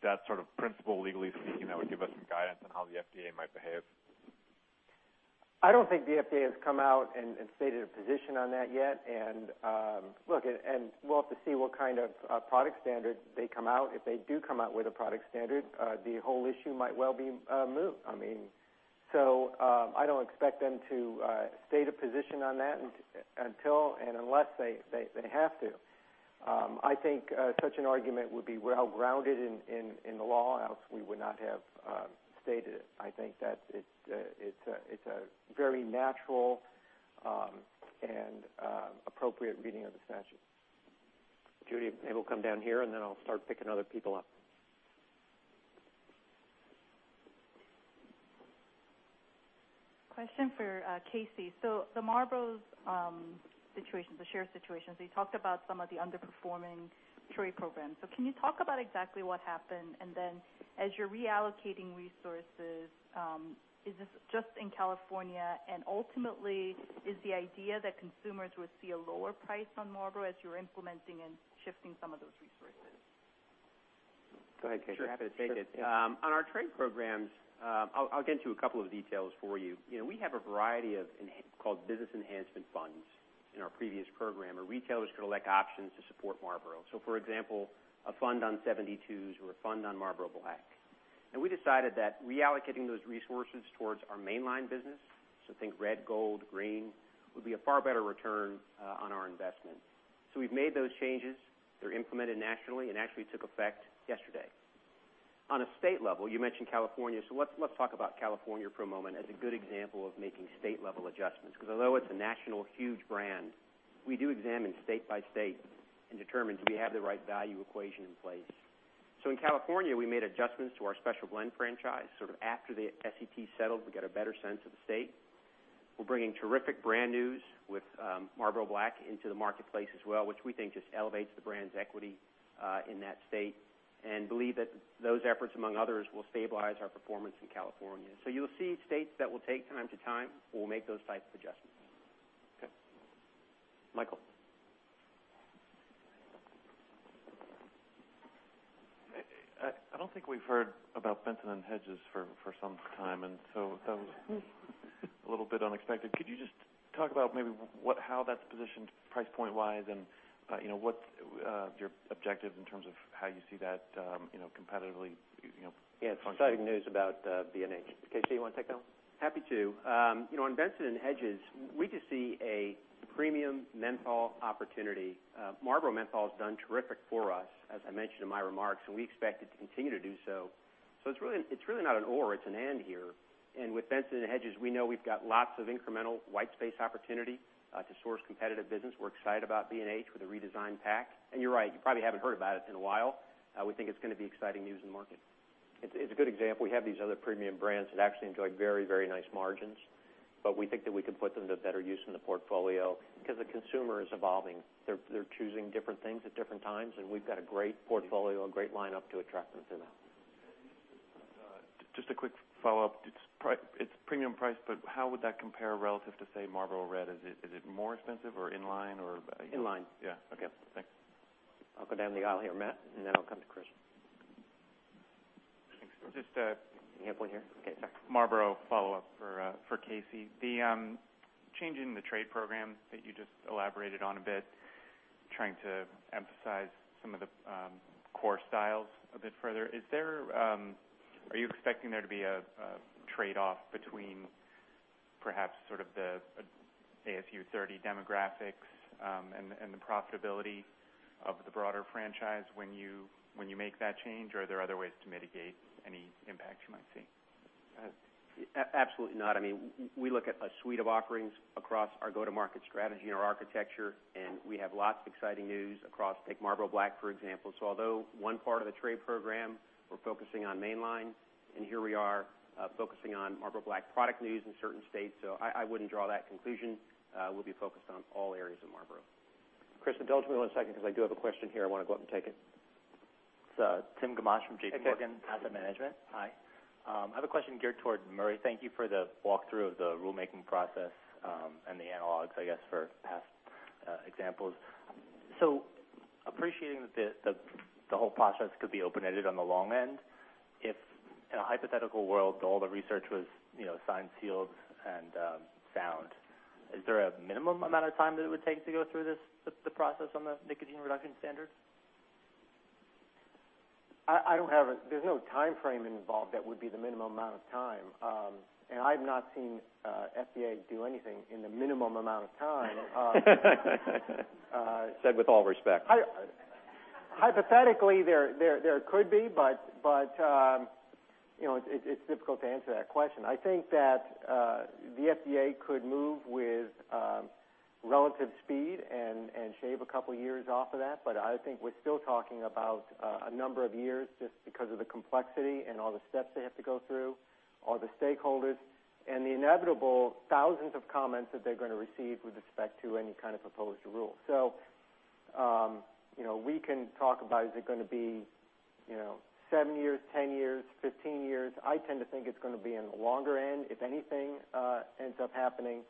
that sort of principle, legally speaking, that would give us some guidance on how the FDA might behave? I don't think the FDA has come out and stated a position on that yet. Look, we'll have to see what kind of product standard they come out. If they do come out with a product standard, the whole issue might well be moot. I don't expect them to state a position on that until and unless they have to. I think such an argument would be well-grounded in the law, else we would not have stated it. I think that it's a very natural and appropriate reading of the statute. Judy, maybe we'll come down here, and then I'll start picking other people up. Question for Casey. The Marlboro situation, the share situation, so you talked about some of the underperforming trade programs. Can you talk about exactly what happened? Then as you're reallocating resources, is this just in California? Ultimately, is the idea that consumers would see a lower price on Marlboro as you're implementing and shifting some of those resources? Go ahead, Casey. Sure. Happy to take it. On our trade programs, I'll get into a couple of details for you. We have a variety of called business enhancement funds in our previous program, where retailers could elect options to support Marlboro. For example, a fund on 72s or a fund on Marlboro Black. We decided that reallocating those resources towards our mainline business, so think red, gold, green, would be a far better return on our investment. We've made those changes. They're implemented nationally and actually took effect yesterday. On a state level, you mentioned California, so let's talk about California for a moment as a good example of making state-level adjustments. Because although it's a national huge brand, we do examine state by state and determine, do we have the right value equation in place? In California, we made adjustments to our Special Blend franchise. Sort of after the SET settled, we got a better sense of the state. We're bringing terrific brand news with Marlboro Black into the marketplace as well, which we think just elevates the brand's equity in that state, and believe that those efforts, among others, will stabilize our performance in California. You'll see states that will take time to time, we'll make those types of adjustments. Okay. Michael. I don't think we've heard about Benson & Hedges for some time. That was a little bit unexpected. Could you just talk about maybe how that's positioned price point wise and what's your objective in terms of how you see that competitively functioning? Yeah. Exciting news about B&H. Casey, you want to take that one? Happy to. On Benson & Hedges, we just see a premium menthol opportunity. Marlboro Menthol has done terrific for us, as I mentioned in my remarks, we expect it to continue to do so. It's really not an or, it's an and here. With Benson & Hedges, we know we've got lots of incremental white space opportunity to source competitive business. We're excited about B&H with a redesigned pack. You're right, you probably haven't heard about it in a while. We think it's going to be exciting news in the market. It's a good example. We have these other premium brands that actually enjoy very nice margins. We think that we can put them to better use in the portfolio because the consumer is evolving. They're choosing different things at different times, we've got a great portfolio and great lineup to attract them to that. Just a quick follow-up. It's premium price, but how would that compare relative to, say, Marlboro Red? Is it more expensive or in line, or? In line. Yeah. Okay. Thanks. I'll go down the aisle here, Matt, and then I'll come to Chris. Thanks. You have one here? Okay. Marlboro follow-up for Casey. The change in the trade program that you just elaborated on a bit Trying to emphasize some of the core styles a bit further. Are you expecting there to be a trade-off between perhaps sort of the ASU 30 demographics and the profitability of the broader franchise when you make that change? Are there other ways to mitigate any impacts you might see? Absolutely not. We look at a suite of offerings across our go-to-market strategy and our architecture, and we have lots of exciting news across, take Marlboro Black, for example. Although one part of the trade program, we're focusing on main line, and here we are focusing on Marlboro Black product news in certain states. I wouldn't draw that conclusion. We'll be focused on all areas of Marlboro. Chris, indulge me one second because I do have a question here. I want to go up and take it. It's Timothy Gamache from J.P. Morgan Asset Management. Hey, Tim. Hi. I have a question geared towards Murray. Thank you for the walkthrough of the rulemaking process and the analogs, I guess, for past examples. Appreciating that the whole process could be open-ended on the long end. If in a hypothetical world, all the research was signed, sealed, and sound, is there a minimum amount of time that it would take to go through the process on the nicotine reduction standard? There's no timeframe involved that would be the minimum amount of time. I've not seen FDA do anything in the minimum amount of time. Said with all respect. Hypothetically, there could be, it's difficult to answer that question. I think that the FDA could move with relative speed and shave a couple of years off of that. I think we're still talking about a number of years just because of the complexity and all the steps they have to go through, all the stakeholders, and the inevitable thousands of comments that they're going to receive with respect to any kind of proposed rule. We can talk about is it going to be seven years, 10 years, 15 years? I tend to think it's going to be in the longer end, if anything ends up happening.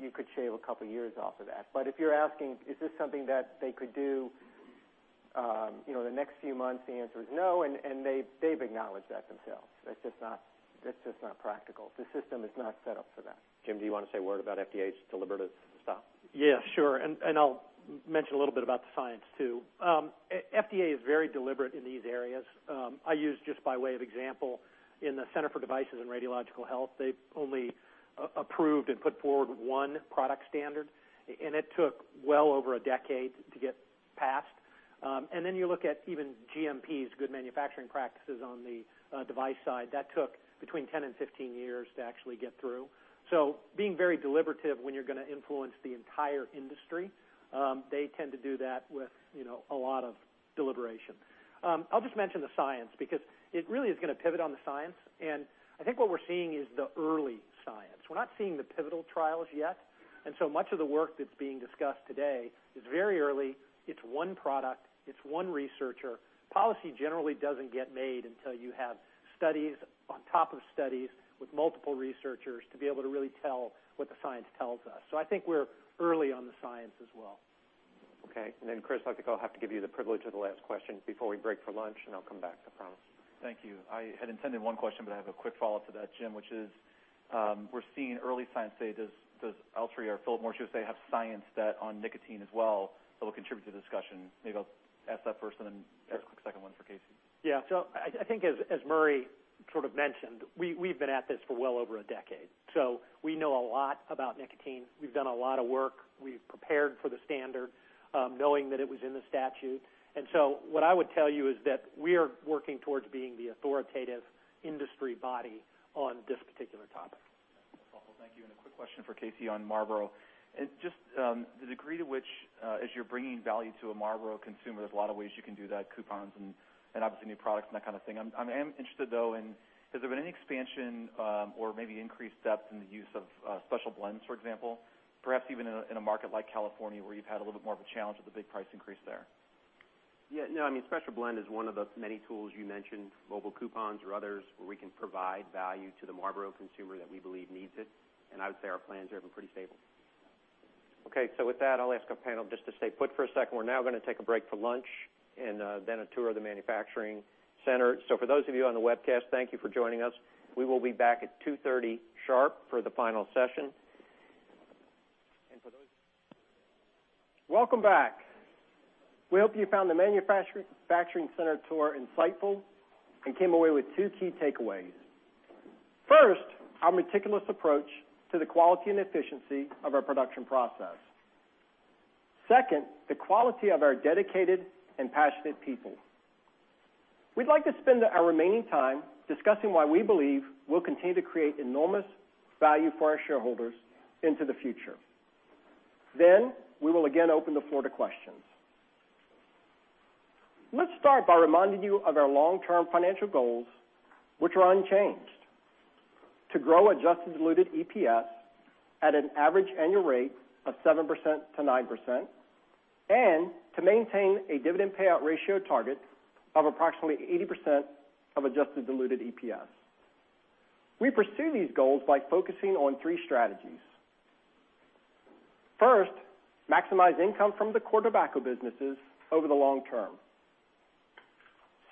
You could shave a couple of years off of that. If you're asking, is this something that they could do in the next few months? The answer is no. They've acknowledged that themselves. That's just not practical. The system is not set up for that. Jim, do you want to say a word about FDA's deliberative style? Yeah, sure. I'll mention a little bit about the science, too. FDA is very deliberate in these areas. I use, just by way of example, in the Center for Devices and Radiological Health, they've only approved and put forward one product standard, and it took well over a decade to get passed. Then you look at even GMPs, good manufacturing practices on the device side. That took between 10 and 15 years to actually get through. Being very deliberative when you're going to influence the entire industry. They tend to do that with a lot of deliberation. I'll just mention the science, because it really is going to pivot on the science. I think what we're seeing is the early science. We're not seeing the pivotal trials yet. So much of the work that's being discussed today is very early. It's one product. It's one researcher. Policy generally doesn't get made until you have studies on top of studies with multiple researchers to be able to really tell what the science tells us. I think we're early on the science as well. Okay. Then, Chris, I think I'll have to give you the privilege of the last question before we break for lunch, I'll come back, I promise. Thank you. I had intended one question, I have a quick follow-up to that, Jim, which is we're seeing early science say, does Altria or Philip Morris, you say, have science that on nicotine as well that will contribute to the discussion? Maybe I'll ask that first and then a quick second one for Casey. Yeah. I think as Murray sort of mentioned, we've been at this for well over a decade. We know a lot about nicotine. We've done a lot of work. We've prepared for the standard, knowing that it was in the statute. What I would tell you is that we are working towards being the authoritative industry body on this particular topic. Awesome. Thank you. A quick question for Casey on Marlboro. Just the degree to which as you're bringing value to a Marlboro consumer, there's a lot of ways you can do that, coupons and obviously new products and that kind of thing. I am interested, though, in has there been any expansion or maybe increased depth in the use of special blends, for example? Perhaps even in a market like California, where you've had a little bit more of a challenge with the big price increase there? Yeah. Special Blend is one of the many tools you mentioned, mobile coupons or others, where we can provide value to the Marlboro consumer that we believe needs it. I would say our plans are pretty stable. Okay. With that, I'll ask our panel just to stay put for a second. We're now going to take a break for lunch and then a tour of the manufacturing center. For those of you on the webcast, thank you for joining us. We will be back at 2:30 P.M. sharp for the final session. Welcome back. We hope you found the manufacturing center tour insightful and came away with two key takeaways. First, our meticulous approach to the quality and efficiency of our production process. Second, the quality of our dedicated and passionate people. We'd like to spend our remaining time discussing why we believe we'll continue to create enormous value for our shareholders into the future. We will again open the floor to questions. Let's start by reminding you of our long-term financial goals, which are unchanged. To grow adjusted diluted EPS at an average annual rate of 7% to 9% and to maintain a dividend payout ratio target of approximately 80% of adjusted diluted EPS. We pursue these goals by focusing on three strategies. First, maximize income from the core tobacco businesses over the long term.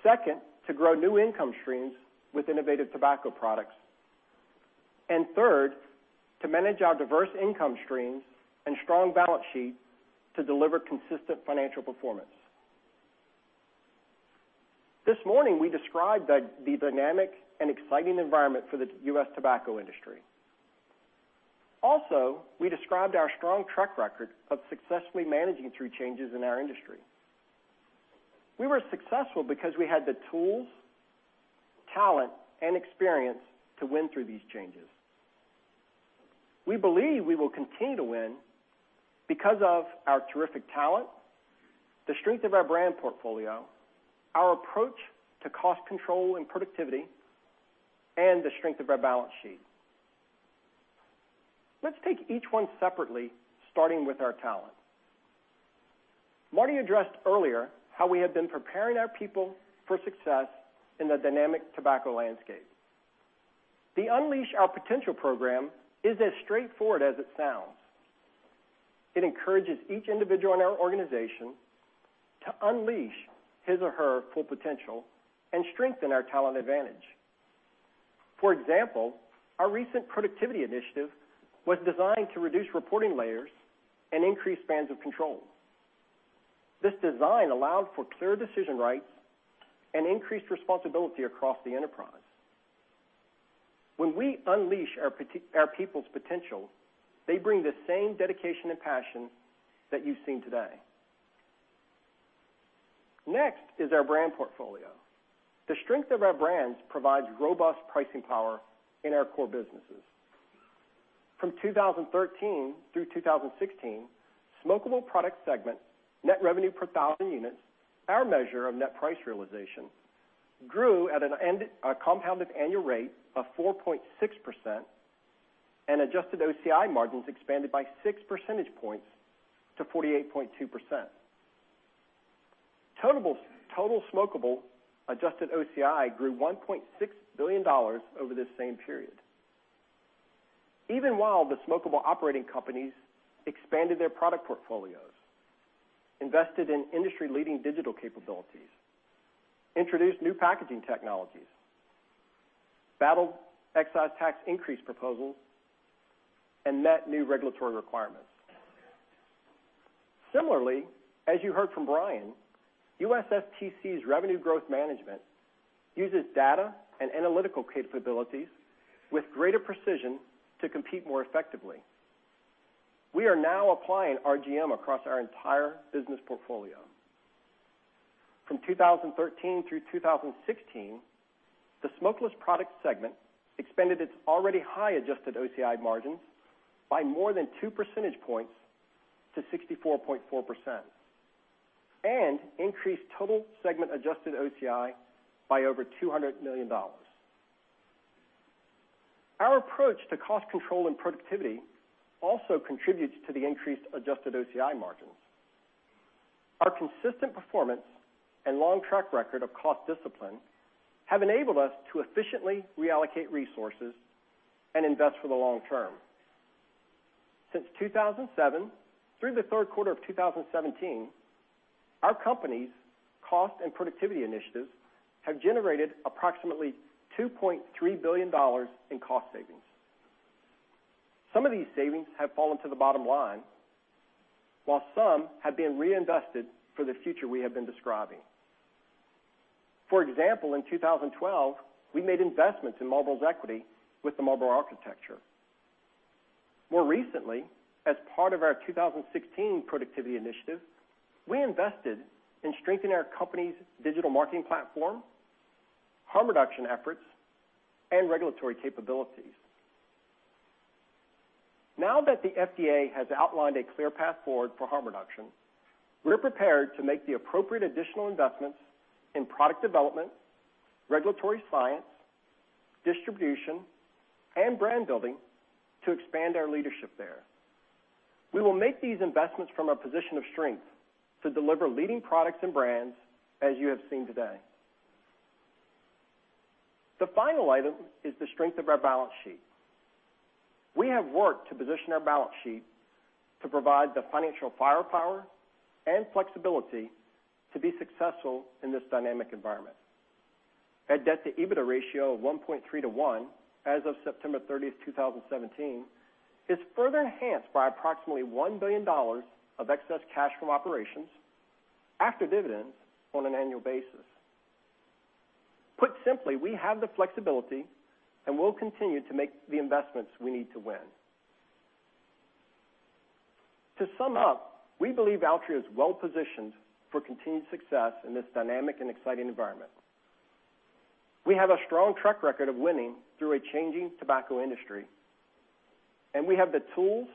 Second, to grow new income streams with innovative tobacco products. Third, to manage our diverse income streams and strong balance sheet to deliver consistent financial performance. This morning, we described the dynamic and exciting environment for the U.S. tobacco industry. We described our strong track record of successfully managing through changes in our industry. We were successful because we had the tools, talent, and experience to win through these changes. We believe we will continue to win because of our terrific talent, the strength of our brand portfolio, our approach to cost control and productivity, and the strength of our balance sheet. Let's take each one separately, starting with our talent. Marty addressed earlier how we have been preparing our people for success in the dynamic tobacco landscape. The Unleash Our Potential program is as straightforward as it sounds. It encourages each individual in our organization to unleash his or her full potential and strengthen our talent advantage. For example, our recent productivity initiative was designed to reduce reporting layers and increase spans of control. This design allowed for clear decision rights and increased responsibility across the enterprise. When we unleash our people's potential, they bring the same dedication and passion that you've seen today. Next is our brand portfolio. The strength of our brands provides robust pricing power in our core businesses. From 2013 through 2016, smokable product segment net revenue per 1,000 units, our measure of net price realization, grew at a compounded annual rate of 4.6%, and adjusted OCI margins expanded by six percentage points to 48.2%. Total smokable adjusted OCI grew $1.6 billion over this same period. Even while the smokable operating companies expanded their product portfolios, invested in industry-leading digital capabilities, introduced new packaging technologies, battled excise tax increase proposals, and met new regulatory requirements. Similarly, as you heard from Brian, USSTC's revenue growth management uses data and analytical capabilities with greater precision to compete more effectively. We are now applying RGM across our entire business portfolio. From 2013 through 2016, the smokeless product segment expanded its already high adjusted OCI margins by more than two percentage points to 64.4% and increased total segment adjusted OCI by over $200 million. Our approach to cost control and productivity also contributes to the increased adjusted OCI margins. Our consistent performance and long track record of cost discipline have enabled us to efficiently reallocate resources and invest for the long term. Since 2007 through the third quarter of 2017, our company's cost and productivity initiatives have generated approximately $2.3 billion in cost savings. Some of these savings have fallen to the bottom line, while some have been reinvested for the future we have been describing. For example, in 2012, we made investments in Marlboro's equity with the Marlboro Architecture. More recently, as part of our 2016 productivity initiative, we invested in strengthening our company's digital marketing platform, harm reduction efforts, and regulatory capabilities. Now that the FDA has outlined a clear path forward for harm reduction, we're prepared to make the appropriate additional investments in product development, regulatory science, distribution, and brand building to expand our leadership there. We will make these investments from a position of strength to deliver leading products and brands, as you have seen today. The final item is the strength of our balance sheet. We have worked to position our balance sheet to provide the financial firepower and flexibility to be successful in this dynamic environment. A debt-to-EBITDA ratio of 1.3 to one as of September 30th, 2017, is further enhanced by approximately $1 billion of excess cash from operations after dividends on an annual basis. Put simply, we have the flexibility and will continue to make the investments we need to win. To sum up, we believe Altria is well positioned for continued success in this dynamic and exciting environment. We have a strong track record of winning through a changing tobacco industry, and we have the tools,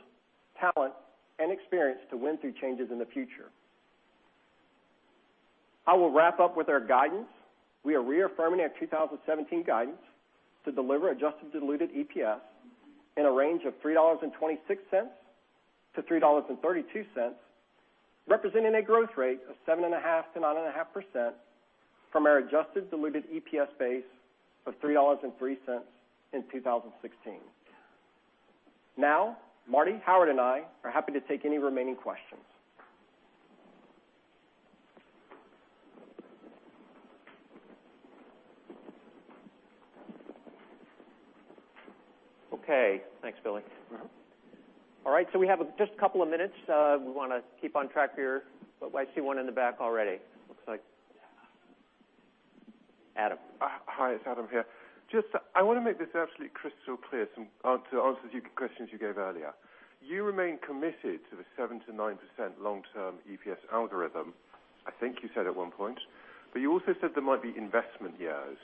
talent, and experience to win through changes in the future. I will wrap up with our guidance. We are reaffirming our 2017 guidance to deliver adjusted diluted EPS in a range of $3.26 to $3.32, representing a growth rate of 7.5%-9.5% from our adjusted diluted EPS base of $3.03 in 2016. Marty, Howard, and I are happy to take any remaining questions. Okay. Thanks, Billy. All right, we have just a couple of minutes. We want to keep on track here. I see one in the back already. Looks like Adam. Hi, it's Adam here. I want to make this absolutely crystal clear to answer the questions you gave earlier. You remain committed to the 7%-9% long-term EPS algorithm, I think you said at one point. You also said there might be investment years.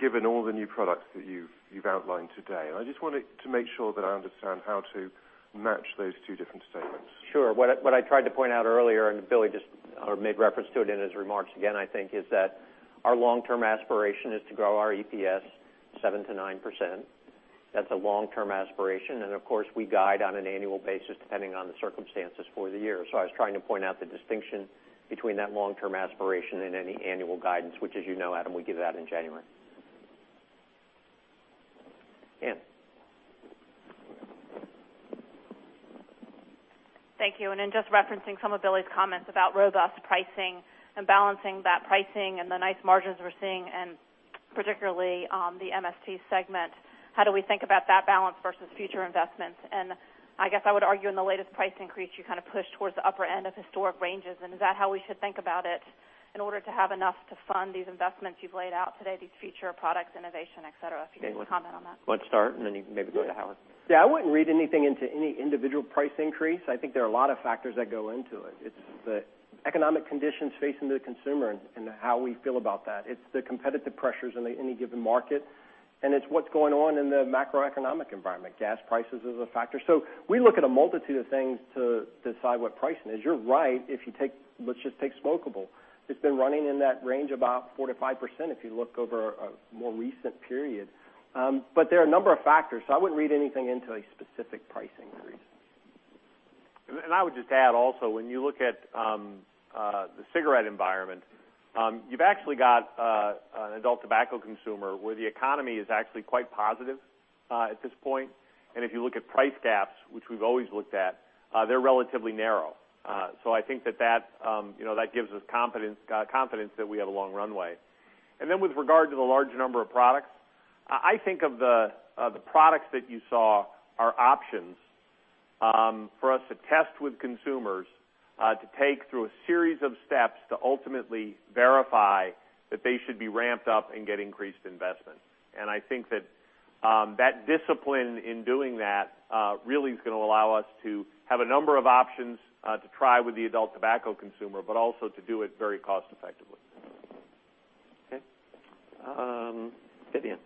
Given all the new products that you've outlined today, I just wanted to make sure that I understand how to match those two different statements. Sure. What I tried to point out earlier, Billy just made reference to it in his remarks again, I think, is that our long-term aspiration is to grow our EPS 7%-9%. That's a long-term aspiration. Of course, we guide on an annual basis, depending on the circumstances for the year. I was trying to point out the distinction between that long-term aspiration and any annual guidance, which as you know, Adam, we give that in January. Anne. Thank you. In just referencing some of Billy's comments about robust pricing and balancing that pricing and the nice margins we're seeing, particularly on the MST segment, how do we think about that balance versus future investments? I guess I would argue in the latest price increase, you kind of pushed towards the upper end of historic ranges, is that how we should think about it in order to have enough to fund these investments you've laid out today, these future products, innovation, et cetera? If you can comment on that. Why don't you start, then you can maybe go to Howard? Yeah, I wouldn't read anything into any individual price increase. I think there are a lot of factors that go into it. It's the economic conditions facing the consumer and how we feel about that. It's the competitive pressures in any given market, and it's what's going on in the macroeconomic environment. Gas prices is a factor. We look at a multitude of things to decide what pricing is. You're right. Let's just take smokable. It's been running in that range about 4%-5% if you look over a more recent period. There are a number of factors, I wouldn't read anything into a specific price increase. I would just add also, when you look at the cigarette environment, you've actually got an adult tobacco consumer where the economy is actually quite positive at this point. If you look at price gaps, which we've always looked at, they're relatively narrow. I think that gives us confidence that we have a long runway. With regard to the large number of products, I think of the products that you saw are options for us to test with consumers to take through a series of steps to ultimately verify that they should be ramped up and get increased investment. I think that that discipline in doing that really is going to allow us to have a number of options to try with the adult tobacco consumer, but also to do it very cost effectively. Okay. Vivien.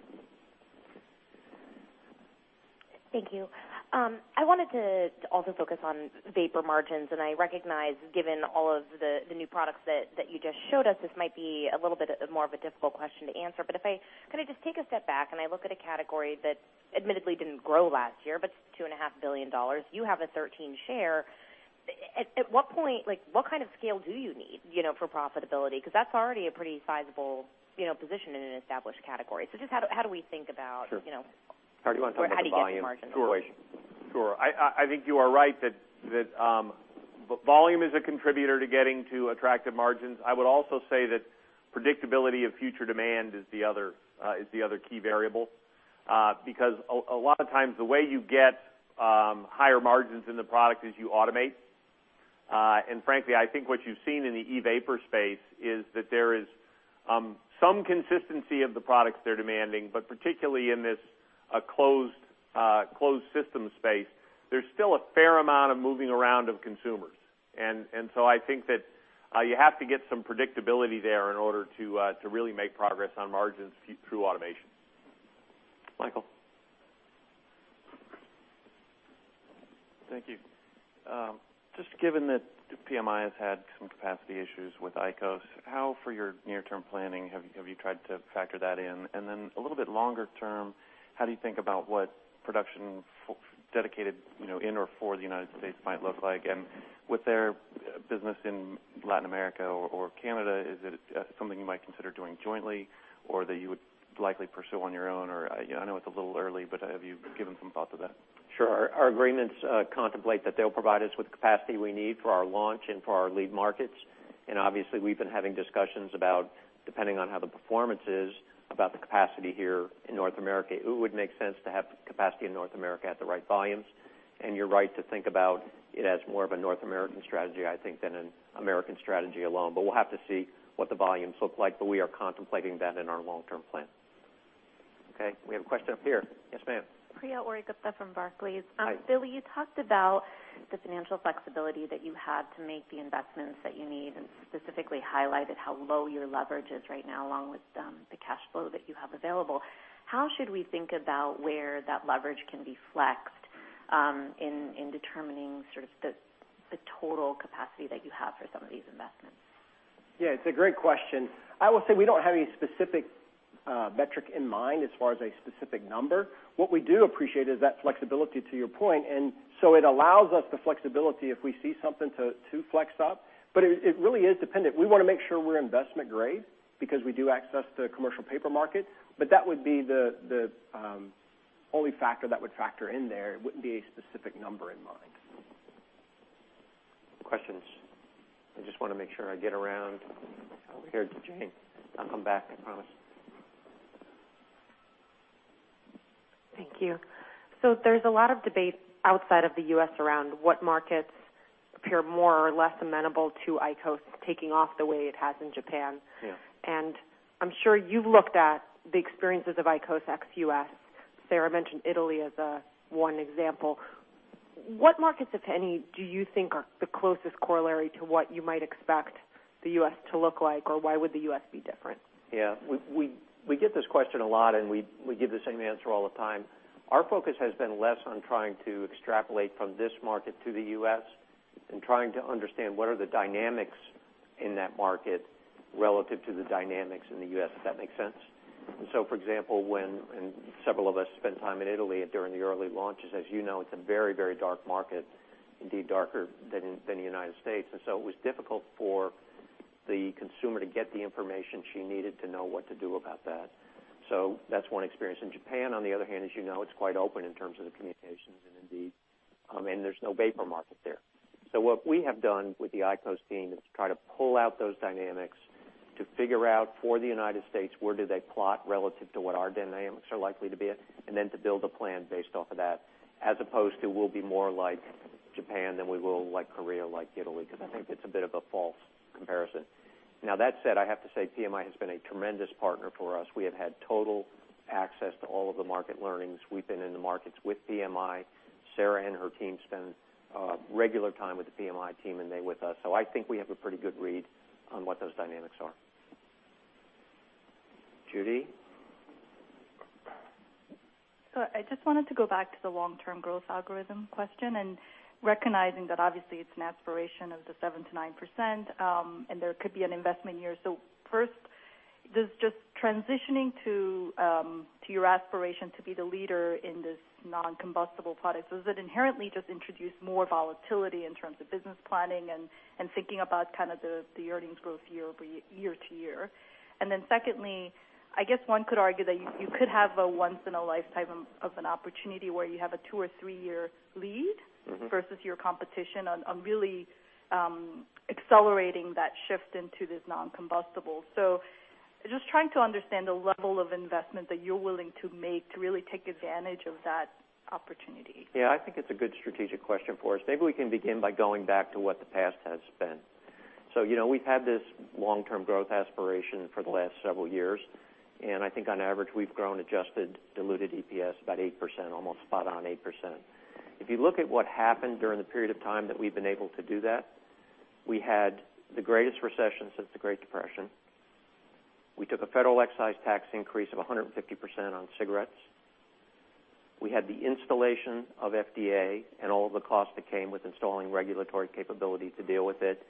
Thank you. I wanted to also focus on vapor margins, I recognize given all of the new products that you just showed us, this might be a little bit more of a difficult question to answer. If I just take a step back and I look at a category that admittedly didn't grow last year, $2.5 billion, you have a 13% share. What kind of scale do you need for profitability? Because that's already a pretty sizable position in an established category. Just how do we think about Sure. Howard, do you want to talk about the volume correlation? How do you get the margin? Sure. I think you are right that volume is a contributor to getting to attractive margins. I would also say that predictability of future demand is the other key variable. A lot of times, the way you get higher margins in the product is you automate. Frankly, I think what you've seen in the e-vapor space is that there is some consistency of the products they're demanding, but particularly in this closed system space, there's still a fair amount of moving around of consumers. I think that you have to get some predictability there in order to really make progress on margins through automation. Michael. Thank you. Just given that PMI has had some capacity issues with IQOS, how for your near-term planning have you tried to factor that in? A little bit longer term, how do you think about what production dedicated in or for the United States might look like? With their business in Latin America or Canada, is it something you might consider doing jointly or that you would likely pursue on your own? I know it's a little early, but have you given some thought to that? Sure. Our agreements contemplate that they'll provide us with the capacity we need for our launch and for our lead markets. Obviously, we've been having discussions about, depending on how the performance is, about the capacity here in North America. It would make sense to have capacity in North America at the right volumes. You're right to think about it as more of a North American strategy, I think, than an American strategy alone. We'll have to see what the volumes look like. We are contemplating that in our long-term plan. Okay, we have a question up here. Yes, ma'am. Priya Ohri-Gupta from Barclays. Hi. Billy, you talked about the financial flexibility that you had to make the investments that you need, and specifically highlighted how low your leverage is right now, along with the cash flow that you have available. How should we think about where that leverage can be flexed in determining sort of the total capacity that you have for some of these investments? Yeah, it's a great question. I will say we don't have any specific metric in mind as far as a specific number. What we do appreciate is that flexibility to your point. It allows us the flexibility if we see something to flex up. It really is dependent. We want to make sure we're investment grade because we do access the commercial paper market. That would be the only factor that would factor in there. It wouldn't be a specific number in mind. Questions? I just want to make sure I get around over here to Jane. I'll come back, I promise. Thank you. There's a lot of debate outside of the U.S. around what markets appear more or less amenable to IQOS taking off the way it has in Japan. Yeah. I'm sure you've looked at the experiences of IQOS ex-U.S. Sarah mentioned Italy as one example. What markets, if any, do you think are the closest corollary to what you might expect the U.S. to look like? Why would the U.S. be different? We get this question a lot. We give the same answer all the time. Our focus has been less on trying to extrapolate from this market to the U.S. and trying to understand what are the dynamics in that market relative to the dynamics in the U.S., if that makes sense. For example, when several of us spent time in Italy during the early launches, as you know, it's a very dark market, indeed darker than the United States. It was difficult for the consumer to get the information she needed to know what to do about that. That's one experience. In Japan, on the other hand, as you know, it's quite open in terms of the communications. There's no vapor market there. What we have done with the IQOS team is try to pull out those dynamics to figure out, for the United States, where do they plot relative to what our dynamics are likely to be at, then to build a plan based off of that, as opposed to we'll be more like Japan than we will like Korea, like Italy, because I think it's a bit of a false comparison. Now, that said, I have to say PMI has been a tremendous partner for us. We have had total access to all of the market learnings. We've been in the markets with PMI. Sarah and her team spend regular time with the PMI team, and they with us. I think we have a pretty good read on what those dynamics are. Judy? I just wanted to go back to the long-term growth algorithm question, recognizing that obviously it's an aspiration of the 7%-9%. There could be an investment here. First, does just transitioning to your aspiration to be the leader in this non-combustible product, does it inherently just introduce more volatility in terms of business planning and thinking about the earnings growth year-to-year? Then secondly, I guess one could argue that you could have a once-in-a-lifetime of an opportunity where you have a two- or three-year lead versus your competition on really accelerating that shift into this non-combustible. Just trying to understand the level of investment that you're willing to make to really take advantage of that opportunity. I think it's a good strategic question for us. Maybe we can begin by going back to what the past has been. We've had this long-term growth aspiration for the last several years, and I think on average, we've grown adjusted diluted EPS about 8%, almost spot on 8%. If you look at what happened during the period of time that we've been able to do that, we had the greatest recession since the Great Depression. We took a federal excise tax increase of 150% on cigarettes. We had the installation of FDA and all the costs that came with installing regulatory capability to deal with it.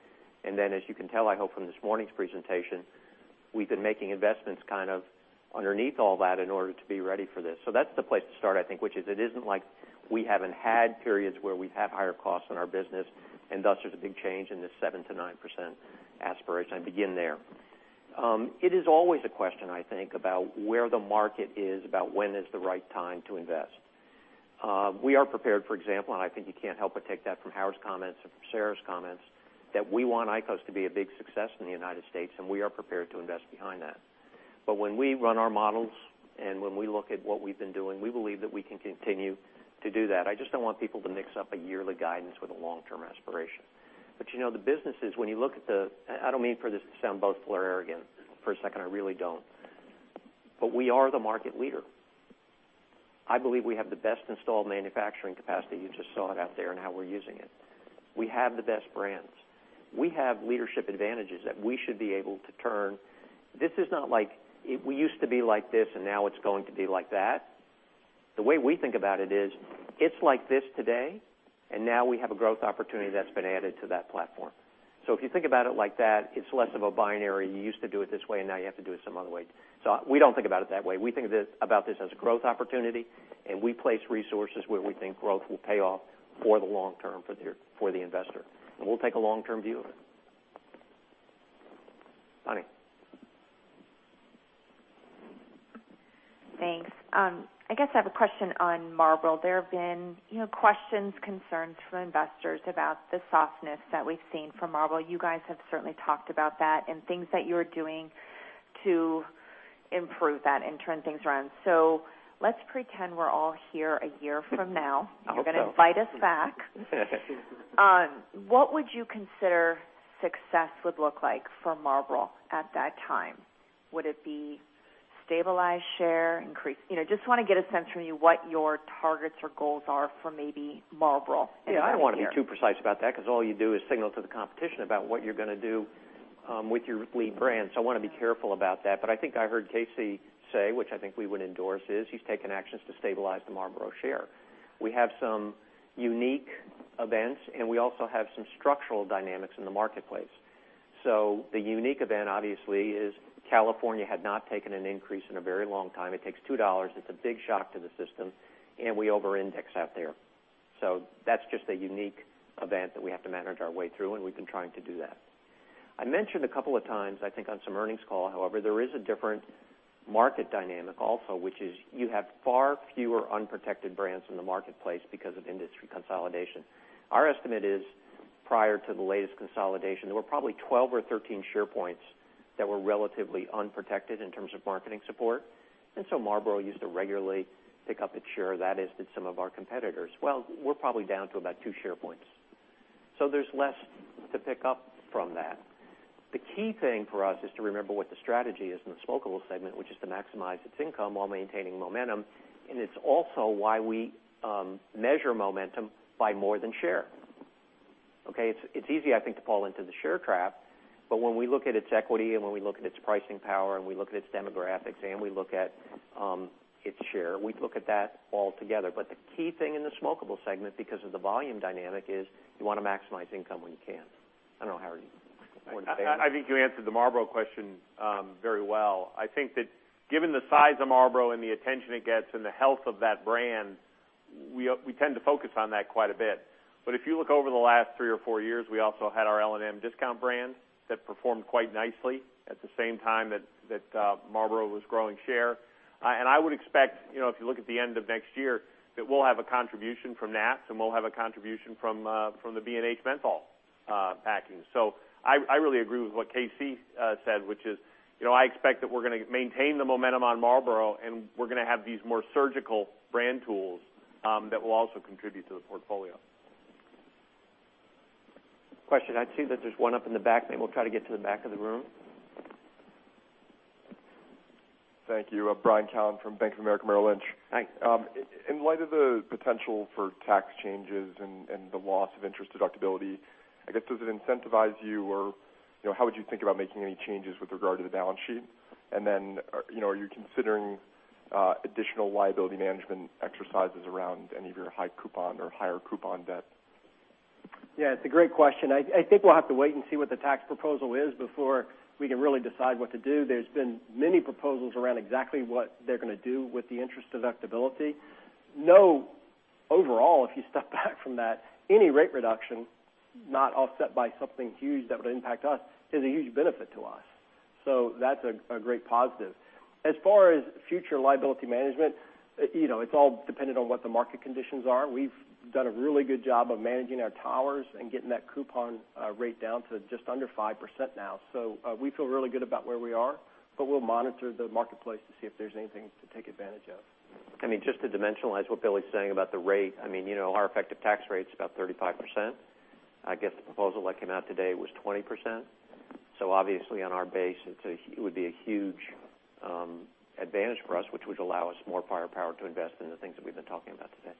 As you can tell, I hope, from this morning's presentation, we've been making investments underneath all that in order to be ready for this. That's the place to start, I think, which is it isn't like we haven't had periods where we've had higher costs in our business, and thus there's a big change in this 7%-9% aspiration. I begin there. It is always a question, I think, about where the market is, about when is the right time to invest. We are prepared, for example, and I think you can't help but take that from Howard's comments or from Sarah's comments, that we want IQOS to be a big success in the U.S., and we are prepared to invest behind that. When we run our models and when we look at what we've been doing, we believe that we can continue to do that. I just don't want people to mix up a yearly guidance with a long-term aspiration. The business is, when you look at the-- I don't mean for this to sound boastful or arrogant for a second, I really don't. We are the market leader. I believe we have the best installed manufacturing capacity. You just saw it out there in how we're using it. We have the best brands. We have leadership advantages that we should be able to turn. This is not like we used to be like this and now it's going to be like that. The way we think about it is, it's like this today, and now we have a growth opportunity that's been added to that platform. If you think about it like that, it's less of a binary, you used to do it this way, and now you have to do it some other way. We don't think about it that way. We think about this as a growth opportunity, and we place resources where we think growth will pay off for the long term for the investor. We'll take a long-term view of it. Bonnie. Thanks. I guess I have a question on Marlboro. There have been questions, concerns from investors about the softness that we've seen from Marlboro. You guys have certainly talked about that and things that you're doing to improve that and turn things around. Let's pretend we're all here a year from now. I hope so. You're going to invite us back. What would you consider success would look like for Marlboro at that time? Would it be stabilized share increase? Just want to get a sense from you what your targets or goals are for maybe Marlboro in about a year. Yeah, I don't want to be too precise about that because all you do is signal to the competition about what you're going to do with your lead brand. I want to be careful about that. I think I heard Casey say, which I think we would endorse, is he's taken actions to stabilize the Marlboro share. We have some unique events, and we also have some structural dynamics in the marketplace. The unique event, obviously, is California had not taken an increase in a very long time. It takes $2. It's a big shock to the system, and we over-index out there. That's just a unique event that we have to manage our way through, and we've been trying to do that. I mentioned a couple of times, I think on some earnings call. However, there is a different market dynamic also, which is you have far fewer unprotected brands in the marketplace because of industry consolidation. Our estimate is, prior to the latest consolidation, there were probably 12 or 13 share points that were relatively unprotected in terms of marketing support. Marlboro used to regularly pick up its share. That is, did some of our competitors. We're probably down to about 2 share points, so there's less to pick up from that. The key thing for us is to remember what the strategy is in the smokable segment, which is to maximize its income while maintaining momentum. It's also why we measure momentum by more than share. It's easy, I think, to fall into the share trap, when we look at its equity and when we look at its pricing power and we look at its demographics and we look at its share, we look at that all together. The key thing in the smokable segment, because of the volume dynamic, is you want to maximize income when you can. I don't know, Howard, you want to- I think you answered the Marlboro question very well. I think that given the size of Marlboro and the attention it gets and the health of that brand, we tend to focus on that quite a bit. If you look over the last three or four years, we also had our L&M discount brand that performed quite nicely at the same time that Marlboro was growing share. I would expect, if you look at the end of next year, that we'll have a contribution from that, and we'll have a contribution from the B&H Menthol package. I really agree with what K.C. said, which is, I expect that we're going to maintain the momentum on Marlboro, and we're going to have these more surgical brand tools that will also contribute to the portfolio. Question. I see that there's one up in the back. Maybe we'll try to get to the back of the room. Thank you. Bryan Spillane from Bank of America Merrill Lynch. Hi. In light of the potential for tax changes and the loss of interest deductibility, I guess, does it incentivize you or how would you think about making any changes with regard to the balance sheet? Then, are you considering additional liability management exercises around any of your high coupon or higher coupon debt? Yeah, it's a great question. I think we'll have to wait and see what the tax proposal is before we can really decide what to do. There's been many proposals around exactly what they're going to do with the interest deductibility. You know, overall, if you step back from that, any rate reduction, not offset by something huge that would impact us, is a huge benefit to us. That's a great positive. As far as future liability management, it's all dependent on what the market conditions are. We've done a really good job of managing our towers and getting that coupon rate down to just under 5% now. We feel really good about where we are. We'll monitor the marketplace to see if there's anything to take advantage of. Just to dimensionalize what Billy's saying about the rate, our effective tax rate's about 35%. I guess the proposal that came out today was 20%. Obviously on our base, it would be a huge advantage for us, which would allow us more firepower to invest in the things that we've been talking about today.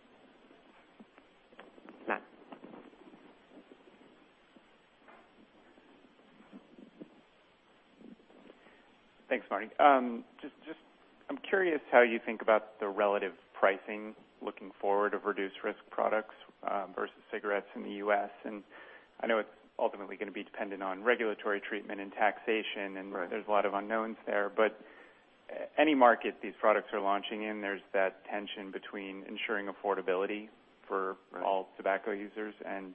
Matt? Thanks, Marty. Just, I'm curious how you think about the relative pricing looking forward of reduced-risk products versus cigarettes in the U.S. I know it's ultimately going to be dependent on regulatory treatment and taxation. Right There's a lot of unknowns there. Any market these products are launching in, there's that tension between ensuring affordability for Right all tobacco users and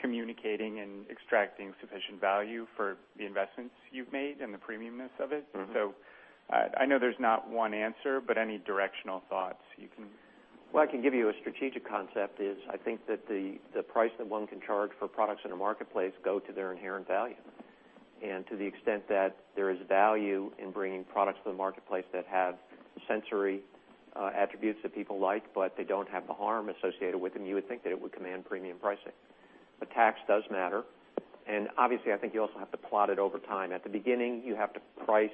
communicating and extracting sufficient value for the investments you've made and the premium-ness of it. I know there's not one answer. Well, I can give you a strategic concept is I think that the price that one can charge for products in a marketplace go to their inherent value. To the extent that there is value in bringing products to the marketplace that have sensory attributes that people like, but they don't have the harm associated with them, you would think that it would command premium pricing. Tax does matter, and obviously, I think you also have to plot it over time. At the beginning, you have to price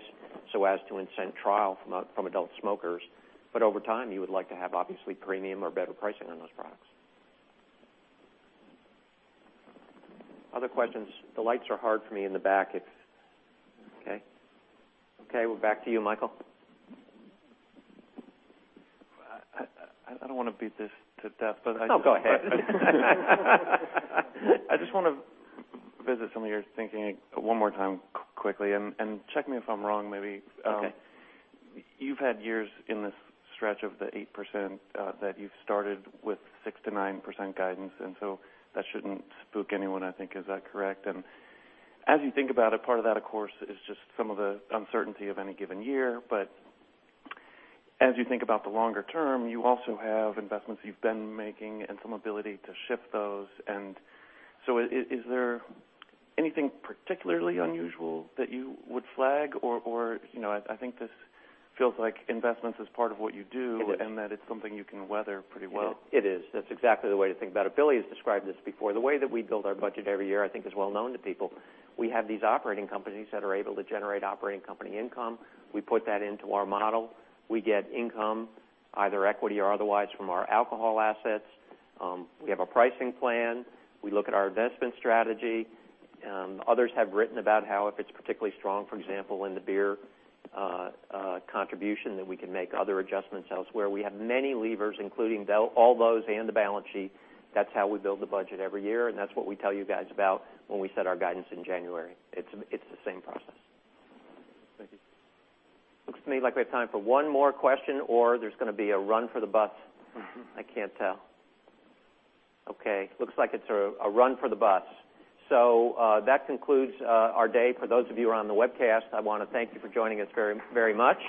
so as to incent trial from adult smokers. Over time, you would like to have, obviously, premium or better pricing on those products. Other questions? The lights are hard for me in the back if Okay. Okay, we're back to you, Michael. I don't want to beat this to death, but I just- No, go ahead. I just want to visit some of your thinking one more time quickly, and check me if I'm wrong, maybe. Okay. You've had years in this stretch of the 8% that you've started with 6%-9% guidance. That shouldn't spook anyone, I think. Is that correct? As you think about it, part of that, of course, is just some of the uncertainty of any given year. As you think about the longer term, you also have investments you've been making and some ability to shift those. Is there anything particularly unusual that you would flag? I think this feels like investments is part of what you do- It is That it's something you can weather pretty well. It is. That's exactly the way to think about it. Billy has described this before. The way that we build our budget every year, I think, is well known to people. We have these operating companies that are able to generate operating company income. We put that into our model. We get income, either equity or otherwise, from our alcohol assets. We have a pricing plan. We look at our investment strategy. Others have written about how, if it's particularly strong, for example, in the beer contribution, that we can make other adjustments elsewhere. We have many levers, including all those and the balance sheet. That's how we build the budget every year. That's what we tell you guys about when we set our guidance in January. It's the same process. Thank you. Looks to me like we have time for one more question, or there's going to be a run for the bus. I can't tell. Okay, looks like it's a run for the bus. That concludes our day. For those of you who are on the webcast, I want to thank you for joining us very much.